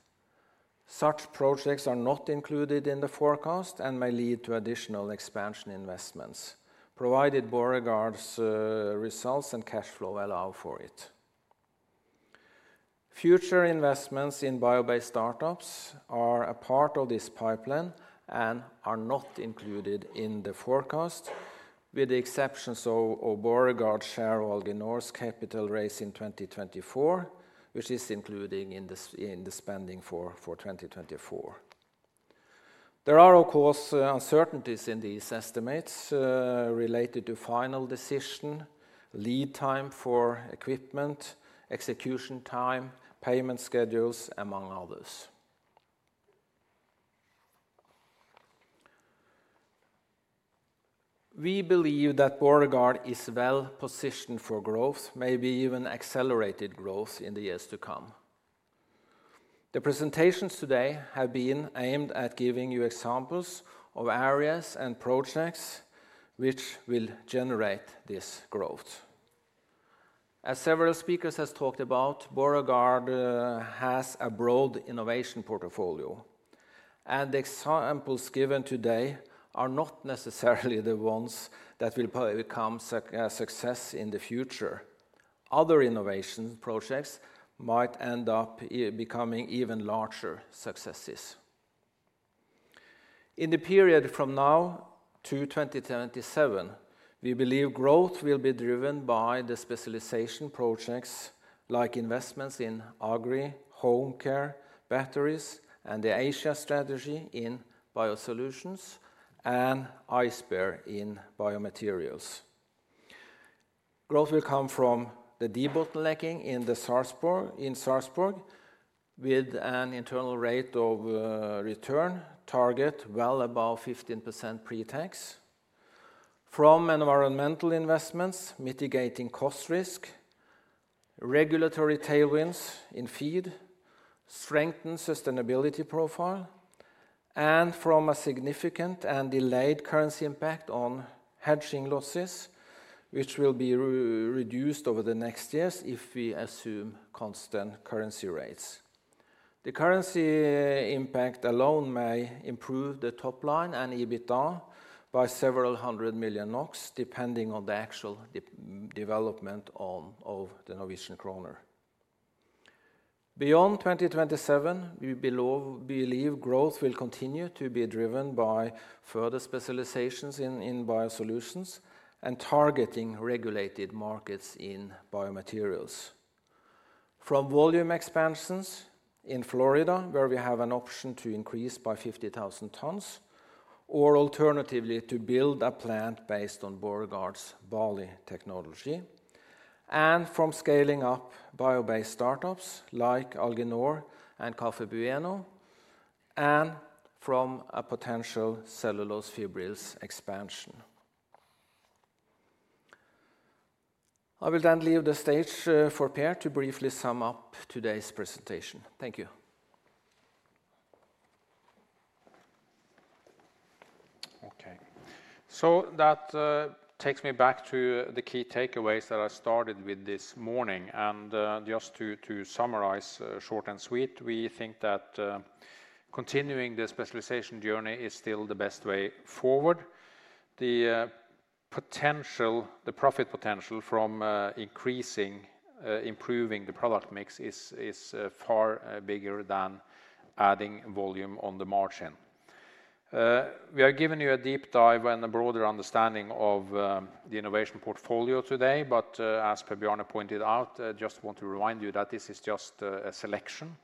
Such projects are not included in the forecast and may lead to additional expansion investments, provided Borregaard's results and cash flow allow for it. Future investments in bio-based startups are a part of this pipeline and are not included in the forecast, with the exceptions of Borregaard's share of Alginor's capital raise in 2024, which is included in the spending for 2024. There are, of course, uncertainties in these estimates related to final decision, lead time for equipment, execution time, payment schedules, among others. We believe that Borregaard is well positioned for growth, maybe even accelerated growth in the years to come. The presentations today have been aimed at giving you examples of areas and projects which will generate this growth. As several speakers has talked about, Borregaard has a broad innovation portfolio, and the examples given today are not necessarily the ones that will probably become success in the future. Other innovation projects might end up becoming even larger successes. In the period from now to 2027, we believe growth will be driven by the specialization projects like investments in agri, home care, batteries, and the Asia strategy in BioSolutions, and Ice Bear in BioMaterials. Growth will come from the debottlenecking in Sarpsborg, with an internal rate of return target well above 15% pre-tax. From environmental investments, mitigating cost risk, regulatory tailwinds in feed, strengthened sustainability profile, and from a significant and delayed currency impact on hedging losses, which will be reduced over the next years if we assume constant currency rates. The currency impact alone may improve the top line and EBITDA by several hundred million NOK, depending on the actual development of the Norwegian kroner. Beyond 2027, we believe growth will continue to be driven by further specializations in BioSolutions and targeting regulated markets in BioMaterials. From volume expansions in Florida, where we have an option to increase by 50,000 tons, or alternatively, to build a plant based on Borregaard's BALI technology, and from scaling up bio-based startups like Alginor and Kaffe Bueno, and from a potential cellulose fibrils expansion. I will then leave the stage, for Per to briefly sum up today's presentation. Thank you. Okay. That takes me back to the key takeaways that I started with this morning. Just to summarize, short and sweet, we think that continuing the specialization journey is still the best way forward. The potential, the profit potential from increasing, improving the product mix is far bigger than adding volume on the margin. We are giving you a deep dive and a broader understanding of the innovation portfolio today, but as Per Bjarne pointed out, I just want to remind you that this is just a selection.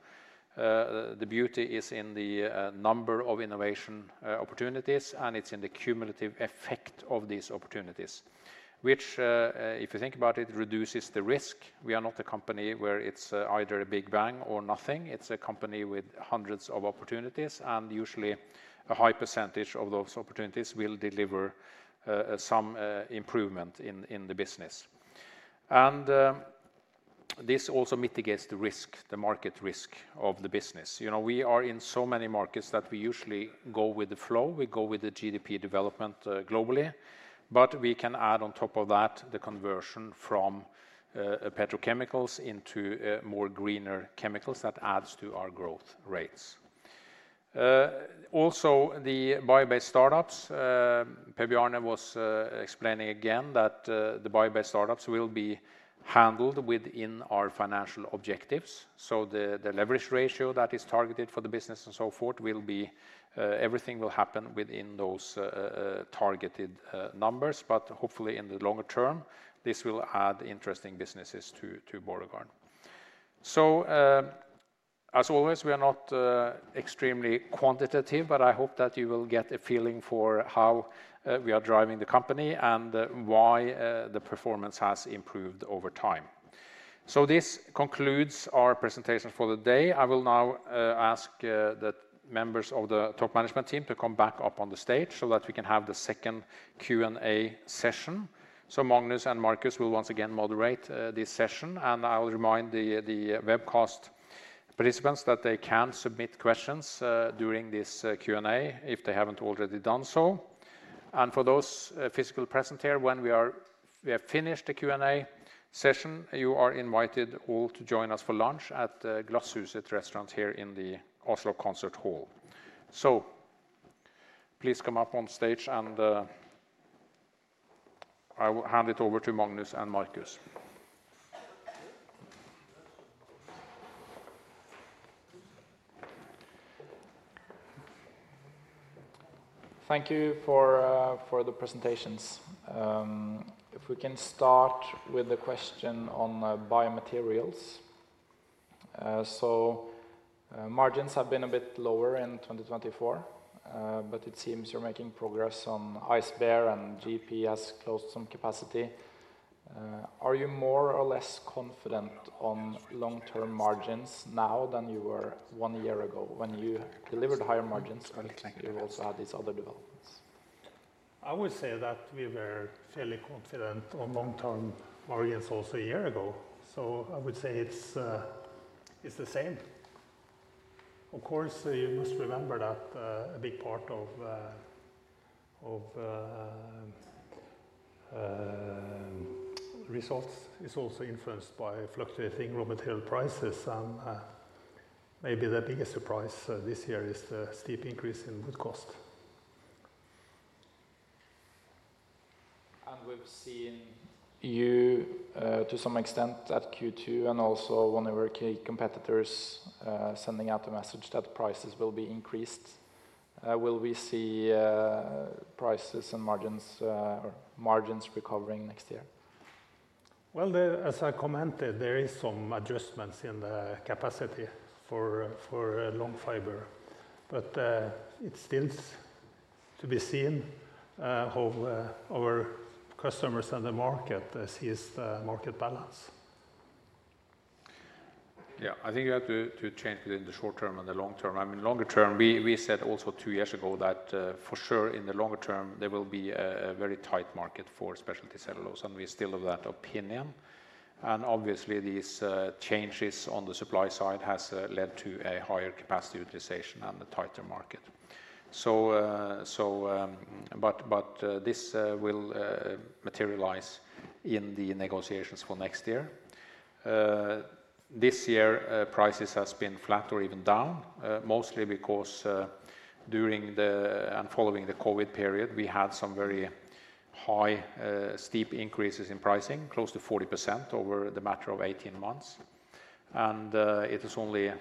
The beauty is in the number of innovation opportunities, and it's in the cumulative effect of these opportunities, which, if you think about it, reduces the risk. We are not a company where it's either a big bang or nothing. It's a company with hundreds of opportunities, and usually a high percentage of those opportunities will deliver some improvement in the business. And this also mitigates the risk, the market risk of the business. You know, we are in so many markets that we usually go with the flow. We go with the GDP development globally, but we can add on top of that, the conversion from petrochemicals into more greener chemicals that adds to our growth rates. Also, the bio-based startups, Per Bjarne was explaining again that the bio-based startups will be handled within our financial objectives. So the leverage ratio that is targeted for the business and so forth will be everything will happen within those targeted numbers. But hopefully, in the longer term, this will add interesting businesses to Borregaard. As always, we are not extremely quantitative, but I hope that you will get a feeling for how we are driving the company and why the performance has improved over time. This concludes our presentation for the day. I will now ask the members of the top management team to come back up on the stage so that we can have the second Q&A session. Magnus and Marcus will once again moderate this session, and I will remind the webcast participants that they can submit questions during this Q&A if they haven't already done so. For those physical present here, when we have finished the Q&A session, you are invited all to join us for lunch at Glasshuset Restaurant here in the Oslo Concert Hall. So please come up on stage, and I will hand it over to Magnus and Marcus. Thank you for the presentations. If we can start with the question on BioMaterials. So, margins have been a bit lower in 2024, but it seems you're making progress on Ice Bear and GP has closed some capacity. Are you more or less confident on long-term margins now than you were one year ago when you delivered higher margins, but you also had these other developments? I would say that we were fairly confident on long-term margins also a year ago. So I would say it's, it's the same. Of course, you must remember that, a big part of, of, results is also influenced by fluctuating raw material prices. And, maybe the biggest surprise, this year is the steep increase in wood cost. And we've seen you, to some extent at Q2, and also one of our key competitors, sending out a message that prices will be increased. Will we see prices and margins, or margins recovering next year? As I commented, there is some adjustments in the capacity for long fiber. But it still to be seen how our customers and the market sees the market balance. Yeah, I think you have to change within the short term and the long term. I mean, longer term, we said also two years ago that, for sure in the longer term, there will be a very tight market for specialty cellulose, and we still have that opinion. And obviously, these changes on the supply side has led to a higher capacity utilization and a tighter market. So, but this will materialize in the negotiations for next year. This year, prices has been flat or even down, mostly because, during the and following the COVID period, we had some very high, steep increases in pricing, close to 40% over the matter of 18 months. It is only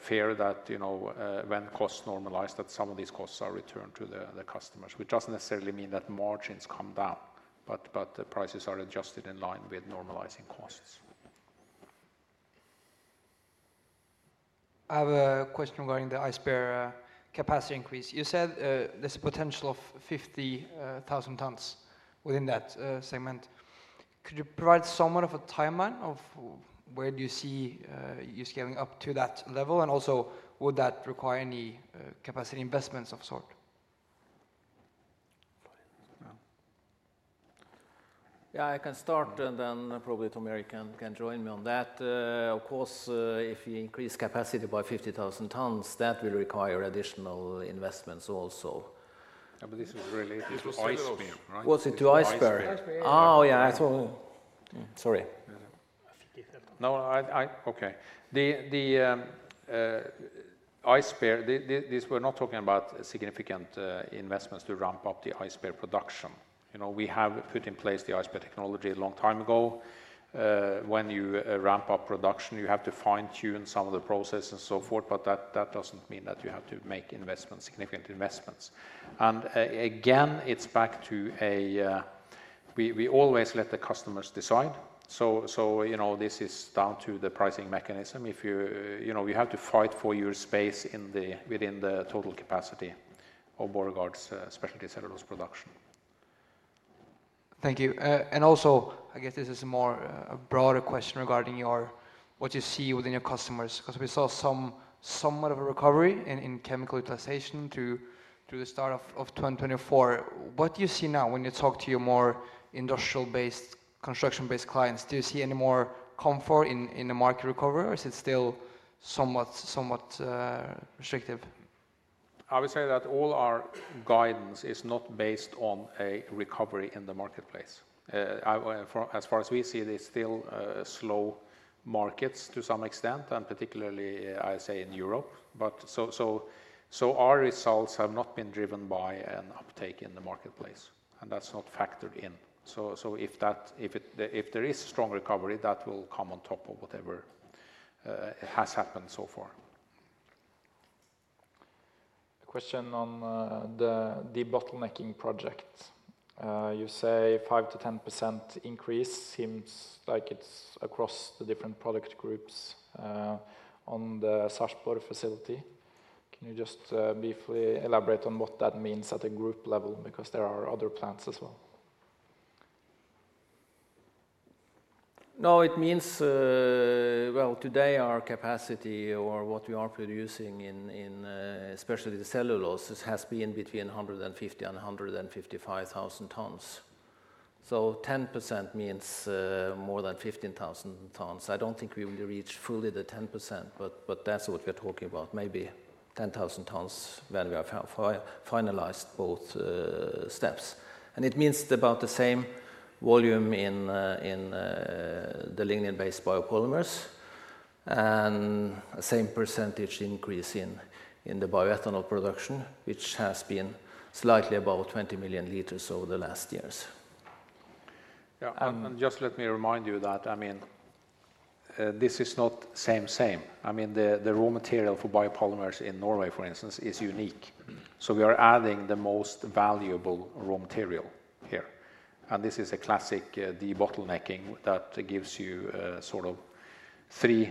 fair that, you know, when costs normalize, that some of these costs are returned to the customers, which doesn't necessarily mean that margins come down, but the prices are adjusted in line with normalizing costs. I have a question regarding the Ice Bear capacity increase. You said, there's a potential of 50,000 tons within that segment. Could you provide somewhat of a timeline of where do you see scaling up to that level? And also, would that require any capacity investments of sort? Yeah, I can start, and then probably Tom Erik can join me on that. Of course, if you increase capacity by 50,000 tons, that will require additional investments also. But this is related to Ice Bear, right? Was it to Ice Bear? Ice Bear. Oh, yeah, I thought... Sorry. Yeah. No, okay. The Ice Bear, this, we're not talking about significant investments to ramp up the Ice Bear production. You know, we have put in place the Ice Bear technology a long time ago. When you ramp up production, you have to fine-tune some of the process and so forth, but that doesn't mean that you have to make investments, significant investments. And again, it's back to a. We always let the customers decide, so, you know, this is down to the pricing mechanism. If you, you know, you have to fight for your space within the total capacity of Borregaard's Specialty Cellulose production. Thank you, and also, I guess this is a more, a broader question regarding what you see within your customers, 'cause we saw somewhat of a recovery in chemical utilization through the start of 2024. What do you see now when you talk to your more industrial-based, construction-based clients? Do you see any more comfort in the market recovery, or is it still somewhat restrictive? I would say that all our guidance is not based on a recovery in the marketplace. As far as we see, there's still slow markets to some extent, and particularly, I say, in Europe. But so our results have not been driven by an uptake in the marketplace, and that's not factored in. So if that, if there is strong recovery, that will come on top of whatever has happened so far. A question on the bottlenecking project. You say 5%-10% increase. Seems like it's across the different product groups on the Sarpsborg facility. Can you just briefly elaborate on what that means at a group level? Because there are other plants as well. No, it means. Well, today, our capacity or what we are producing in specialty cellulose, this has been between 150 and 155 thousand tons. So 10% means more than 15,000 tons. I don't think we will reach fully the 10%, but that's what we are talking about, maybe 10,000 tons when we have finalized both steps. And it means about the same volume in the lignin-based biopolymers, and a same percentage increase in the bioethanol production, which has been slightly above 20 million liters over the last years. Yeah, and just let me remind you that, I mean, this is not the same. I mean, the raw material for biopolymers in Norway, for instance, is unique. So we are adding the most valuable raw material here, and this is a classic debottlenecking that gives you sort of three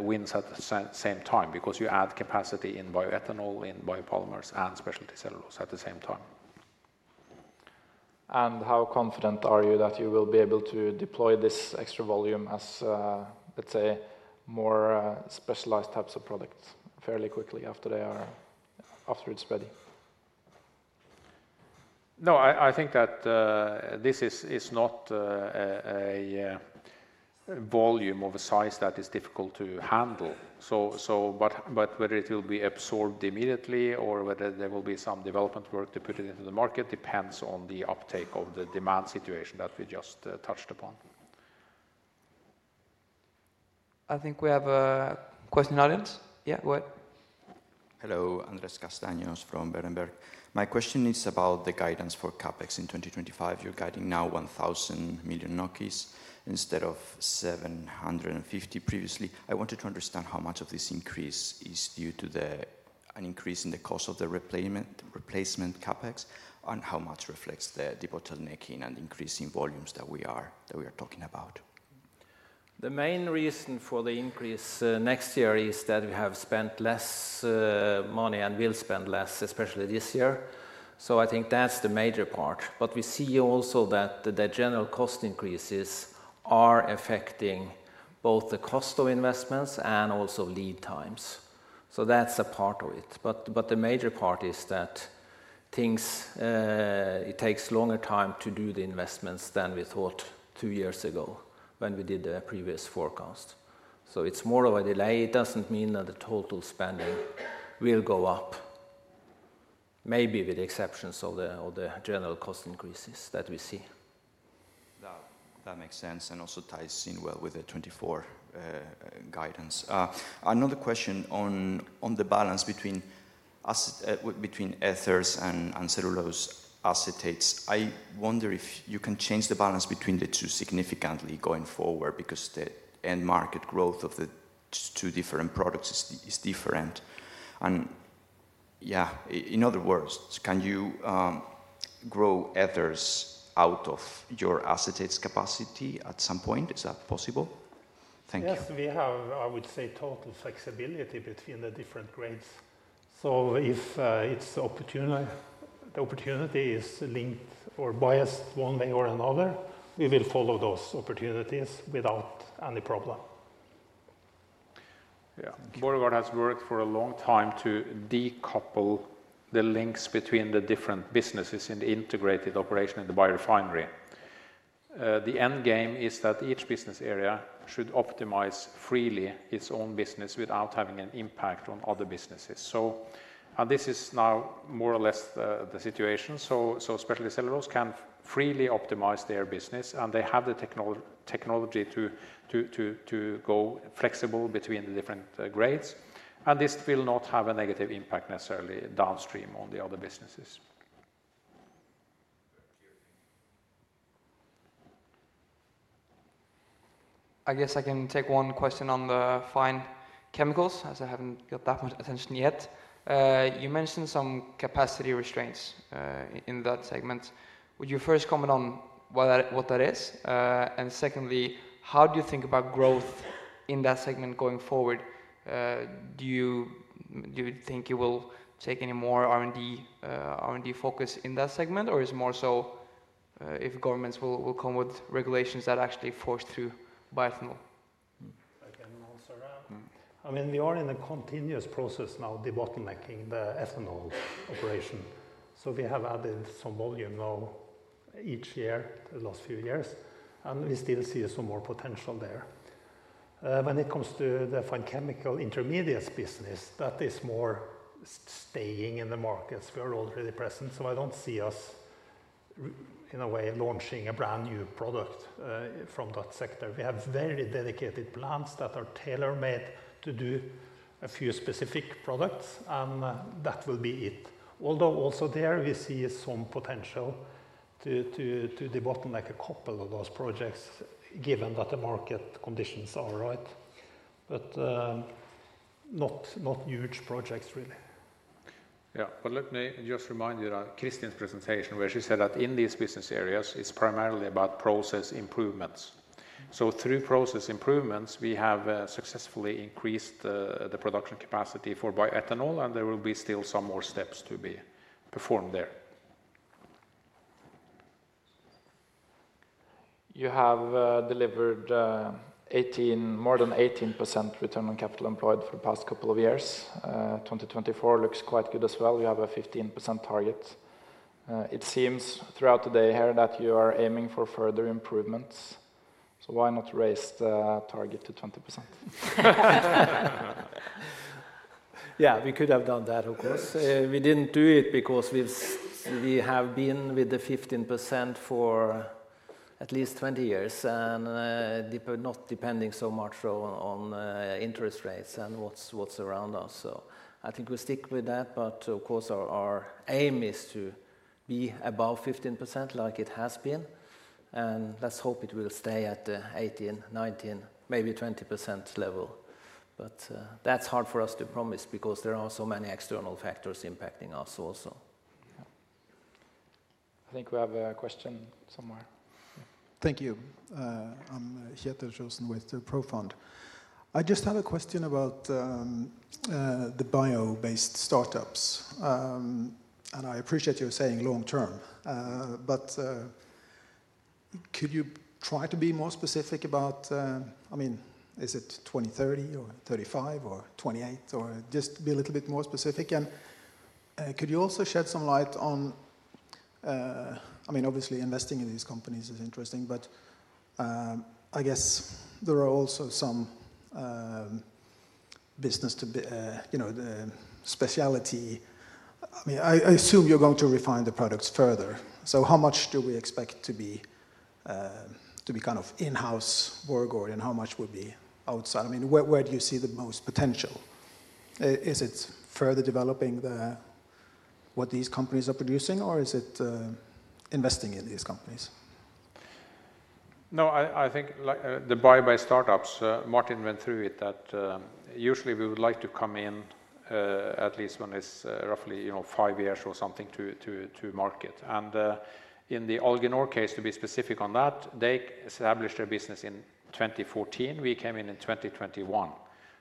wins at the same time, because you add capacity in bioethanol, in biopolymers, and specialty cellulose at the same time. And how confident are you that you will be able to deploy this extra volume as, let's say, more, specialized types of products fairly quickly after they are... after it's ready? No, I think that this is not a volume of a size that is difficult to handle. So, but whether it will be absorbed immediately or whether there will be some development work to put it into the market, depends on the uptake of the demand situation that we just touched upon. I think we have a question from the audience. Yeah, go ahead. Hello, Andrés Castanos from Berenberg. My question is about the guidance for CapEx in 2025. You're guiding now 1,000 million instead of 750 million previously. I wanted to understand how much of this increase is due to an increase in the cost of the replacement CapEx, and how much reflects the debottlenecking and increase in volumes that we are talking about? The main reason for the increase next year is that we have spent less money and will spend less, especially this year. So I think that's the major part. But we see also that the general cost increases are affecting both the cost of investments and also lead times. So that's a part of it. But the major part is that things. It takes longer time to do the investments than we thought two years ago when we did the previous forecast. So it's more of a delay. It doesn't mean that the total spending will go up, maybe with the exceptions of the general cost increases that we see. That makes sense, and also ties in well with the 2024 guidance. Another question on the balance between ethers and cellulose acetates. I wonder if you can change the balance between the two significantly going forward, because the end market growth of the two different products is different. And, yeah, in other words, can you grow ethers out of your acetates capacity at some point? Is that possible? Thank you. Yes, we have, I would say, total flexibility between the different grades. So if it's opportunity, the opportunity is linked or biased one way or another, we will follow those opportunities without any problem. Yeah. Borregaard has worked for a long time to decouple the links between the different businesses in the integrated operation in the biorefinery. The end game is that each business area should optimize freely its own business without having an impact on other businesses. So, and this is now more or less the situation. So, Specialty Cellulose can freely optimize their business, and they have the technology to go flexible between the different grades, and this will not have a negative impact necessarily downstream on the other businesses. I guess I can take one question on the Fine Chemicals, as I haven't got that much attention yet. You mentioned some capacity restraints in that segment. Would you first comment on what that is? And secondly, how do you think about growth in that segment going forward? Do you think you will take any more R&D focus in that segment, or is it more so if governments will come with regulations that actually force through bioethanol? I can answer that. I mean, we are in a continuous process now, debottlenecking the ethanol operation. So we have added some volume now each year, the last few years, and we still see some more potential there. When it comes to the fine chemical intermediates business, that is more staying in the markets we are already present, so I don't see us in a way, launching a brand-new product from that sector. We have very dedicated plants that are tailor-made to do a few specific products, and that will be it. Although also there we see some potential to debottleneck a couple of those projects, given that the market conditions are all right. But not huge projects, really. Yeah, but let me just remind you that Kristin's presentation, where she said that in these business areas, it's primarily about process improvements. So through process improvements, we have successfully increased the production capacity for bioethanol, and there will be still some more steps to be performed there. You have delivered 18, more than 18% return on capital employed for the past couple of years. 2024 looks quite good as well. You have a 15% target. It seems throughout the day here that you are aiming for further improvements, so why not raise the target to 20%? Yeah, we could have done that, of course. We didn't do it because we have been with the 15% for at least 20 years, and not depending so much on interest rates and what's around us. So I think we'll stick with that, but of course, our aim is to be above 15%, like it has been, and let's hope it will stay at the 18%, 19%, maybe 20% level. But that's hard for us to promise because there are so many external factors impacting us also. Yeah. I think we have a question somewhere. Thank you. I'm Kjetil Johansen with the ProFund. I just have a question about the bio-based startups. And I appreciate you saying long term, but could you try to be more specific about, I mean, is it 2030 or 2035 or 2028, or just be a little bit more specific? And could you also shed some light on, I mean, obviously, investing in these companies is interesting, but I guess there are also some business to, you know, the specialty, I mean, I assume you're going to refine the products further. So how much do we expect to be kind of in-house work, or, and how much would be outside? I mean, where do you see the most potential? Is it further developing what these companies are producing, or is it investing in these companies? No, I think, like, the buy-in startups, Martin went through it, that usually we would like to come in at least when it's roughly, you know, five years or something to market. In the Alginor case, to be specific on that, they established their business in 2014, we came in in 2021.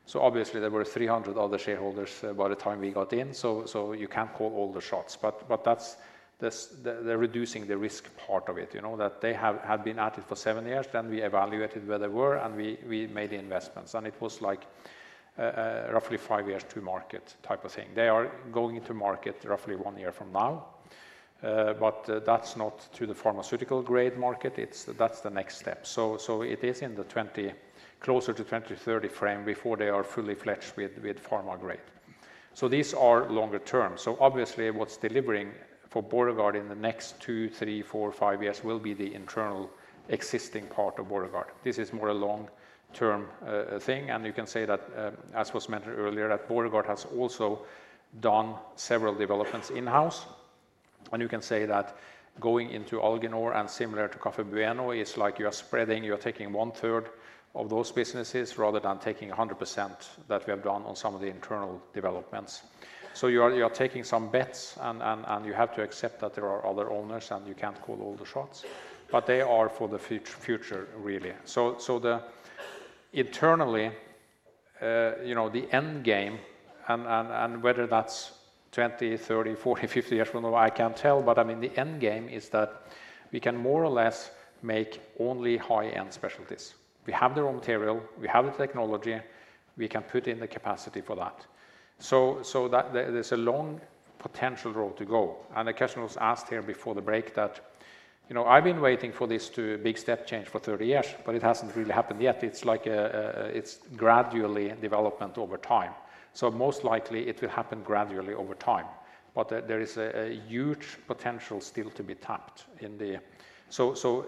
So obviously there were 300 other shareholders by the time we got in, so you can't call all the shots, but that's the reducing the risk part of it, you know? That they had been at it for seven years, then we evaluated where they were, and we made the investments, and it was like roughly five years to market type of thing. They are going to market roughly one year from now, but that's not to the pharmaceutical grade market, it's. That's the next step. So it is in the 2020 closer to 2030 frame before they are fully fledged with pharma grade. So these are longer term. So obviously, what's delivering for Borregaard in the next two, three, four, five years will be the internal existing part of Borregaard. This is more a long-term thing, and you can say that, as was mentioned earlier, that Borregaard has also done several developments in-house. You can say that going into Alginor and similar to Kaffe Bueno is like you are spreading, you are taking one third of those businesses rather than taking 100% that we have done on some of the internal developments. So you are taking some bets, and you have to accept that there are other owners, and you can't call all the shots, but they are for the future, really. So internally, you know, the end game, and whether that's 20, 30, 40, 50 years from now, I can't tell, but I mean, the end game is that we can more or less make only high-end specialties. We have the raw material, we have the technology, we can put in the capacity for that. So that there, there's a long potential road to go. And the question was asked here before the break that, you know, I've been waiting for this big step change for 30 years, but it hasn't really happened yet. It's like, it's gradual development over time. So most likely it will happen gradually over time. But there is a huge potential still to be tapped in the... So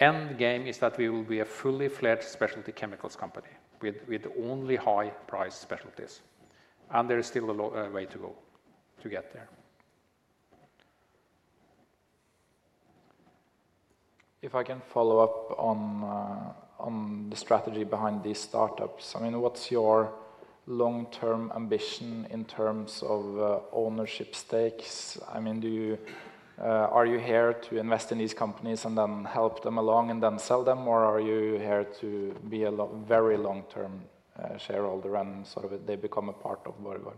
end game is that we will be a fully fledged specialty chemicals company with only high price specialties, and there is still a long way to go to get there. If I can follow up on the strategy behind these startups. I mean, what's your long-term ambition in terms of ownership stakes? I mean, do you... Are you here to invest in these companies and then help them along and then sell them, or are you here to be a very long-term shareholder and sort of they become a part of Borregaard?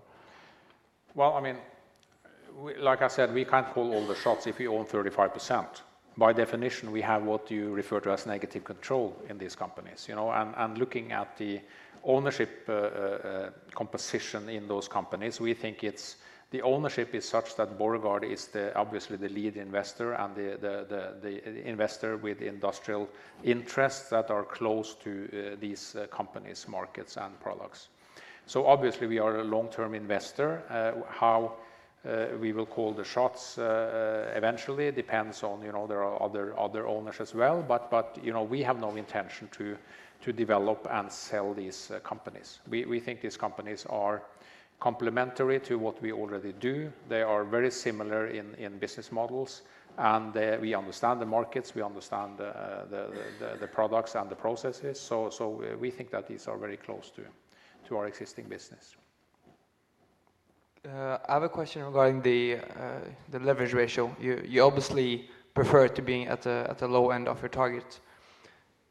I mean, like I said, we can't call all the shots if we own 35%. By definition, we have what you refer to as negative control in these companies, you know? And looking at the ownership composition in those companies, we think the ownership is such that Borregaard is obviously the lead investor and the investor with industrial interests that are close to these companies, markets, and products. So obviously, we are a long-term investor. How we will call the shots eventually depends on, you know, there are other owners as well. But you know, we have no intention to develop and sell these companies. We think these companies are complementary to what we already do. They are very similar in business models, and we understand the markets, we understand the products and the processes. So we think that these are very close to our existing business. I have a question regarding the leverage ratio. You obviously prefer it to be at the low end of your target.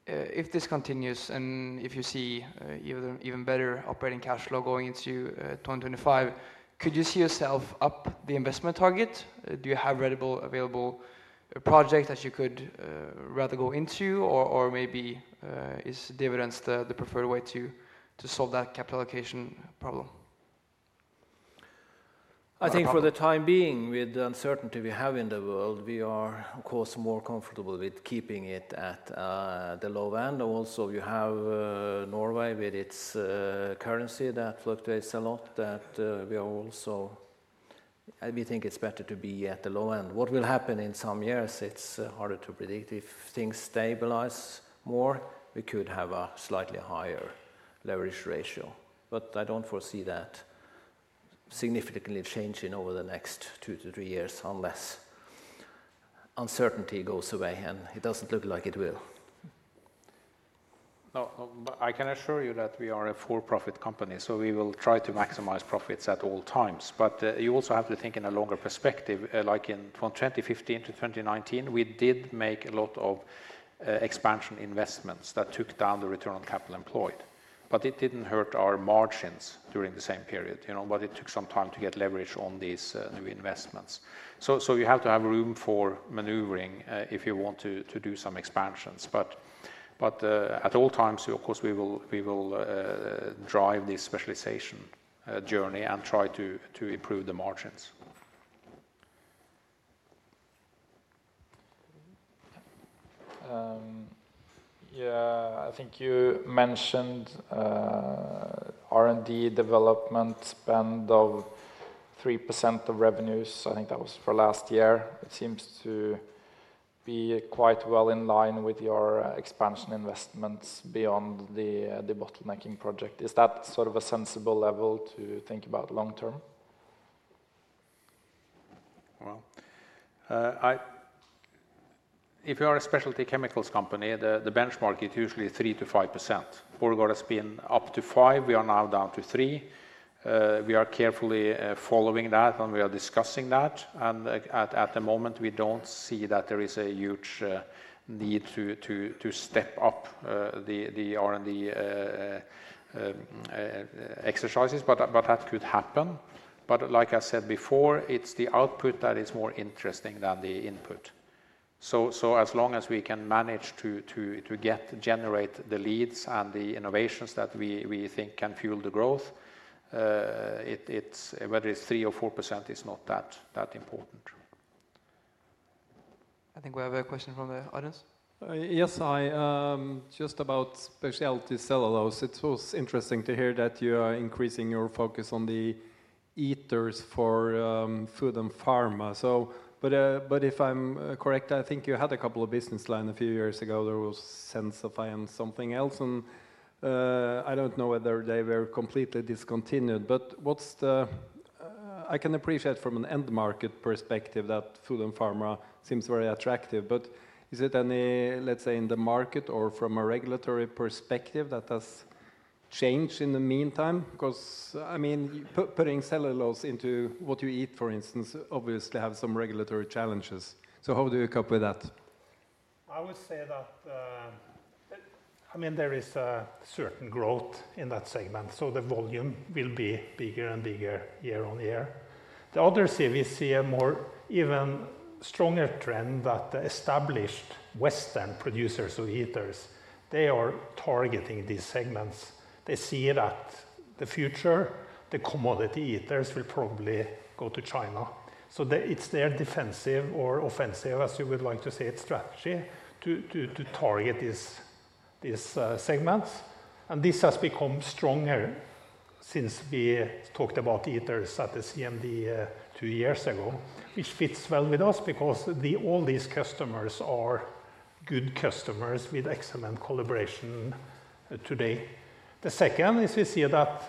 If this continues, and if you see even better operating cash flow going into 2025, could you see yourself upping the investment target? Do you have ready, available projects that you could rather go into? Or maybe is dividends the preferred way to solve that capital allocation problem? I think for the time being, with the uncertainty we have in the world, we are of course more comfortable with keeping it at the low end. Also, you have Norway with its currency that fluctuates a lot, that we are also. We think it's better to be at the low end. What will happen in some years, it's harder to predict. If things stabilize more, we could have a slightly higher leverage ratio. But I don't foresee that significantly changing over the next two to three years, unless uncertainty goes away, and it doesn't look like it will. Now, I can assure you that we are a for-profit company, so we will try to maximize profits at all times, but you also have to think in a longer perspective, like from 2015 to 2019, we did make a lot of expansion investments that took down the return on capital employed, but it didn't hurt our margins during the same period, you know, but it took some time to get leverage on these new investments, so you have to have room for maneuvering if you want to do some expansions, but at all times, of course, we will drive the specialization journey and try to improve the margins. Yeah, I think you mentioned, R&D development spend of 3% of revenues. I think that was for last year. It seems to be quite well in line with your, expansion investments beyond the, the bottlenecking project. Is that sort of a sensible level to think about long term? If you are a specialty chemicals company, the benchmark is usually 3%-5%. Borregaard has been up to 5%, we are now down to 3%. We are carefully following that, and we are discussing that. Like, at the moment, we don't see that there is a huge need to step up the R&D exercises, but that could happen. Like I said before, it's the output that is more interesting than the input. As long as we can manage to generate the leads and the innovations that we think can fuel the growth, it's whether it's 3% or 4% is not that important. I think we have a question from the audience. Yes, I just about specialty cellulose. It was interesting to hear that you are increasing your focus on the ethers for food and pharma. So but, but if I'm correct, I think you had a couple of business line a few years ago. There was SenseFi and something else, and I don't know whether they were completely discontinued. But what's the... I can appreciate from an end market perspective that food and pharma seems very attractive, but is it any, let's say, in the market or from a regulatory perspective, that has changed in the meantime? Because, I mean, putting cellulose into what you eat, for instance, obviously have some regulatory challenges. So how do you cope with that? I would say that, I mean, there is a certain growth in that segment, so the volume will be bigger and bigger year on year. The other thing, we see a more even stronger trend that established Western producers of ethers, they are targeting these segments. They see that the future, the commodity ethers, will probably go to China. So they, it's their defensive or offensive, as you would like to say, strategy to target these segments. And this has become stronger since we talked about ethers at the CMD two years ago, which fits well with us because the, all these customers are good customers with excellent collaboration today. The second is we see that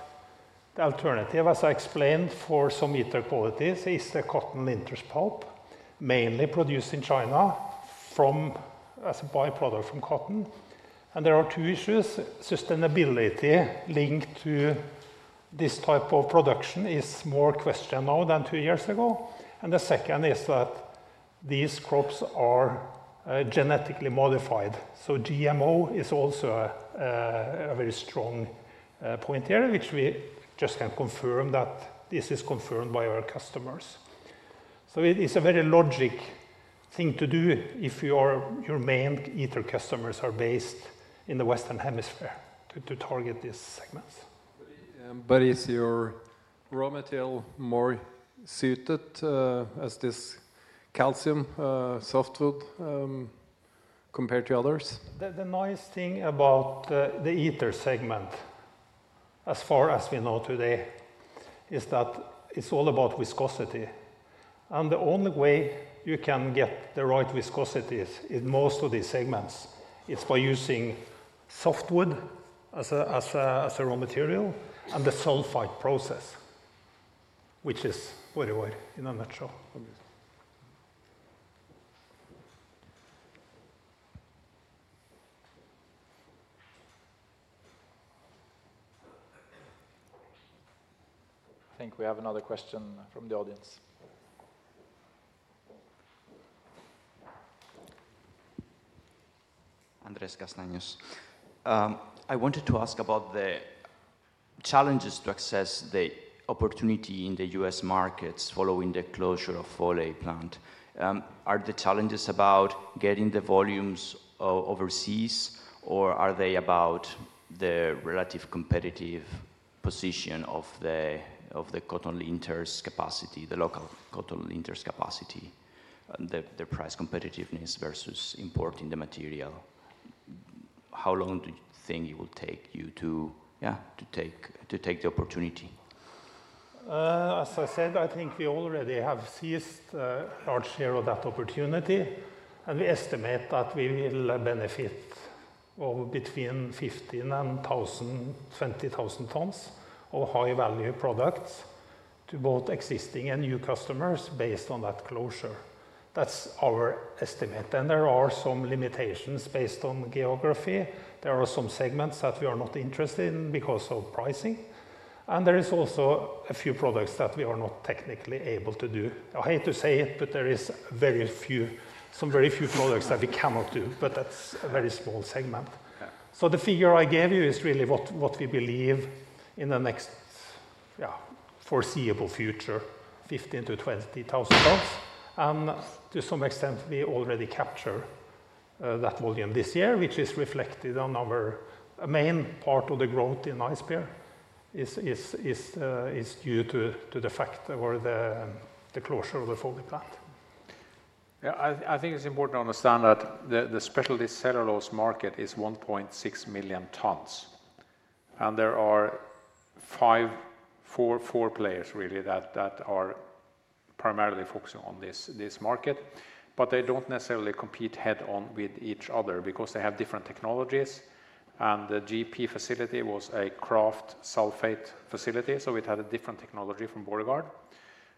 the alternative, as I explained, for some ether qualities, is the cotton linters pulp, mainly produced in China from, as a by-product from cotton. There are two issues: sustainability linked to this type of production is more questioned now than two years ago, and the second is that these crops are genetically modified. So GMO is also a very strong point here, which we just can confirm that this is confirmed by our customers. So it is a very logical thing to do if your main Ethers customers are based in the Western Hemisphere, to target these segments. But is your raw material more suited as this calcium, softwood compared to others? The nice thing about the ether segment, as far as we know today, is that it's all about viscosity and the only way you can get the right viscosities in most of these segments is by using softwood as a raw material and the sulfite process, which is where we were in a nutshell. I think we have another question from the audience. Andrés Castanos. I wanted to ask about the challenges to access the opportunity in the U.S. markets following the closure of Foley plant. Are the challenges about getting the volumes overseas, or are they about the relative competitive position of the cotton linters capacity, the local cotton linters capacity, and the price competitiveness versus importing the material? How long do you think it will take you to take the opportunity? As I said, I think we already have seized a large share of that opportunity, and we estimate that we will benefit from between 15,000 and 20,000 tons of high-value products to both existing and new customers based on that closure. That's our estimate. There are some limitations based on geography. There are some segments that we are not interested in because of pricing, and there is also a few products that we are not technically able to do. I hate to say it, but there are very few products that we cannot do, but that's a very small segment. So the figure I gave you is really what we believe in the next, yeah, foreseeable future, 15-20 thousand tons. And to some extent, we already capture that volume this year, which is reflected on our, a main part of the growth in Ice Bear is due to the fact or the closure of the former plant? Yeah, I think it's important to understand that the specialty cellulose market is 1.6 million tons, and there are four players really that are primarily focusing on this market. But they don't necessarily compete head-on with each other because they have different technologies, and the GP facility was a kraft sulfate facility, so it had a different technology from Borregaard.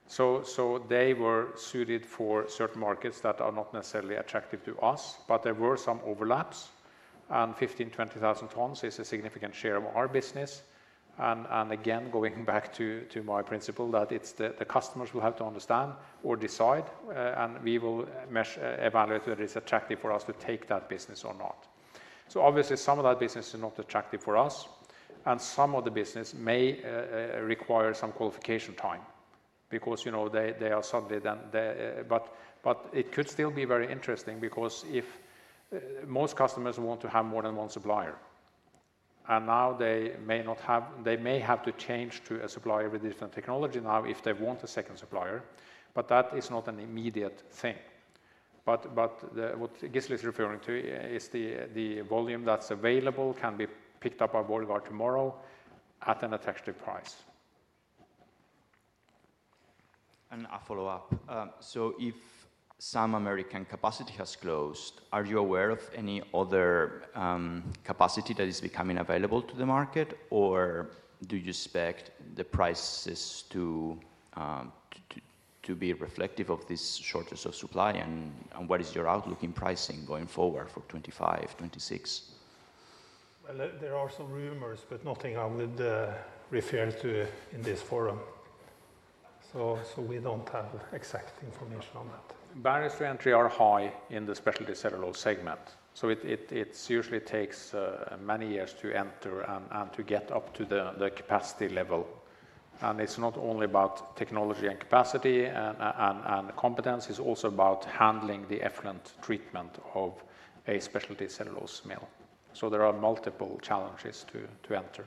So they were suited for certain markets that are not necessarily attractive to us, but there were some overlaps, and 15-20 thousand tons is a significant share of our business. And again, going back to my principle that it's the customers will have to understand or decide, and we will measure, evaluate whether it's attractive for us to take that business or not. So obviously, some of that business is not attractive for us, and some of the business may require some qualification time because, you know, they are suddenly then they. But it could still be very interesting because if most customers want to have more than one supplier, and now they may not have, they may have to change to a supplier with different technology now if they want a second supplier, but that is not an immediate thing. But what Gisle is referring to is the volume that's available can be picked up by Borregaard tomorrow at an attractive price. And a follow-up. So if some American capacity has closed, are you aware of any other capacity that is becoming available to the market? Or do you expect the prices to be reflective of this shortage of supply, and what is your outlook in pricing going forward for 2025, 2026? There are some rumors, but nothing I would refer to in this forum. So, we don't have exact information on that. Barriers to entry are high in the specialty cellulose segment, so it usually takes many years to enter and to get up to the capacity level, and it's not only about technology and capacity and competence, it's also about handling the effluent treatment of a specialty cellulose mill, so there are multiple challenges to enter.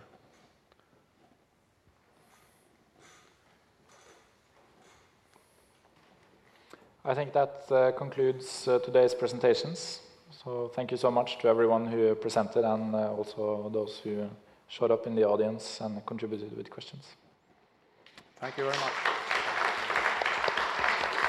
I think that concludes today's presentations. So thank you so much to everyone who presented and also those who showed up in the audience and contributed with questions. Thank you very much.